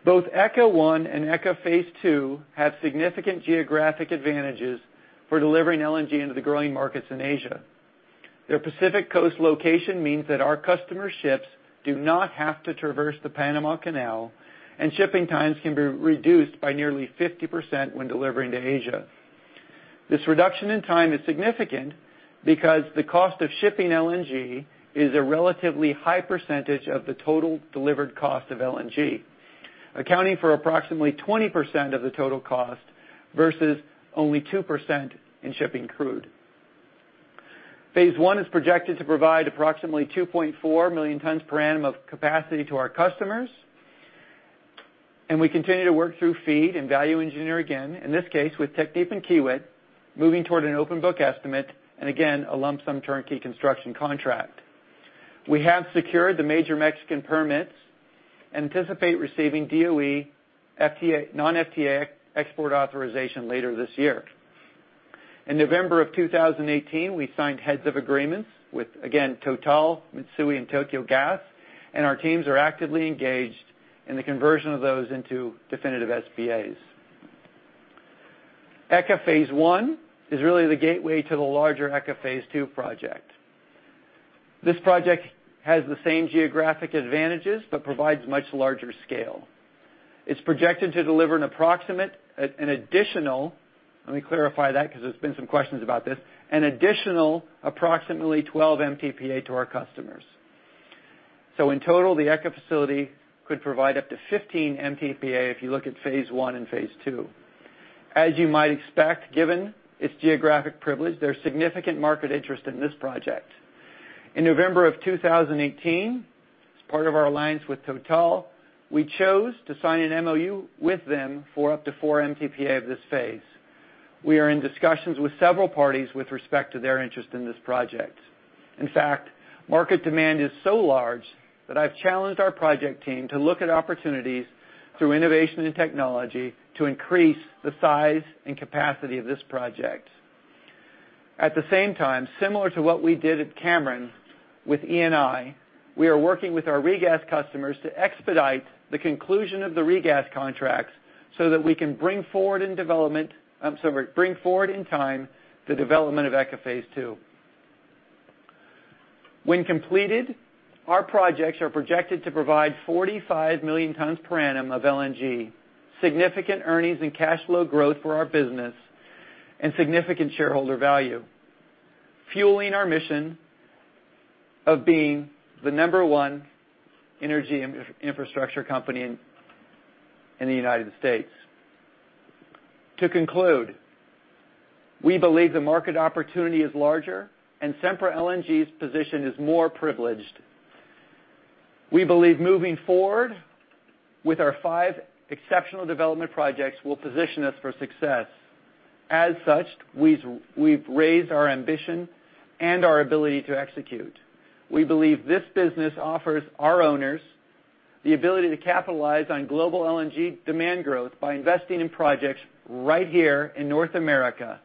Both ECA Phase 1 and ECA Phase 2 have significant geographic advantages for delivering LNG into the growing markets in Asia. Their Pacific Coast location means that our customer ships do not have to traverse the Panama Canal, and shipping times can be reduced by nearly 50% when delivering to Asia. This reduction in time is significant because the cost of shipping LNG is a relatively high percentage of the total delivered cost of LNG, accounting for approximately 20% of the total cost versus only 2% in shipping crude. Phase 1 is projected to provide approximately 2.4 million tons per annum of capacity to our customers. We continue to work through FEED and value engineer again, in this case with TechnipFMC and Kiewit, moving toward an open book estimate, and again, a lump sum turnkey construction contract. We have secured the major Mexican permits, anticipate receiving DOE non-FTA export authorization later this year. In November 2018, we signed heads of agreements with, again, Total, Mitsui, and Tokyo Gas, and our teams are actively engaged in the conversion of those into definitive SPAs. ECA Phase 1 is really the gateway to the larger ECA Phase 2 project. This project has the same geographic advantages but provides much larger scale. It's projected to deliver an approximate, an additional, let me clarify that because there's been some questions about this, an additional approximately 12 MTPA to our customers. In total, the ECA facility could provide up to 15 MTPA if you look at Phase 1 and Phase 2. As you might expect, given its geographic privilege, there's significant market interest in this project. In November 2018, as part of our alliance with Total, we chose to sign an MOU with them for up to four MTPA of this phase. We are in discussions with several parties with respect to their interest in this project. In fact, market demand is so large that I've challenged our project team to look at opportunities through innovation and technology to increase the size and capacity of this project. At the same time, similar to what we did at Cameron with Eni, we are working with our regas customers to expedite the conclusion of the regas contracts so that we can bring forward in time the development of ECA Phase 2. When completed, our projects are projected to provide 45 million tons per annum of LNG, significant earnings and cash flow growth for our business, and significant shareholder value, fueling our mission of being the number one energy infrastructure company in the U.S. To conclude, we believe the market opportunity is larger and Sempra LNG's position is more privileged. We believe moving forward with our five exceptional development projects will position us for success. As such, we've raised our ambition and our ability to execute. We believe this business offers our owners the ability to capitalize on global LNG demand growth by investing in projects right here in North America,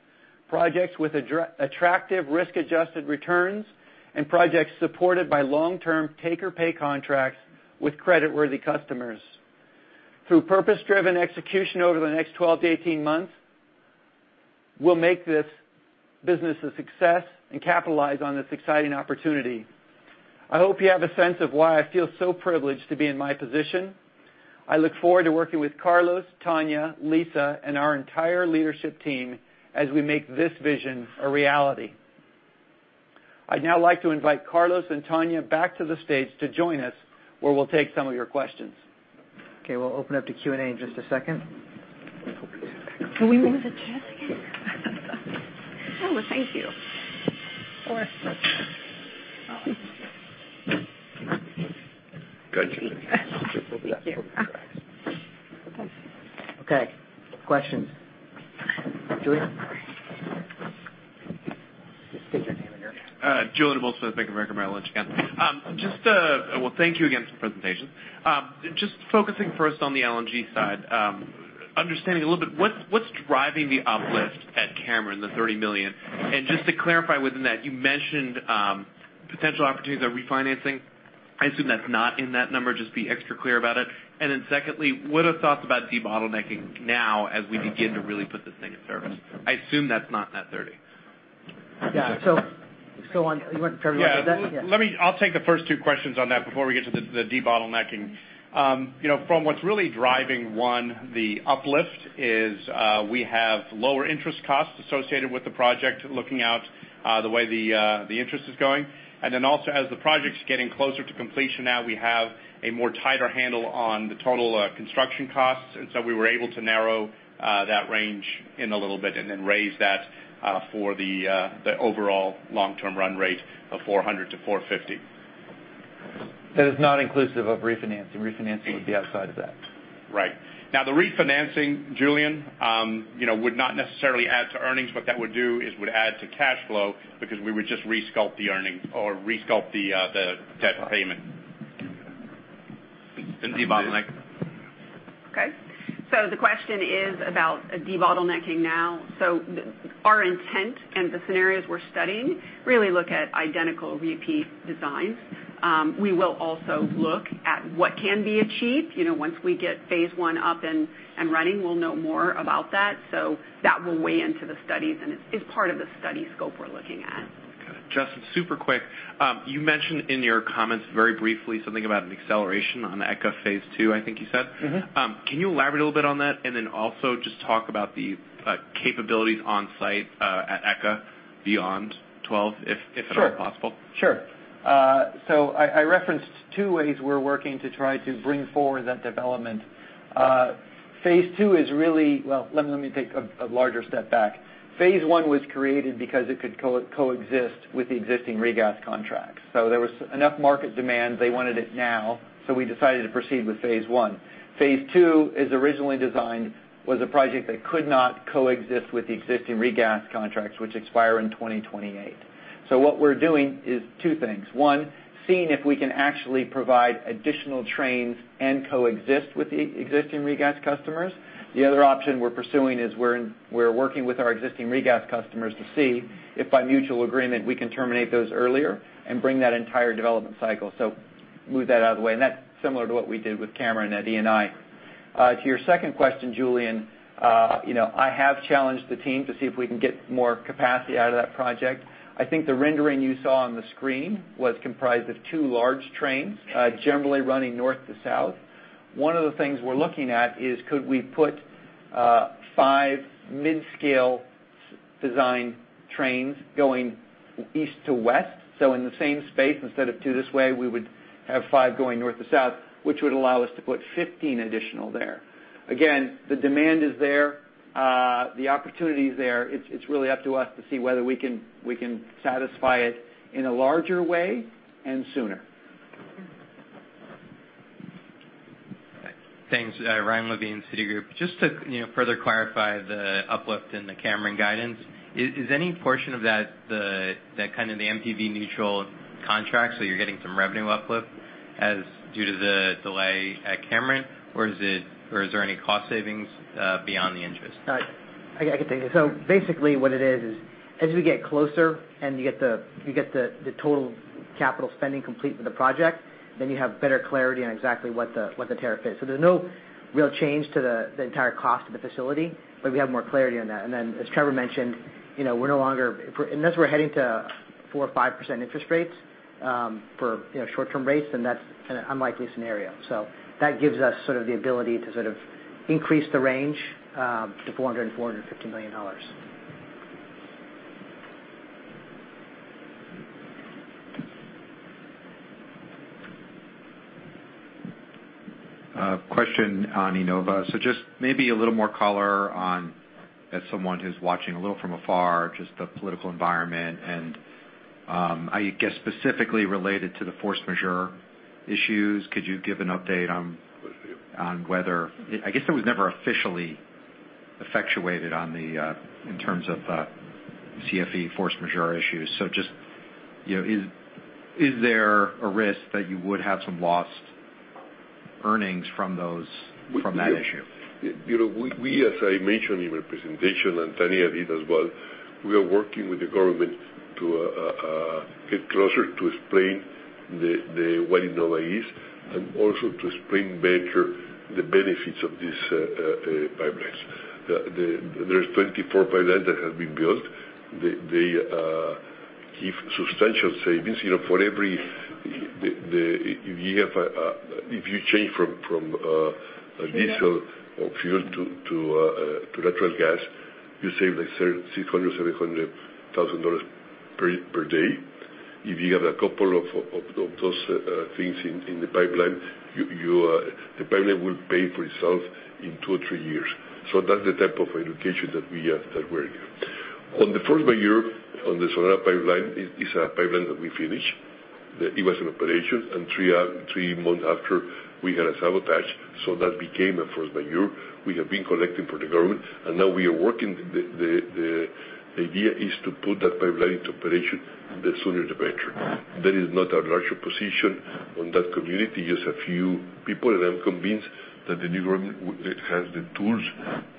projects with attractive risk-adjusted returns, and projects supported by long-term take-or-pay contracts with creditworthy customers. Through purpose-driven execution over the next 12-18 months, we'll make this business a success and capitalize on this exciting opportunity. I hope you have a sense of why I feel so privileged to be in my position. I look forward to working with Carlos, Tania, Lisa, and our entire leadership team as we make this vision a reality. I'd now like to invite Carlos and Tania back to the stage to join us, where we'll take some of your questions. We'll open up to Q&A in just a second. Can we move the chair? Thank you. Of course. Good. Thank you. Okay, questions. Julien? Just state your name and. Julien Dumoulin-Smith, Bank of America Merrill Lynch again. Thank you again for the presentation. Just focusing first on the LNG side. Understanding a little bit, what's driving the uplift at Cameron, the $30 million? And just to clarify within that, you mentioned potential opportunities on refinancing. I assume that's not in that number. Just be extra clear about it. And then secondly, what are the thoughts about debottlenecking now as we begin to really put this thing in service? I assume that's not in that 30. Yeah, you want Trevor to go with that? Yeah. Yeah. I'll take the first two questions on that before we get to the debottlenecking. From what's really driving, one, the uplift is we have lower interest costs associated with the project, looking out the way the interest is going. Also, as the project's getting closer to completion, now we have a tighter handle on the total construction costs, and so we were able to narrow that range in a little bit and then raise that for the overall long-term run rate of $400-$450. That is not inclusive of refinancing. Refinancing would be outside of that. Right. The refinancing, Julien, would not necessarily add to earnings. What that would do is it would add to cash flow because we would just resculpt the earnings or resculpt the debt payment. Debottleneck? The question is about debottlenecking now. Our intent and the scenarios we're studying really look at identical C3MR designs. We will also look at what can be achieved. Once we get Phase 1 up and running, we'll know more about that. That will weigh into the studies, and it's part of the study scope we're looking at. Got it. Justin, super quick. You mentioned in your comments very briefly something about an acceleration on the ECA Phase 2, I think you said. Can you elaborate a little bit on that? Then also just talk about the capabilities on site at ECA beyond 12 MTPA, if at all possible. Sure. I referenced two ways we're working to try to bring forward that development. Phase 2 is really Well, let me take a larger step back. Phase 1 was created because it could coexist with the existing regas contracts. There was enough market demand, they wanted it now, we decided to proceed with Phase 1. Phase 2, as originally designed, was a project that could not coexist with the existing regas contracts, which expire in 2028. What we're doing is two things. One, seeing if we can actually provide additional trains and coexist with the existing regas customers. The other option we're pursuing is we're working with our existing regas customers to see if by mutual agreement we can terminate those earlier and bring that entire development cycle. Move that out of the way. That's similar to what we did with Cameron at Eni. To your second question, Julien, I have challenged the team to see if we can get more capacity out of that project. I think the rendering you saw on the screen was comprised of two large trains, generally running north to south. One of the things we're looking at is could we put five mid-scale design trains going east to west. So in the same space, instead of two this way, we would have five going north to south, which would allow us to put 15 additional there. Again, the demand is there. The opportunity is there. It's really up to us to see whether we can satisfy it in a larger way and sooner. Okay. Thanks. Ryan Levine, Citigroup. Just to further clarify the uplift in the Cameron guidance, is any portion of that kind of the NPV neutral contract, so you're getting some revenue uplift as due to the delay at Cameron? Or is there any cost savings beyond the interest? Question on IEnova. Just maybe a little more color on, as someone who's watching a little from afar, just the political environment and I guess specifically related to the force majeure issues. Could you give an update on whether I guess it was never officially effectuated in terms of CFE force majeure issues. Just is there a risk that you would have some lost earnings from that issue? We, as I mentioned in my presentation, and Tania did as well, we are working with the government to get closer to explain what IEnova is, and also to explain better the benefits of these pipelines. There's 24 pipelines that have been built. They give substantial savings. If you change from diesel or fuel to natural gas, you save like $600,000, $700,000 per day. If you have a couple of those things in the pipeline, the pipeline will pay for itself in two or three years. That's the type of education that we're giving. On the force majeure on the Sonora pipeline, it's a pipeline that we finished. It was in operation, and three months after, we had a sabotage. That became a force majeure. We have been collecting from the government, and now we are working. The idea is to put that pipeline into operation the sooner, the better. There is not a larger position on that community, just a few people, and I'm convinced that the new government has the tools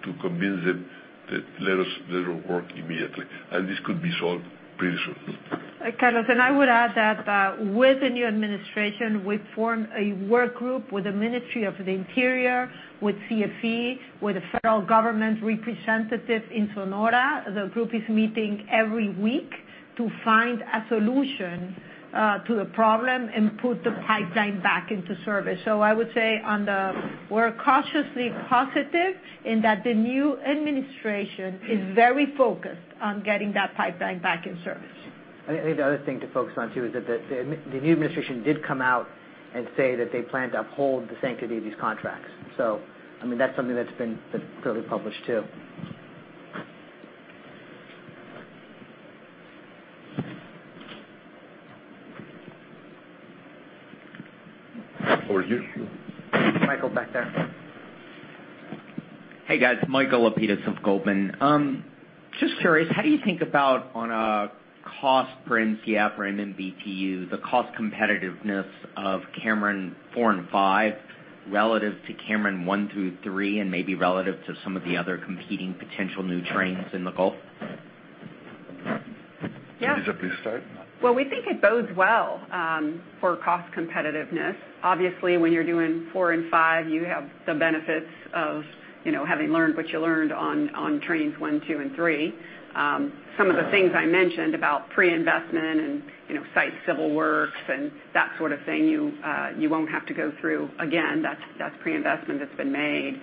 to convince them to let us work immediately. This could be solved pretty soon. Carlos, I would add that with the new administration, we've formed a work group with the Ministry of the Interior, with CFE, with the federal government representative in Sonora. The group is meeting every week to find a solution to the problem and put the pipeline back into service. I would say, we're cautiously positive in that the new administration is very focused on getting that pipeline back in service. I think the other thing to focus on too, is that the new administration did come out and say that they plan to uphold the sanctity of these contracts. That's something that's been publicly published too. Over to you. Michael's back there. Hey, guys. Michael Lapides of Goldman. Just curious, how do you think about on a cost per MCF and then BTU, the cost competitiveness of Cameron four and five relative to Cameron one through three, and maybe relative to some of the other competing potential new trains in the Gulf? Yeah. Lisa, please start. Well, we think it bodes well for cost competitiveness. Obviously, when you're doing trains 4 and 5, you have the benefits of having learned what you learned on trains 1, 2, and 3. Some of the things I mentioned about pre-investment and site civil works and that sort of thing, you won't have to go through again. That's pre-investment that's been made.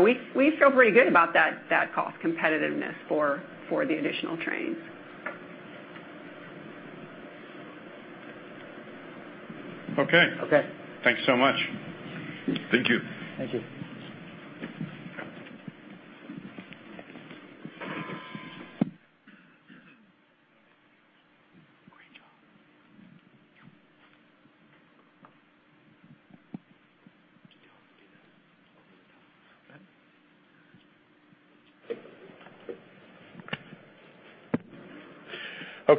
We feel pretty good about that cost competitiveness for the additional trains. Okay. Okay. Thanks so much. Thank you. Thank you. Great job. Keep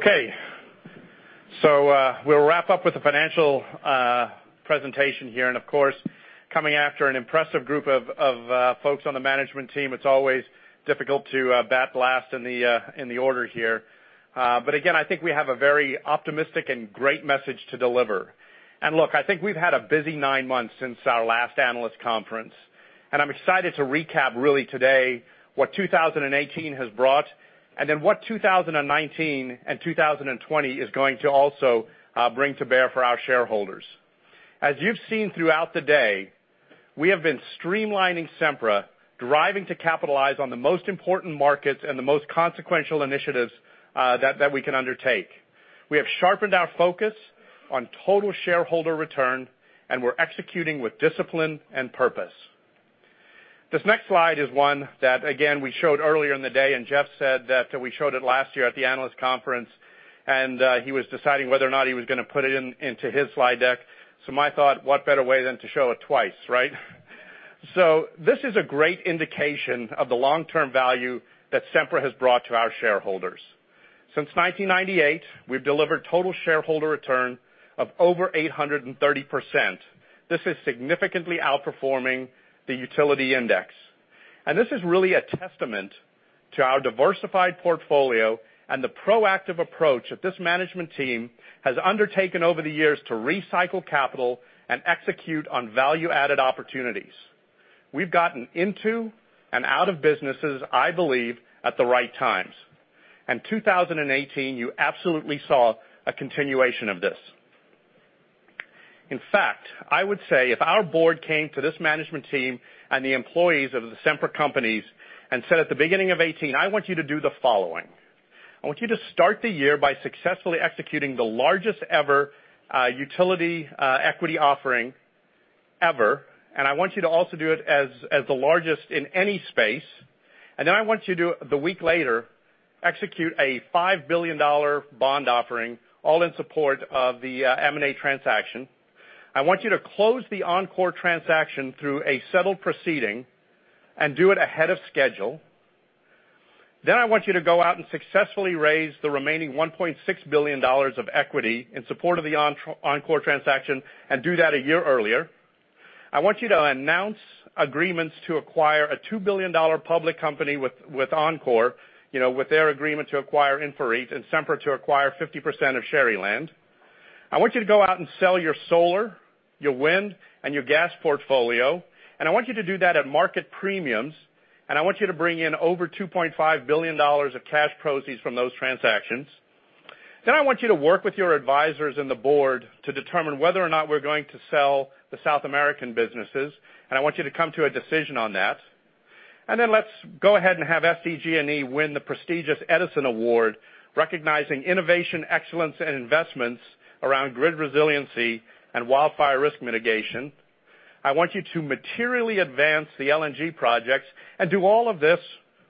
going. Okay. Okay. We'll wrap up with the financial presentation here. Of course, coming after an impressive group of folks on the management team, it's always difficult to bat last in the order here. Again, I think we have a very optimistic and great message to deliver. Look, I think we've had a busy nine months since our last analyst conference. I'm excited to recap really today what 2018 has brought, and then what 2019 and 2020 is going to also bring to bear for our shareholders. As you've seen throughout the day, we have been streamlining Sempra, driving to capitalize on the most important markets and the most consequential initiatives that we can undertake. We have sharpened our focus on total shareholder return, and we're executing with discipline and purpose. This next slide is one that, again, we showed earlier in the day. Jeff said that we showed it last year at the analyst conference, and he was deciding whether or not he was gonna put it into his slide deck. I thought, what better way than to show it twice, right? This is a great indication of the long-term value that Sempra has brought to our shareholders. Since 1998, we've delivered total shareholder return of over 830%. This is significantly outperforming the utility index. This is really a testament to our diversified portfolio and the proactive approach that this management team has undertaken over the years to recycle capital and execute on value-added opportunities. We've gotten into and out of businesses, I believe, at the right times. In 2018, you absolutely saw a continuation of this. In fact, I would say if our board came to this management team and the employees of the Sempra companies and said at the beginning of 2018, "I want you to do the following. I want you to start the year by successfully executing the largest-ever utility equity offering ever. I want you to also do it as the largest in any space. Then I want you to, the week later, execute a $5 billion bond offering all in support of the M&A transaction. I want you to close the Oncor transaction through a settled proceeding and do it ahead of schedule. I want you to go out and successfully raise the remaining $1.6 billion of equity in support of the Oncor transaction. Do that a year earlier. I want you to announce agreements to acquire a $2 billion public company with Oncor, with their agreement to acquire InfraREIT and Sempra to acquire 50% of Sharyland. I want you to go out and sell your solar, your wind, and your gas portfolio, and I want you to do that at market premiums, and I want you to bring in over $2.5 billion of cash proceeds from those transactions. I want you to work with your advisors and the board to determine whether or not we're going to sell the South American businesses, and I want you to come to a decision on that. Let's go ahead and have SDG&E win the prestigious Edison Award, recognizing innovation, excellence, and investments around grid resiliency and wildfire risk mitigation. I want you to materially advance the LNG projects and do all of this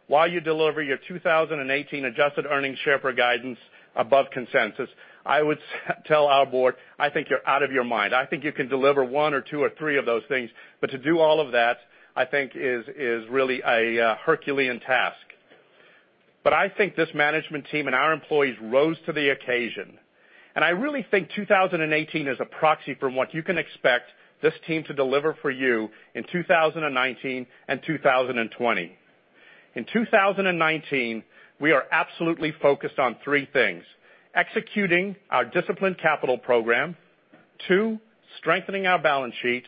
while you deliver your 2018 adjusted earnings share per guidance above consensus. I would tell our board, I think you're out of your mind. I think you can deliver one or two or three of those things, but to do all of that, I think is really a Herculean task. I think this management team and our employees rose to the occasion, and I really think 2018 is a proxy for what you can expect this team to deliver for you in 2019 and 2020. In 2019, we are absolutely focused on three things, executing our disciplined capital program. Two, strengthening our balance sheet.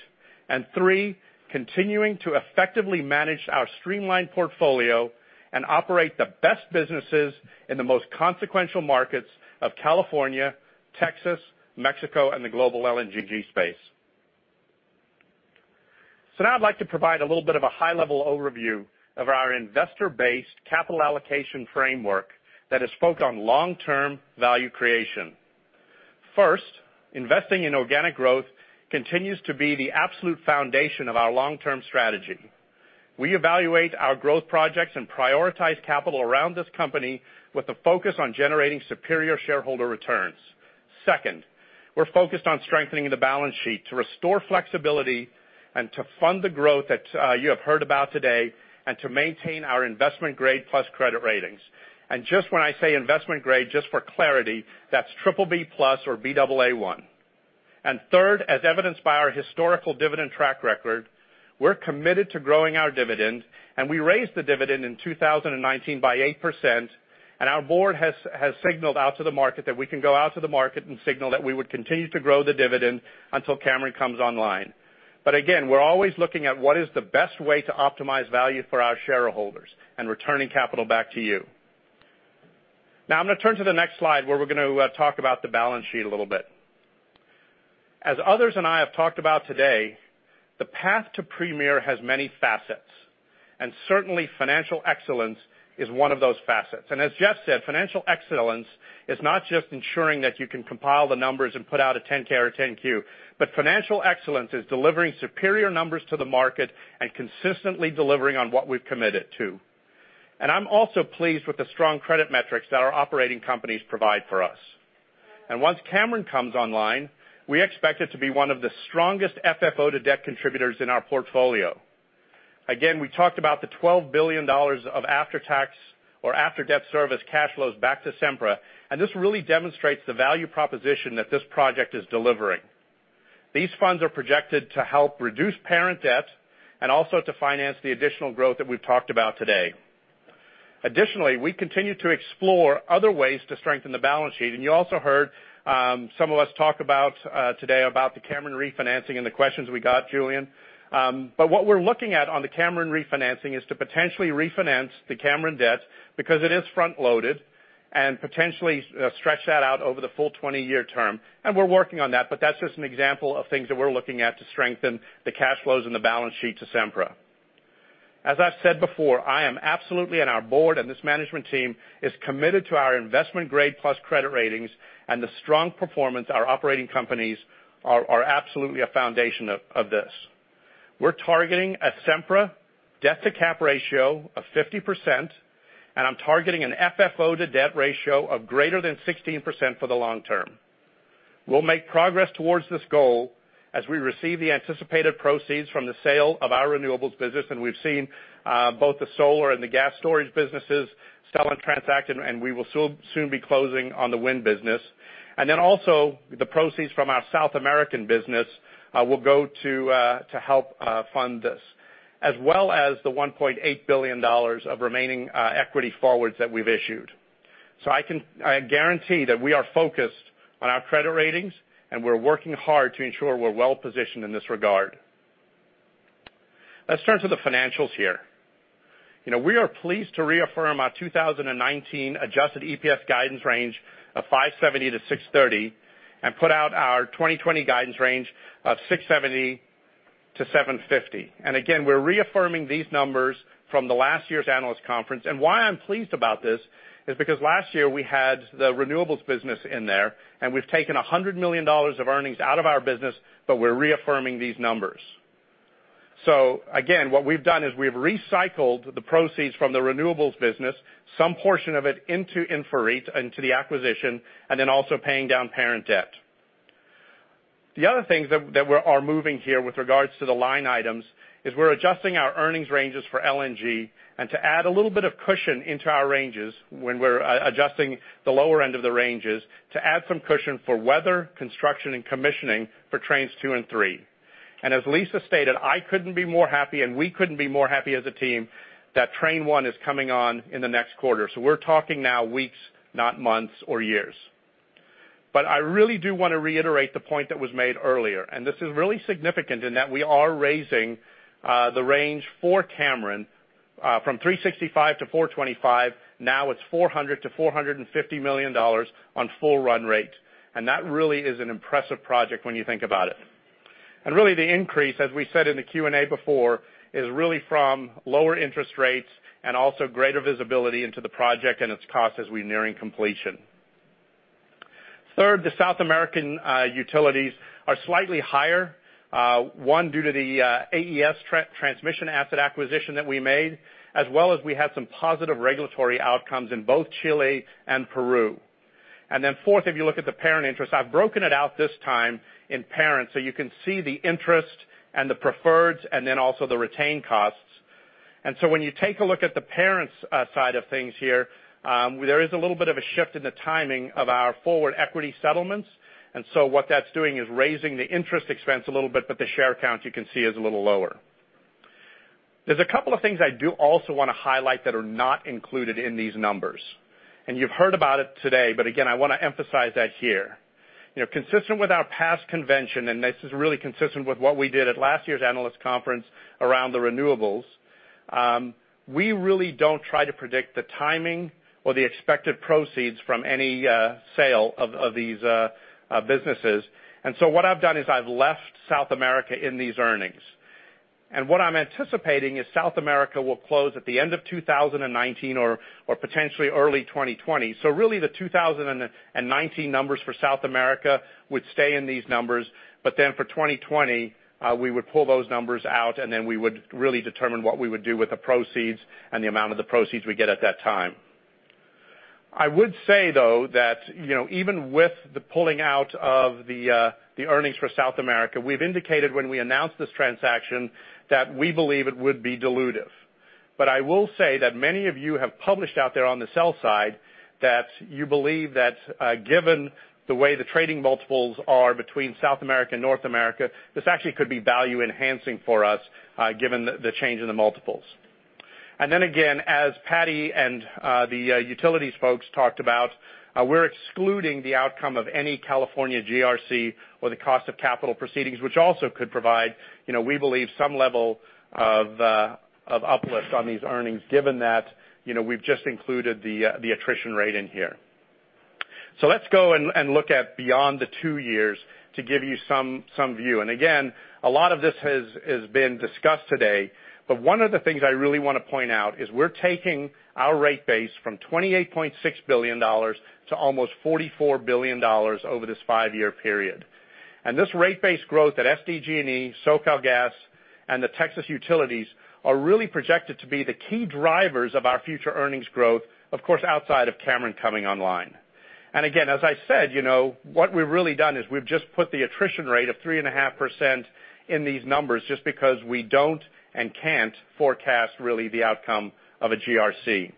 Three, continuing to effectively manage our streamlined portfolio and operate the best businesses in the most consequential markets of California, Texas, Mexico, and the global LNG space. Now I'd like to provide a little bit of a high-level overview of our investor-based capital allocation framework that is focused on long-term value creation. First, investing in organic growth continues to be the absolute foundation of our long-term strategy. We evaluate our growth projects and prioritize capital around this company with a focus on generating superior shareholder returns. Second, we're focused on strengthening the balance sheet to restore flexibility and to fund the growth that you have heard about today, and to maintain our investment-grade-plus credit ratings. Just when I say investment grade, just for clarity, that's BBB+ or Baa1. Third, as evidenced by our historical dividend track record, we're committed to growing our dividend, and we raised the dividend in 2019 by 8%, and our board has signaled out to the market that we can go out to the market and signal that we would continue to grow the dividend until Cameron comes online. Again, we're always looking at what is the best way to optimize value for our shareholders and returning capital back to you. Now, I'm going to turn to the next slide, where we're going to talk about the balance sheet a little bit. As others and I have talked about today, the path to Premier has many facets, and certainly financial excellence is one of those facets. As Jeff said, financial excellence is not just ensuring that you can compile the numbers and put out a 10-K or a 10-Q, financial excellence is delivering superior numbers to the market and consistently delivering on what we've committed to. I'm also pleased with the strong credit metrics that our operating companies provide for us. Once Cameron comes online, we expect it to be one of the strongest FFO to debt contributors in our portfolio. Again, we talked about the $12 billion of after-tax or after-debt service cash flows back to Sempra, this really demonstrates the value proposition that this project is delivering. These funds are projected to help reduce parent debt and also to finance the additional growth that we've talked about today. Additionally, we continue to explore other ways to strengthen the balance sheet, you also heard some of us talk about today about the Cameron refinancing and the questions we got Julien. What we're looking at on the Cameron refinancing is to potentially refinance the Cameron debt because it is front-loaded and potentially stretch that out over the full 20-year term. We're working on that, but that's just an example of things that we're looking at to strengthen the cash flows and the balance sheet to Sempra. As I've said before, I am absolutely, our board and this management team is committed to our investment-grade-plus credit ratings, the strong performance our operating companies are absolutely a foundation of this. We're targeting a Sempra debt-to-cap ratio of 50%, and I'm targeting an FFO to debt ratio of greater than 16% for the long term. We'll make progress towards this goal as we receive the anticipated proceeds from the sale of our renewables business, we've seen both the solar and the gas storage businesses sell and transact, we will soon be closing on the wind business. Then also the proceeds from our South American business will go to help fund this, as well as the $1.8 billion of remaining equity forwards that we've issued. I guarantee that we are focused on our credit ratings, we're working hard to ensure we're well-positioned in this regard. Let's turn to the financials here. We are pleased to reaffirm our 2019 adjusted EPS guidance range of $5.70-$6.30 and put out our 2020 guidance range of $6.70-$7.50. Again, we're reaffirming these numbers from the last year's analyst conference. Why I'm pleased about this is because last year we had the renewables business in there, we've taken $100 million of earnings out of our business, we're reaffirming these numbers. Again, what we've done is we've recycled the proceeds from the renewables business, some portion of it into InfraREIT, into the acquisition, and then also paying down parent debt. The other things that we are moving here with regards to the line items is we're adjusting our earnings ranges for LNG and to add a little bit of cushion into our ranges when we're adjusting the lower end of the ranges to add some cushion for weather, construction, and commissioning for Trains 2 and 3. As Lisa stated, I couldn't be more happy, we couldn't be more happy as a team that Train 1 is coming on in the next quarter. We're talking now weeks, not months or years. I really do want to reiterate the point that was made earlier, and this is really significant in that we are raising the range for Cameron from $365 million to $425 million, now it's $400 million to $450 million on full run rate. That really is an impressive project when you think about it. The increase, as we said in the Q&A before, is really from lower interest rates and also greater visibility into the project and its cost as we're nearing completion. Third, the South American utilities are slightly higher. One, due to the AES transmission asset acquisition that we made, as well as we had some positive regulatory outcomes in both Chile and Peru. Fourth, if you look at the parent interest, I've broken it out this time in parent, so you can see the interest and the preferreds and then also the retained costs. When you take a look at the parent's side of things here, there is a little bit of a shift in the timing of our forward equity settlements, so what that's doing is raising the interest expense a little bit, but the share count you can see is a little lower. There are a couple of things I do also want to highlight that are not included in these numbers, and you've heard about it today, but again, I want to emphasize that here. Consistent with our past convention, this is really consistent with what we did at last year's analyst conference around the renewables, we really don't try to predict the timing or the expected proceeds from any sale of these businesses. What I've done is I've left South America in these earnings. What I'm anticipating is South America will close at the end of 2019 or potentially early 2020. The 2019 numbers for South America would stay in these numbers, but then for 2020, we would pull those numbers out, and then we would really determine what we would do with the proceeds and the amount of the proceeds we get at that time. I would say, though, that even with the pulling out of the earnings for South America, we've indicated when we announced this transaction that we believe it would be dilutive. I will say that many of you have published out there on the sell side that you believe that given the way the trading multiples are between South America and North America, this actually could be value-enhancing for us given the change in the multiples. Again, as Patti and the utilities folks talked about, we're excluding the outcome of any California GRC or the cost of capital proceedings, which also could provide we believe, some level of uplift on these earnings, given that we've just included the attrition rate in here. Let's go and look at beyond the two years to give you some view. Again, a lot of this has been discussed today, but one of the things I really want to point out is we're taking our rate base from $28.6 billion to almost $44 billion over this five-year period. This rate base growth at SDG&E, SoCalGas, and the Texas utilities are really projected to be the key drivers of our future earnings growth, of course, outside of Cameron coming online. Again, as I said, what we've really done is we've just put the attrition rate of 3.5% in these numbers just because we don't and can't forecast really the outcome of a GRC.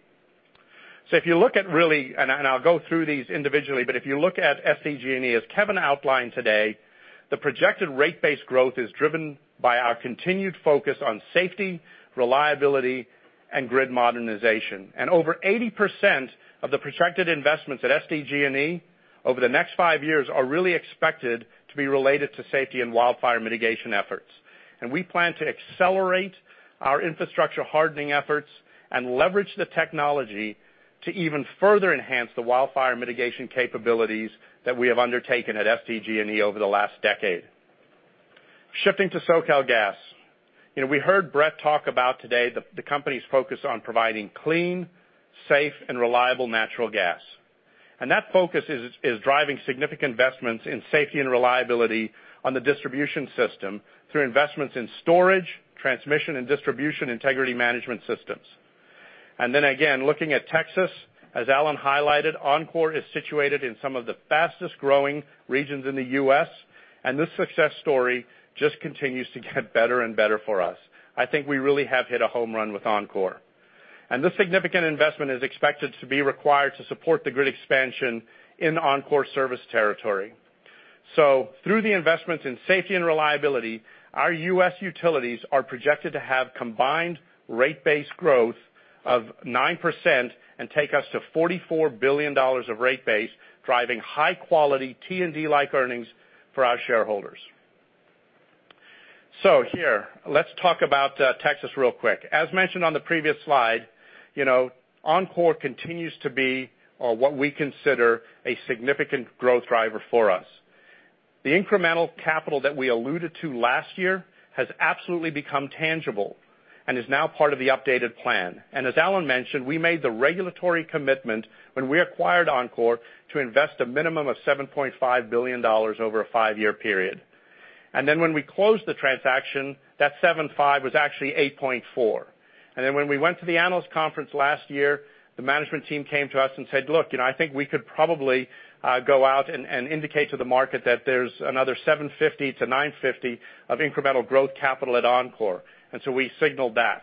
If you look at really, and I'll go through these individually, but if you look at SDG&E, as Kevin Sagara outlined today, the projected rate base growth is driven by our continued focus on safety, reliability, and grid modernization. Over 80% of the projected investments at SDG&E over the next five years are really expected to be related to safety and wildfire mitigation efforts. We plan to accelerate our infrastructure hardening efforts and leverage the technology to even further enhance the wildfire mitigation capabilities that we have undertaken at SDG&E over the last decade. Shifting to SoCalGas. We heard Bret Lane talk about today the company's focus on providing clean, safe, and reliable natural gas. That focus is driving significant investments in safety and reliability on the distribution system through investments in storage, transmission, and distribution integrity management systems. Again, looking at Texas, as Allen Nye highlighted, Oncor is situated in some of the fastest-growing regions in the U.S., and this success story just continues to get better and better for us. I think we really have hit a home run with Oncor. This significant investment is expected to be required to support the grid expansion in Oncor's service territory. Through the investments in safety and reliability, our U.S. utilities are projected to have combined rate base growth of 9% and take us to $44 billion of rate base, driving high-quality T&D-like earnings for our shareholders. Here, let's talk about Texas real quick. As mentioned on the previous slide, Oncor continues to be what we consider a significant growth driver for us. The incremental capital that we alluded to last year has absolutely become tangible and is now part of the updated plan. As Allen Nye mentioned, we made the regulatory commitment when we acquired Oncor to invest a minimum of $7.5 billion over a five-year period. When we closed the transaction, that $7.5 billion was actually $8.4 billion. When we went to the analyst conference last year, the management team came to us and said, "Look, I think we could probably go out and indicate to the market that there's another $750 million-$950 million of incremental growth capital at Oncor." We signaled that.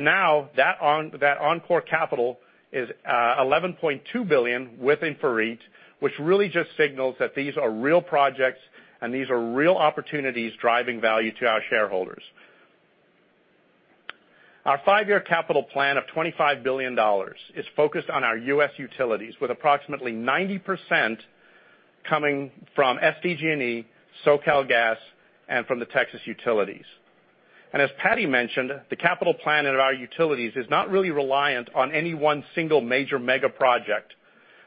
Now, that Oncor capital is $11.2 billion with InfraREIT, which really just signals that these are real projects and these are real opportunities driving value to our shareholders. Our five-year capital plan of $25 billion is focused on our U.S. utilities, with approximately 90% coming from SDG&E, SoCalGas, and from the Texas utilities. As Patti Wagner mentioned, the capital plan at our utilities is not really reliant on any one single major mega project,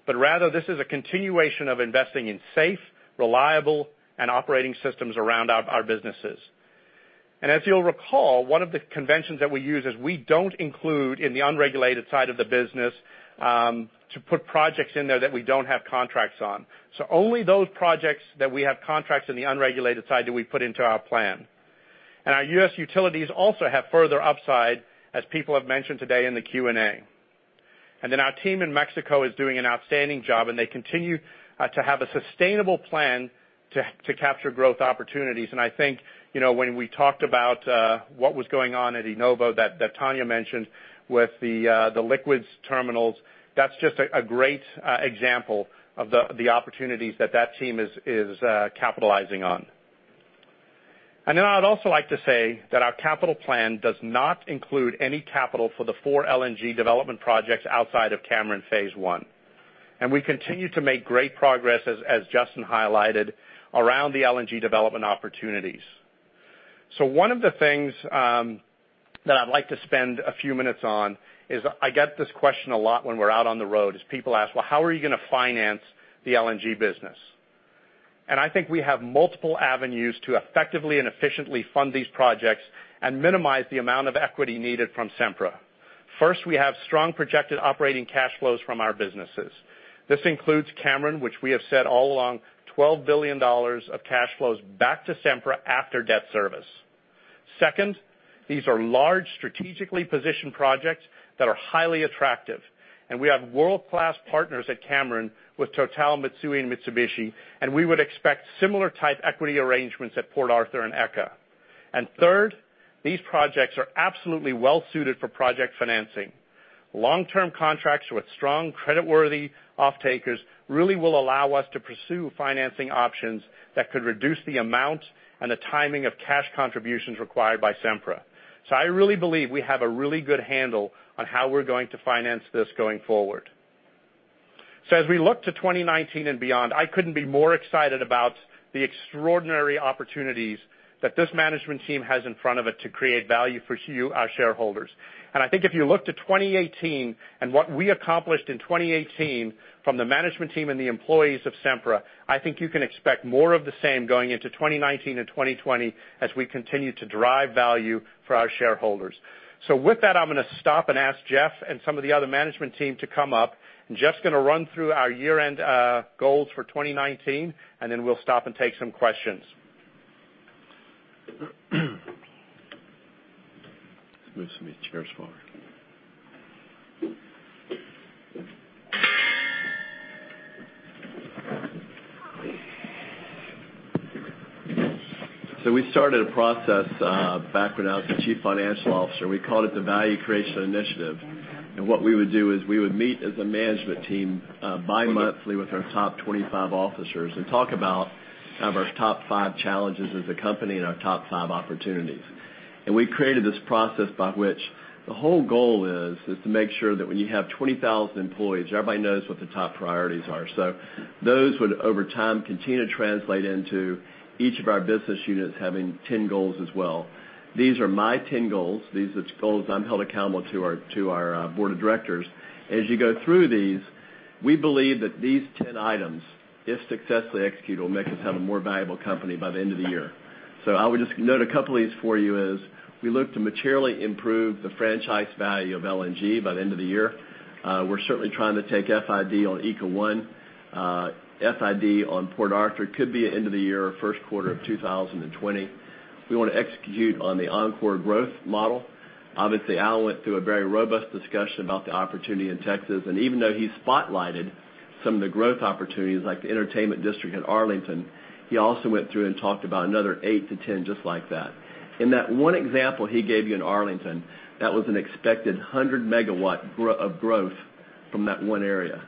but rather this is a continuation of investing in safe, reliable, and operating systems around our businesses. If you'll recall, one of the conventions that we use is we don't include in the unregulated side of the business, to put projects in there that we don't have contracts on. Only those projects that we have contracts in the unregulated side do we put into our plan. Our U.S. utilities also have further upside, as people have mentioned today in the Q&A. Our team in Mexico is doing an outstanding job, and they continue to have a sustainable plan to capture growth opportunities. I think, when we talked about what was going on at IEnova that Tania mentioned with the liquids terminals, that's just a great example of the opportunities that that team is capitalizing on. I would also like to say that our capital plan does not include any capital for the four LNG development projects outside of Cameron Phase 1. We continue to make great progress, as Justin highlighted, around the LNG development opportunities. One of the things that I'd like to spend a few minutes on is, I get this question a lot when we're out on the road, is people ask, "Well, how are you going to finance the LNG business?" I think we have multiple avenues to effectively and efficiently fund these projects and minimize the amount of equity needed from Sempra. First, we have strong projected operating cash flows from our businesses. This includes Cameron, which we have said all along, $12 billion of cash flows back to Sempra after debt service. Second, these are large, strategically positioned projects that are highly attractive, and we have world-class partners at Cameron with Total, Mitsui, and Mitsubishi, and we would expect similar type equity arrangements at Port Arthur and ECA. Third, these projects are absolutely well-suited for project financing. Long-term contracts with strong creditworthy off-takers really will allow us to pursue financing options that could reduce the amount and the timing of cash contributions required by Sempra. I really believe we have a really good handle on how we're going to finance this going forward. As we look to 2019 and beyond, I couldn't be more excited about the extraordinary opportunities that this management team has in front of it to create value for you, our shareholders. I think if you look to 2018 and what we accomplished in 2018 from the management team and the employees of Sempra, I think you can expect more of the same going into 2019 and 2020 as we continue to drive value for our shareholders. With that, I'm gonna stop and ask Jeff and some of the other management team to come up. Jeff's gonna run through our year-end goals for 2019, then we'll stop and take some questions. Move some of these chairs forward. We started a process, back when I was the Chief Financial Officer. We called it the Value Creation Initiative. What we would do is we would meet as a management team bi-monthly with our top 25 officers and talk about kind of our top five challenges as a company and our top five opportunities. We created this process by which the whole goal is to make sure that when you have 20,000 employees, everybody knows what the top priorities are. Those would, over time, continue to translate into each of our business units having 10 goals as well. These are my 10 goals. These are the goals I'm held accountable to our board of directors. As you go through these, we believe that these 10 items, if successfully executed, will make us have a more valuable company by the end of the year. I would just note a couple of these for you is we look to materially improve the franchise value of LNG by the end of the year. We're certainly trying to take FID on ECA 1. FID on Port Arthur could be end of the year or first quarter of 2020. We want to execute on the Oncor growth model. Obviously, Al went through a very robust discussion about the opportunity in Texas, and even though he spotlighted some of the growth opportunities like the entertainment district in Arlington, he also went through and talked about another 8 to 10 just like that. In that one example he gave you in Arlington, that was an expected 100 MW of growth from that one area.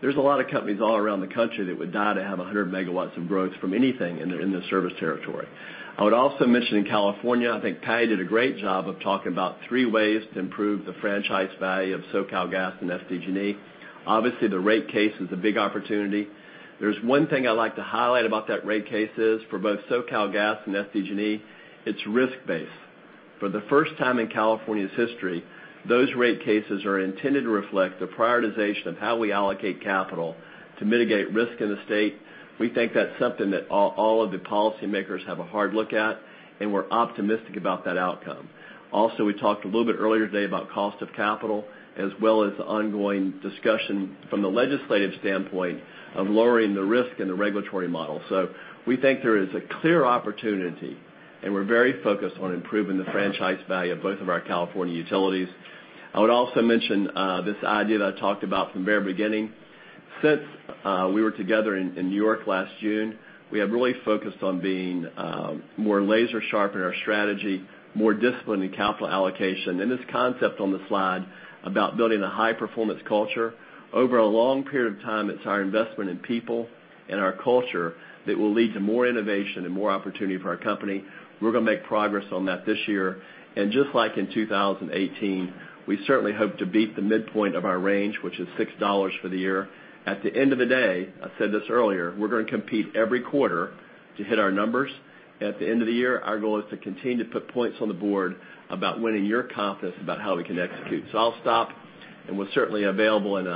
There's a lot of companies all around the country that would die to have 100 MW of growth from anything in the service territory. I would also mention in California, I think Patti did a great job of talking about three ways to improve the franchise value of SoCalGas and SDG&E. Obviously, the rate case is a big opportunity. There's one thing I'd like to highlight about that rate case is for both SoCalGas and SDG&E, it's risk-based. For the first time in California's history, those rate cases are intended to reflect the prioritization of how we allocate capital to mitigate risk in the state. We think that's something that all of the policymakers have a hard look at, and we're optimistic about that outcome. We talked a little bit earlier today about cost of capital, as well as the ongoing discussion from the legislative standpoint of lowering the risk in the regulatory model. We think there is a clear opportunity, and we're very focused on improving the franchise value of both of our California utilities. I would also mention this idea that I talked about from the very beginning. Since we were together in New York last June, we have really focused on being more laser sharp in our strategy, more disciplined in capital allocation. This concept on the slide about building a high-performance culture. Over a long period of time, it's our investment in people and our culture that will lead to more innovation and more opportunity for our company. We're going to make progress on that this year. Just like in 2018, we certainly hope to beat the midpoint of our range, which is $6 for the year. At the end of the day, I said this earlier, we're going to compete every quarter to hit our numbers. At the end of the year, our goal is to continue to put points on the board about winning your confidence about how we can execute. I'll stop, and we're certainly available, and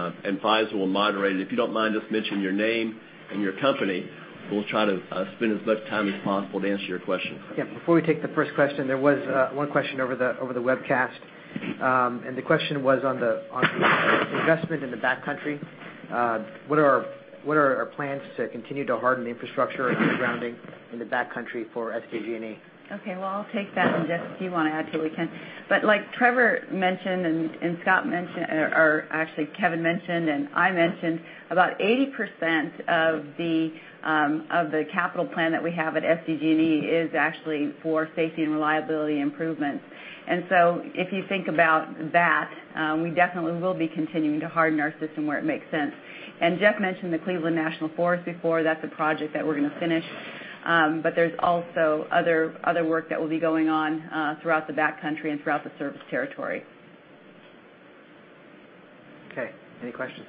Faisel will moderate. If you don't mind just mentioning your name and your company, we'll try to spend as much time as possible to answer your questions. Yeah. Before we take the first question, there was one question over the webcast, and the question was on the investment in the backcountry. What are our plans to continue to harden the infrastructure and the grounding in the backcountry for SDG&E? Okay. Well, I'll take that. Jeff, if you want to add to it, you can. Like Trevor mentioned and Scott mentioned, or actually Kevin mentioned and I mentioned, about 80% of the capital plan that we have at SDG&E is actually for safety and reliability improvements. If you think about that, we definitely will be continuing to harden our system where it makes sense. Jeff mentioned the Cleveland National Forest before. That's a project that we're going to finish. There's also other work that will be going on throughout the backcountry and throughout the service territory. Okay. Any questions?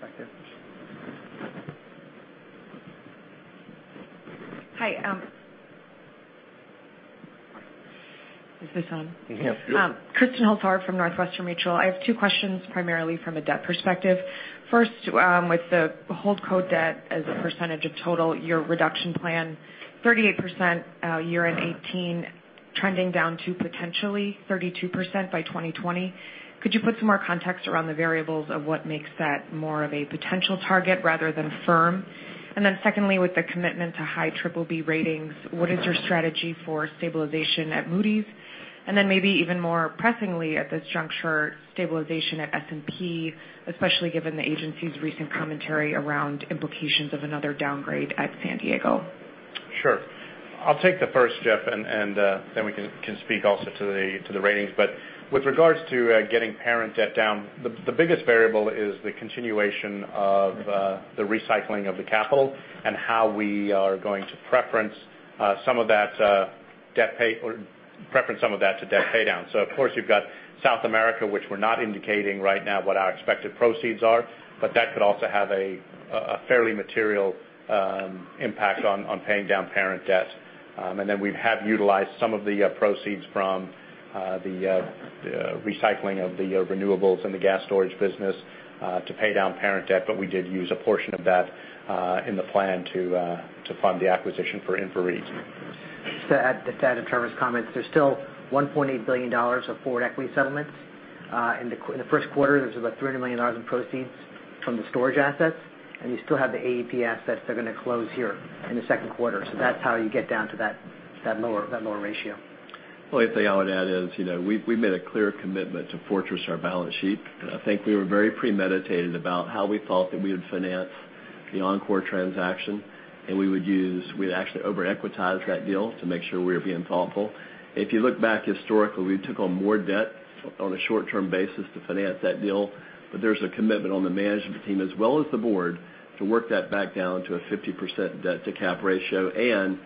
Back there. Hi. Is this on? Yes. Yes. Kristin Holzhauer from Northwestern Mutual. I have two questions, primarily from a debt perspective. First, with the holdco debt as a percentage of total, your reduction plan, 38% year-end 2018 trending down to potentially 32% by 2020. Could you put some more context around the variables of what makes that more of a potential target rather than firm? Secondly, with the commitment to high BBB ratings, what is your strategy for stabilization at Moody's? Maybe even more pressingly at this juncture, stabilization at S&P, especially given the agency's recent commentary around implications of another downgrade at San Diego. Sure. I'll take the first, Jeff, then we can speak also to the ratings. With regards to getting parent debt down, the biggest variable is the continuation of the recycling of the capital and how we are going to preference some of that to debt paydown. Of course, you've got South America, which we're not indicating right now what our expected proceeds are. That could also have a fairly material impact on paying down parent debt. We have utilized some of the proceeds from the recycling of the renewables in the gas storage business to pay down parent debt. We did use a portion of that in the plan to fund the acquisition for InfraREIT. Just to add to Trevor's comments, there's still $1.8 billion of forward equity settlements. In the first quarter, there's about $300 million in proceeds from the storage assets, and you still have the AEP assets that are going to close here in the second quarter. That's how you get down to that lower ratio. The only thing I would add is we made a clear commitment to fortress our balance sheet. I think we were very premeditated about how we thought that we would finance the Oncor transaction, and we'd actually over-equitize that deal to make sure we were being thoughtful. If you look back historically, we took on more debt on a short-term basis to finance that deal. There's a commitment on the management team as well as the board to work that back down to a 50% debt-to-cap ratio, and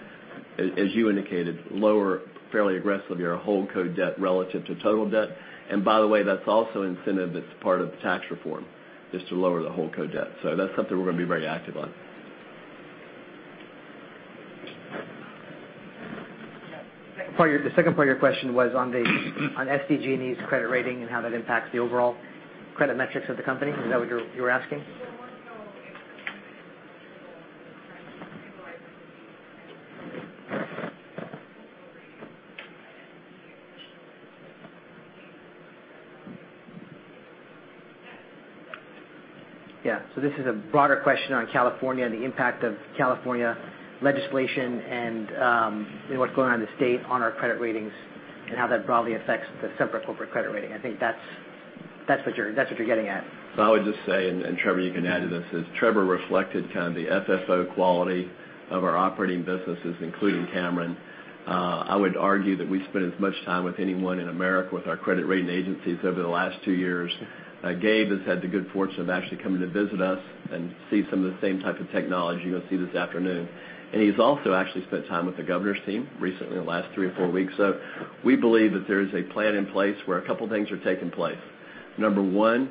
as you indicated, lower fairly aggressively our holdco debt relative to total debt. By the way, that's also incentive that's part of the tax reform, just to lower the holdco debt. That's something we're going to be very active on. The second part of your question was on SDG&E's credit rating and how that impacts the overall credit metrics of the company. Is that what you were asking? Well, also if the credit rating S&P initial debt. Yeah. This is a broader question on California and the impact of California legislation and what's going on in the state on our credit ratings and how that broadly affects the Sempra corporate credit rating. I think that's what you're getting at. Trevor, you can add to this, is Trevor reflected kind of the FFO quality of our operating businesses, including Cameron. I would argue that we spent as much time with anyone in America with our credit rating agencies over the last 2 years. Gabe has had the good fortune of actually coming to visit us and see some of the same type of technology you're going to see this afternoon. He's also actually spent time with the Governor's team recently in the last 3 or 4 weeks. We believe that there is a plan in place where a couple of things are taking place. Number 1,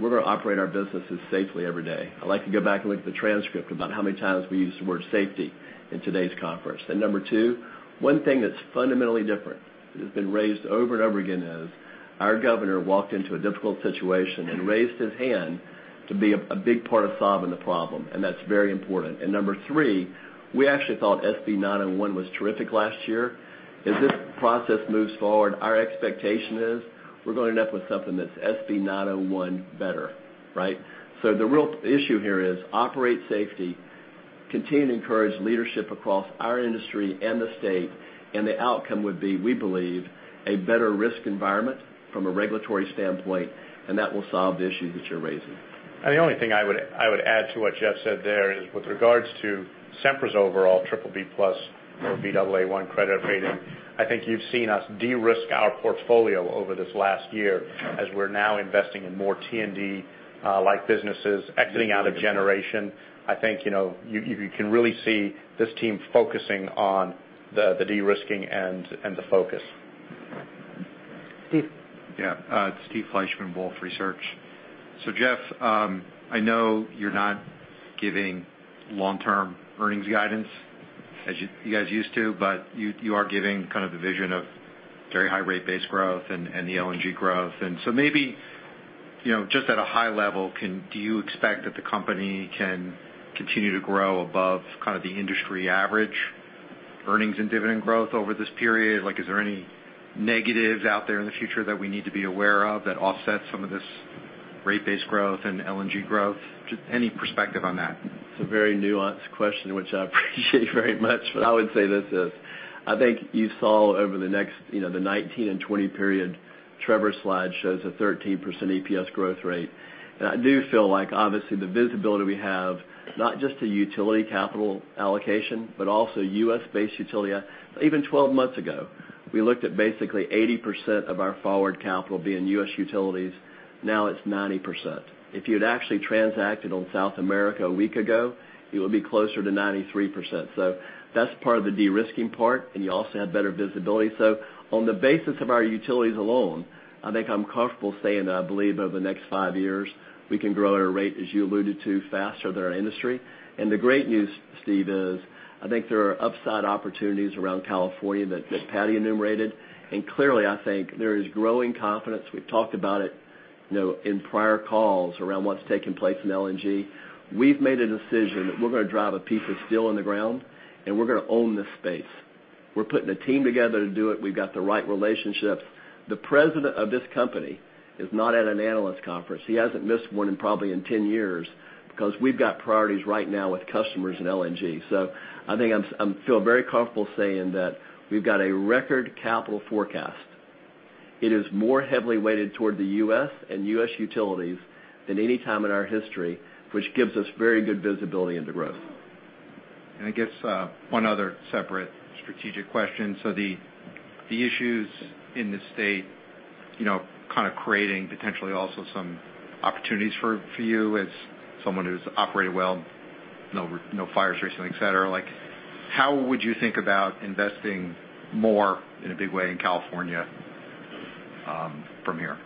we're going to operate our businesses safely every day. I'd like to go back and look at the transcript about how many times we used the word safety in today's conference. Number 2, one thing that's fundamentally different that has been raised over and over again is our Governor walked into a difficult situation and raised his hand to be a big part of solving the problem, and that's very important. Number 3, we actually thought SB 901 was terrific last year. As this process moves forward, our expectation is we're going to end up with something that's SB 901 better. Right? The real issue here is operate safely. Continue to encourage leadership across our industry and the state, and the outcome would be, we believe, a better risk environment from a regulatory standpoint, and that will solve the issue that you're raising. The only thing I would add to what Jeff said there is with regards to Sempra's overall BBB+ or Baa1 credit rating, I think you've seen us de-risk our portfolio over this last year as we're now investing in more T&D-like businesses, exiting out of generation. I think you can really see this team focusing on the de-risking and the focus. Steve. Yeah. It's Steve Fleishman, Wolfe Research. Jeff, I know you're not giving long-term earnings guidance as you guys used to, but you are giving kind of the vision of very high rate base growth and the LNG growth. Maybe, just at a high level, do you expect that the company can continue to grow above kind of the industry average earnings and dividend growth over this period? Is there any negatives out there in the future that we need to be aware of that offset some of this rate base growth and LNG growth? Just any perspective on that. It's a very nuanced question, which I appreciate very much. I would say this. I think you saw over the next, the 2019 and 2020 period, Trevor's slide shows a 13% EPS growth rate. I do feel like obviously the visibility we have, not just to utility capital allocation, but also U.S.-based utility. Even 12 months ago, we looked at basically 80% of our forward capital being U.S. utilities. Now it's 90%. If you'd actually transacted on South America a week ago, you would be closer to 93%. That's part of the de-risking part. You also have better visibility. On the basis of our utilities alone, I think I'm comfortable saying that I believe over the next five years, we can grow at a rate, as you alluded to, faster than our industry. The great news, Steve, is I think there are upside opportunities around California that Patti enumerated. Clearly, I think there is growing confidence. We've talked about it in prior calls around what's taking place in LNG. We've made a decision that we're going to drive a piece of steel in the ground, and we're going to own this space. We're putting a team together to do it. We've got the right relationships. The president of this company is not at an analyst conference. He hasn't missed one in probably in 10 years because we've got priorities right now with customers and LNG. I think I feel very comfortable saying that we've got a record capital forecast. It is more heavily weighted toward the U.S. and U.S. utilities than any time in our history, which gives us very good visibility into growth. I guess, one other separate strategic question. The issues in the state kind of creating potentially also some opportunities for you as someone who's operated well, no fires recently, et cetera. How would you think about investing more in a big way in California from here?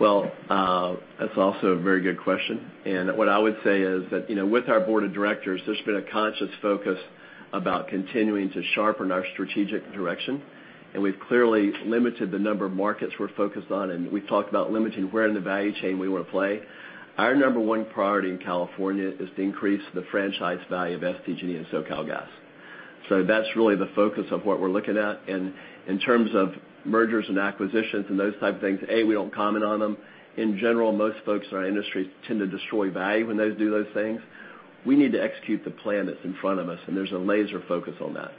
Well, that's also a very good question. What I would say is that, with our board of directors, there's been a conscious focus about continuing to sharpen our strategic direction. We've clearly limited the number of markets we're focused on. We've talked about limiting where in the value chain we want to play. Our number one priority in California is to increase the franchise value of SDG&E and SoCalGas. That's really the focus of what we're looking at. In terms of mergers and acquisitions and those type of things, A, we don't comment on them. In general, most folks in our industry tend to destroy value when they do those things. We need to execute the plan that's in front of us. There's a laser focus on that.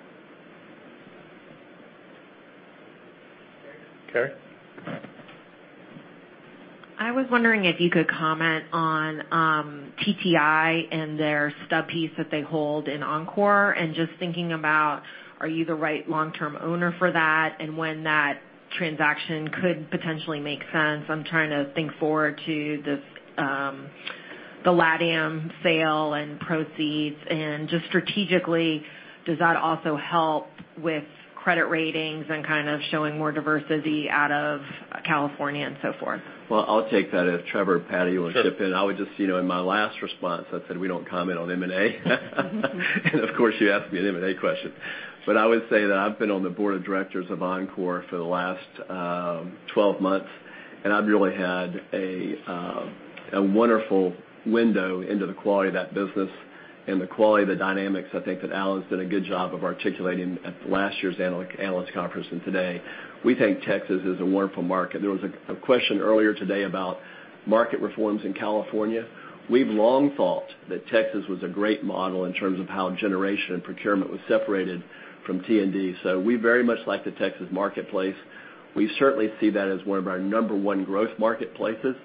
Carrie. I was wondering if you could comment on TTI and their stub piece that they hold in Oncor, and just thinking about, are you the right long-term owner for that, and when that transaction could potentially make sense. I'm trying to think forward to the LATAM sale and proceeds, and just strategically, does that also help with credit ratings and kind of showing more diversity out of California and so forth? Well, I'll take that if Trevor or Patti want to chip in. I would in my last response, I said we don't comment on M&A. Of course, you ask me an M&A question. I would say that I've been on the board of directors of Oncor for the last 12 months, and I've really had a wonderful window into the quality of that business and the quality of the dynamics, I think that Al has done a good job of articulating at last year's analyst conference and today. We think Texas is a wonderful market. There was a question earlier today about market reforms in California. We've long thought that Texas was a great model in terms of how generation and procurement was separated from T&D. We very much like the Texas marketplace. We certainly see that as one of our number 1 growth marketplaces,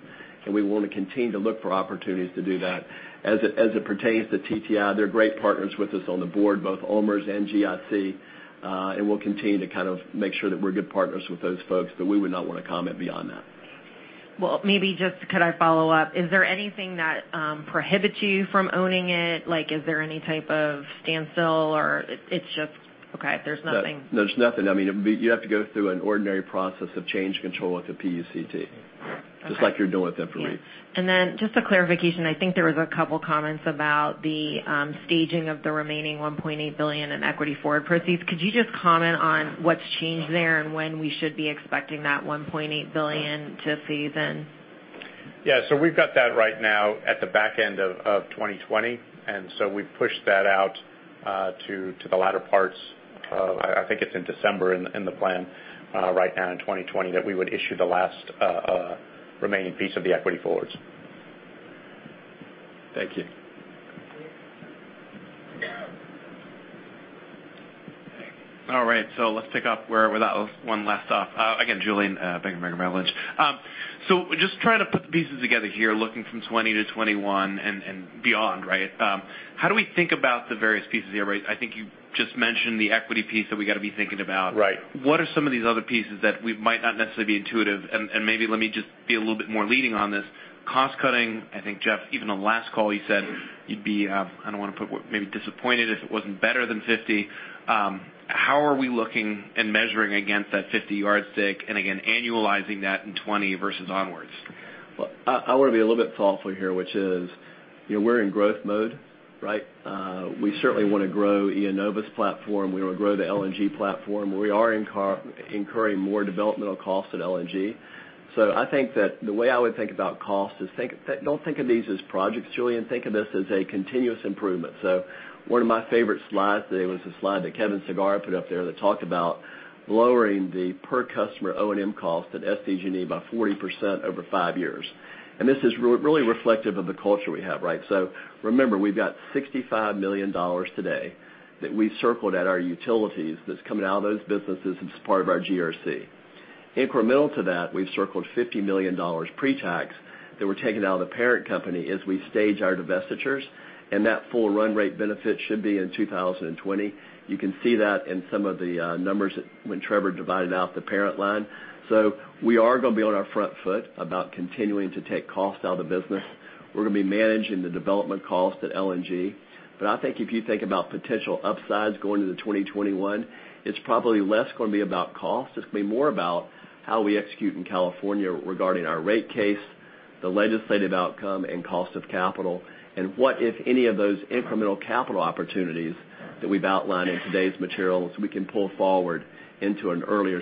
and we want to continue to look for opportunities to do that. As it pertains to TTI, they're great partners with us on the board, both OMERS and GIC. We'll continue to kind of make sure that we're good partners with those folks, we would not want to comment beyond that. Well, maybe just could I follow up? Is there anything that prohibits you from owning it? Is there any type of standstill or it's just okay, there's nothing. No, there's nothing. You have to go through an ordinary process of change control with the PUCT. Okay. Just like you're doing temporarily. Yeah. Just a clarification, I think there was a couple comments about the staging of the remaining $1.8 billion in equity forward proceeds. Could you just comment on what's changed there and when we should be expecting that $1.8 billion to feed in? Yeah. We've got that right now at the back end of 2020, we've pushed that out To the latter parts of, I think it's in December in the plan right now in 2020 that we would issue the last remaining piece of the equity forwards. Thank you. All right, let's pick up where that one left off. Again, Julien, Bank of America Merrill Lynch. Just trying to put the pieces together here, looking from 2020 to 2021 and beyond, right? How do we think about the various pieces here, right? I think you just mentioned the equity piece that we got to be thinking about. Right. What are some of these other pieces that might not necessarily be intuitive? Maybe let me just be a little bit more leading on this. Cost-cutting, I think Jeff, even on last call, you said you'd be, I don't want to put word, maybe disappointed if it wasn't better than 50. How are we looking and measuring against that 50 yardstick, and again, annualizing that in 2020 versus onwards? I want to be a little bit thoughtful here, which is we're in growth mode, right? We certainly want to grow IEnova's platform. We want to grow the LNG platform. We are incurring more developmental costs at LNG. I think that the way I would think about cost is don't think of these as projects, Julien. Think of this as a continuous improvement. One of my favorite slides today was the slide that Kevin Sagara put up there that talked about lowering the per-customer O&M cost at SDG&E by 40% over five years. This is really reflective of the culture we have, right? Remember, we've got $65 million today that we've circled at our utilities that's coming out of those businesses as part of our GRC. Incremental to that, we've circled $50 million pre-tax that we're taking out of the parent company as we stage our divestitures, and that full run rate benefit should be in 2020. You can see that in some of the numbers when Trevor divided out the parent line. We are going to be on our front foot about continuing to take costs out of the business. We're going to be managing the development costs at LNG. I think if you think about potential upsides going into 2021, it's probably less going to be about cost. It's going to be more about how we execute in California regarding our rate case, the legislative outcome, and cost of capital, and what, if any of those incremental capital opportunities that we've outlined in today's materials we can pull forward into an earlier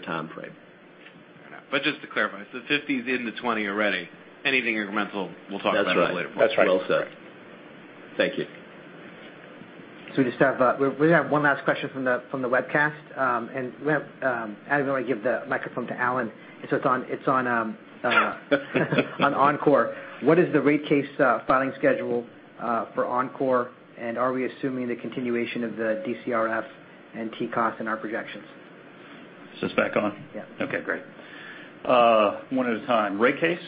timeframe. Just to clarify, 50 is in the 20 already. Anything incremental, we'll talk about it later. That's right. Well said. Thank you. We just have one last question from the webcast. I don't know if you want to give the microphone to Allen. It's on Oncor. What is the rate case filing schedule for Oncor, and are we assuming the continuation of the DCRF and TCOS in our projections? It's back on? Yeah. Okay, great. One at a time. Rate case?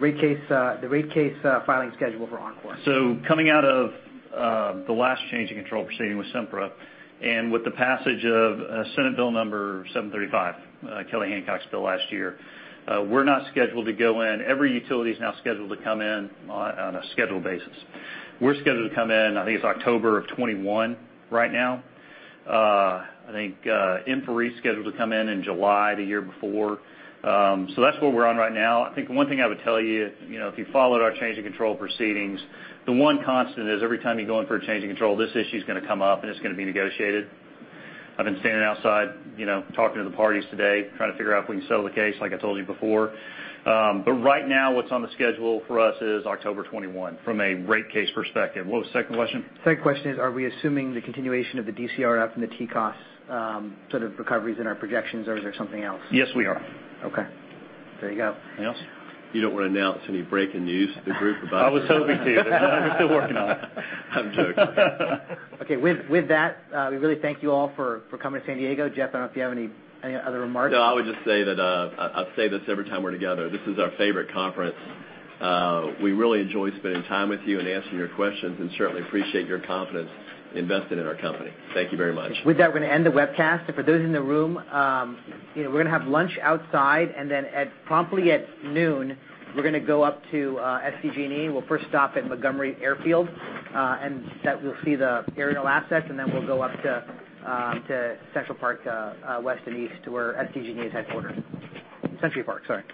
The rate case filing schedule for Oncor. Coming out of the last change in control proceeding with Sempra, and with the passage of Senate Bill number 735, Kelly Hancock's bill last year. We're not scheduled to go in. Every utility is now scheduled to come in on a scheduled basis. We're scheduled to come in, I think it's October of 2021 right now. I think Entergy is scheduled to come in in July the year before. That's where we're on right now. I think the one thing I would tell you, if you followed our change in control proceedings, the one constant is every time you go in for a change in control, this issue's going to come up, and it's going to be negotiated. I've been standing outside talking to the parties today, trying to figure out if we can settle the case, like I told you before. Right now, what's on the schedule for us is October 2021 from a rate case perspective. What was the second question? Second question is, are we assuming the continuation of the DCRF and the TCOS sort of recoveries in our projections, or is there something else? Yes, we are. Okay. There you go. Anything else? You don't want to announce any breaking news to the group about? I was hoping to, but no, I'm still working on it. I'm joking. Okay. With that, we really thank you all for coming to San Diego. Jeff, I don't know if you have any other remarks. I would just say that, I'll say this every time we're together. This is our favorite conference. We really enjoy spending time with you and answering your questions, certainly appreciate your confidence investing in our company. Thank you very much. With that, we're going to end the webcast. For those in the room, we're going to have lunch outside, promptly at noon, we're going to go up to SDG&E. We'll first stop at Montgomery Airfield, that we'll see the aerial assets, then we'll go up to Century Park West and East, to our SDG&E headquarters. Century Park, sorry.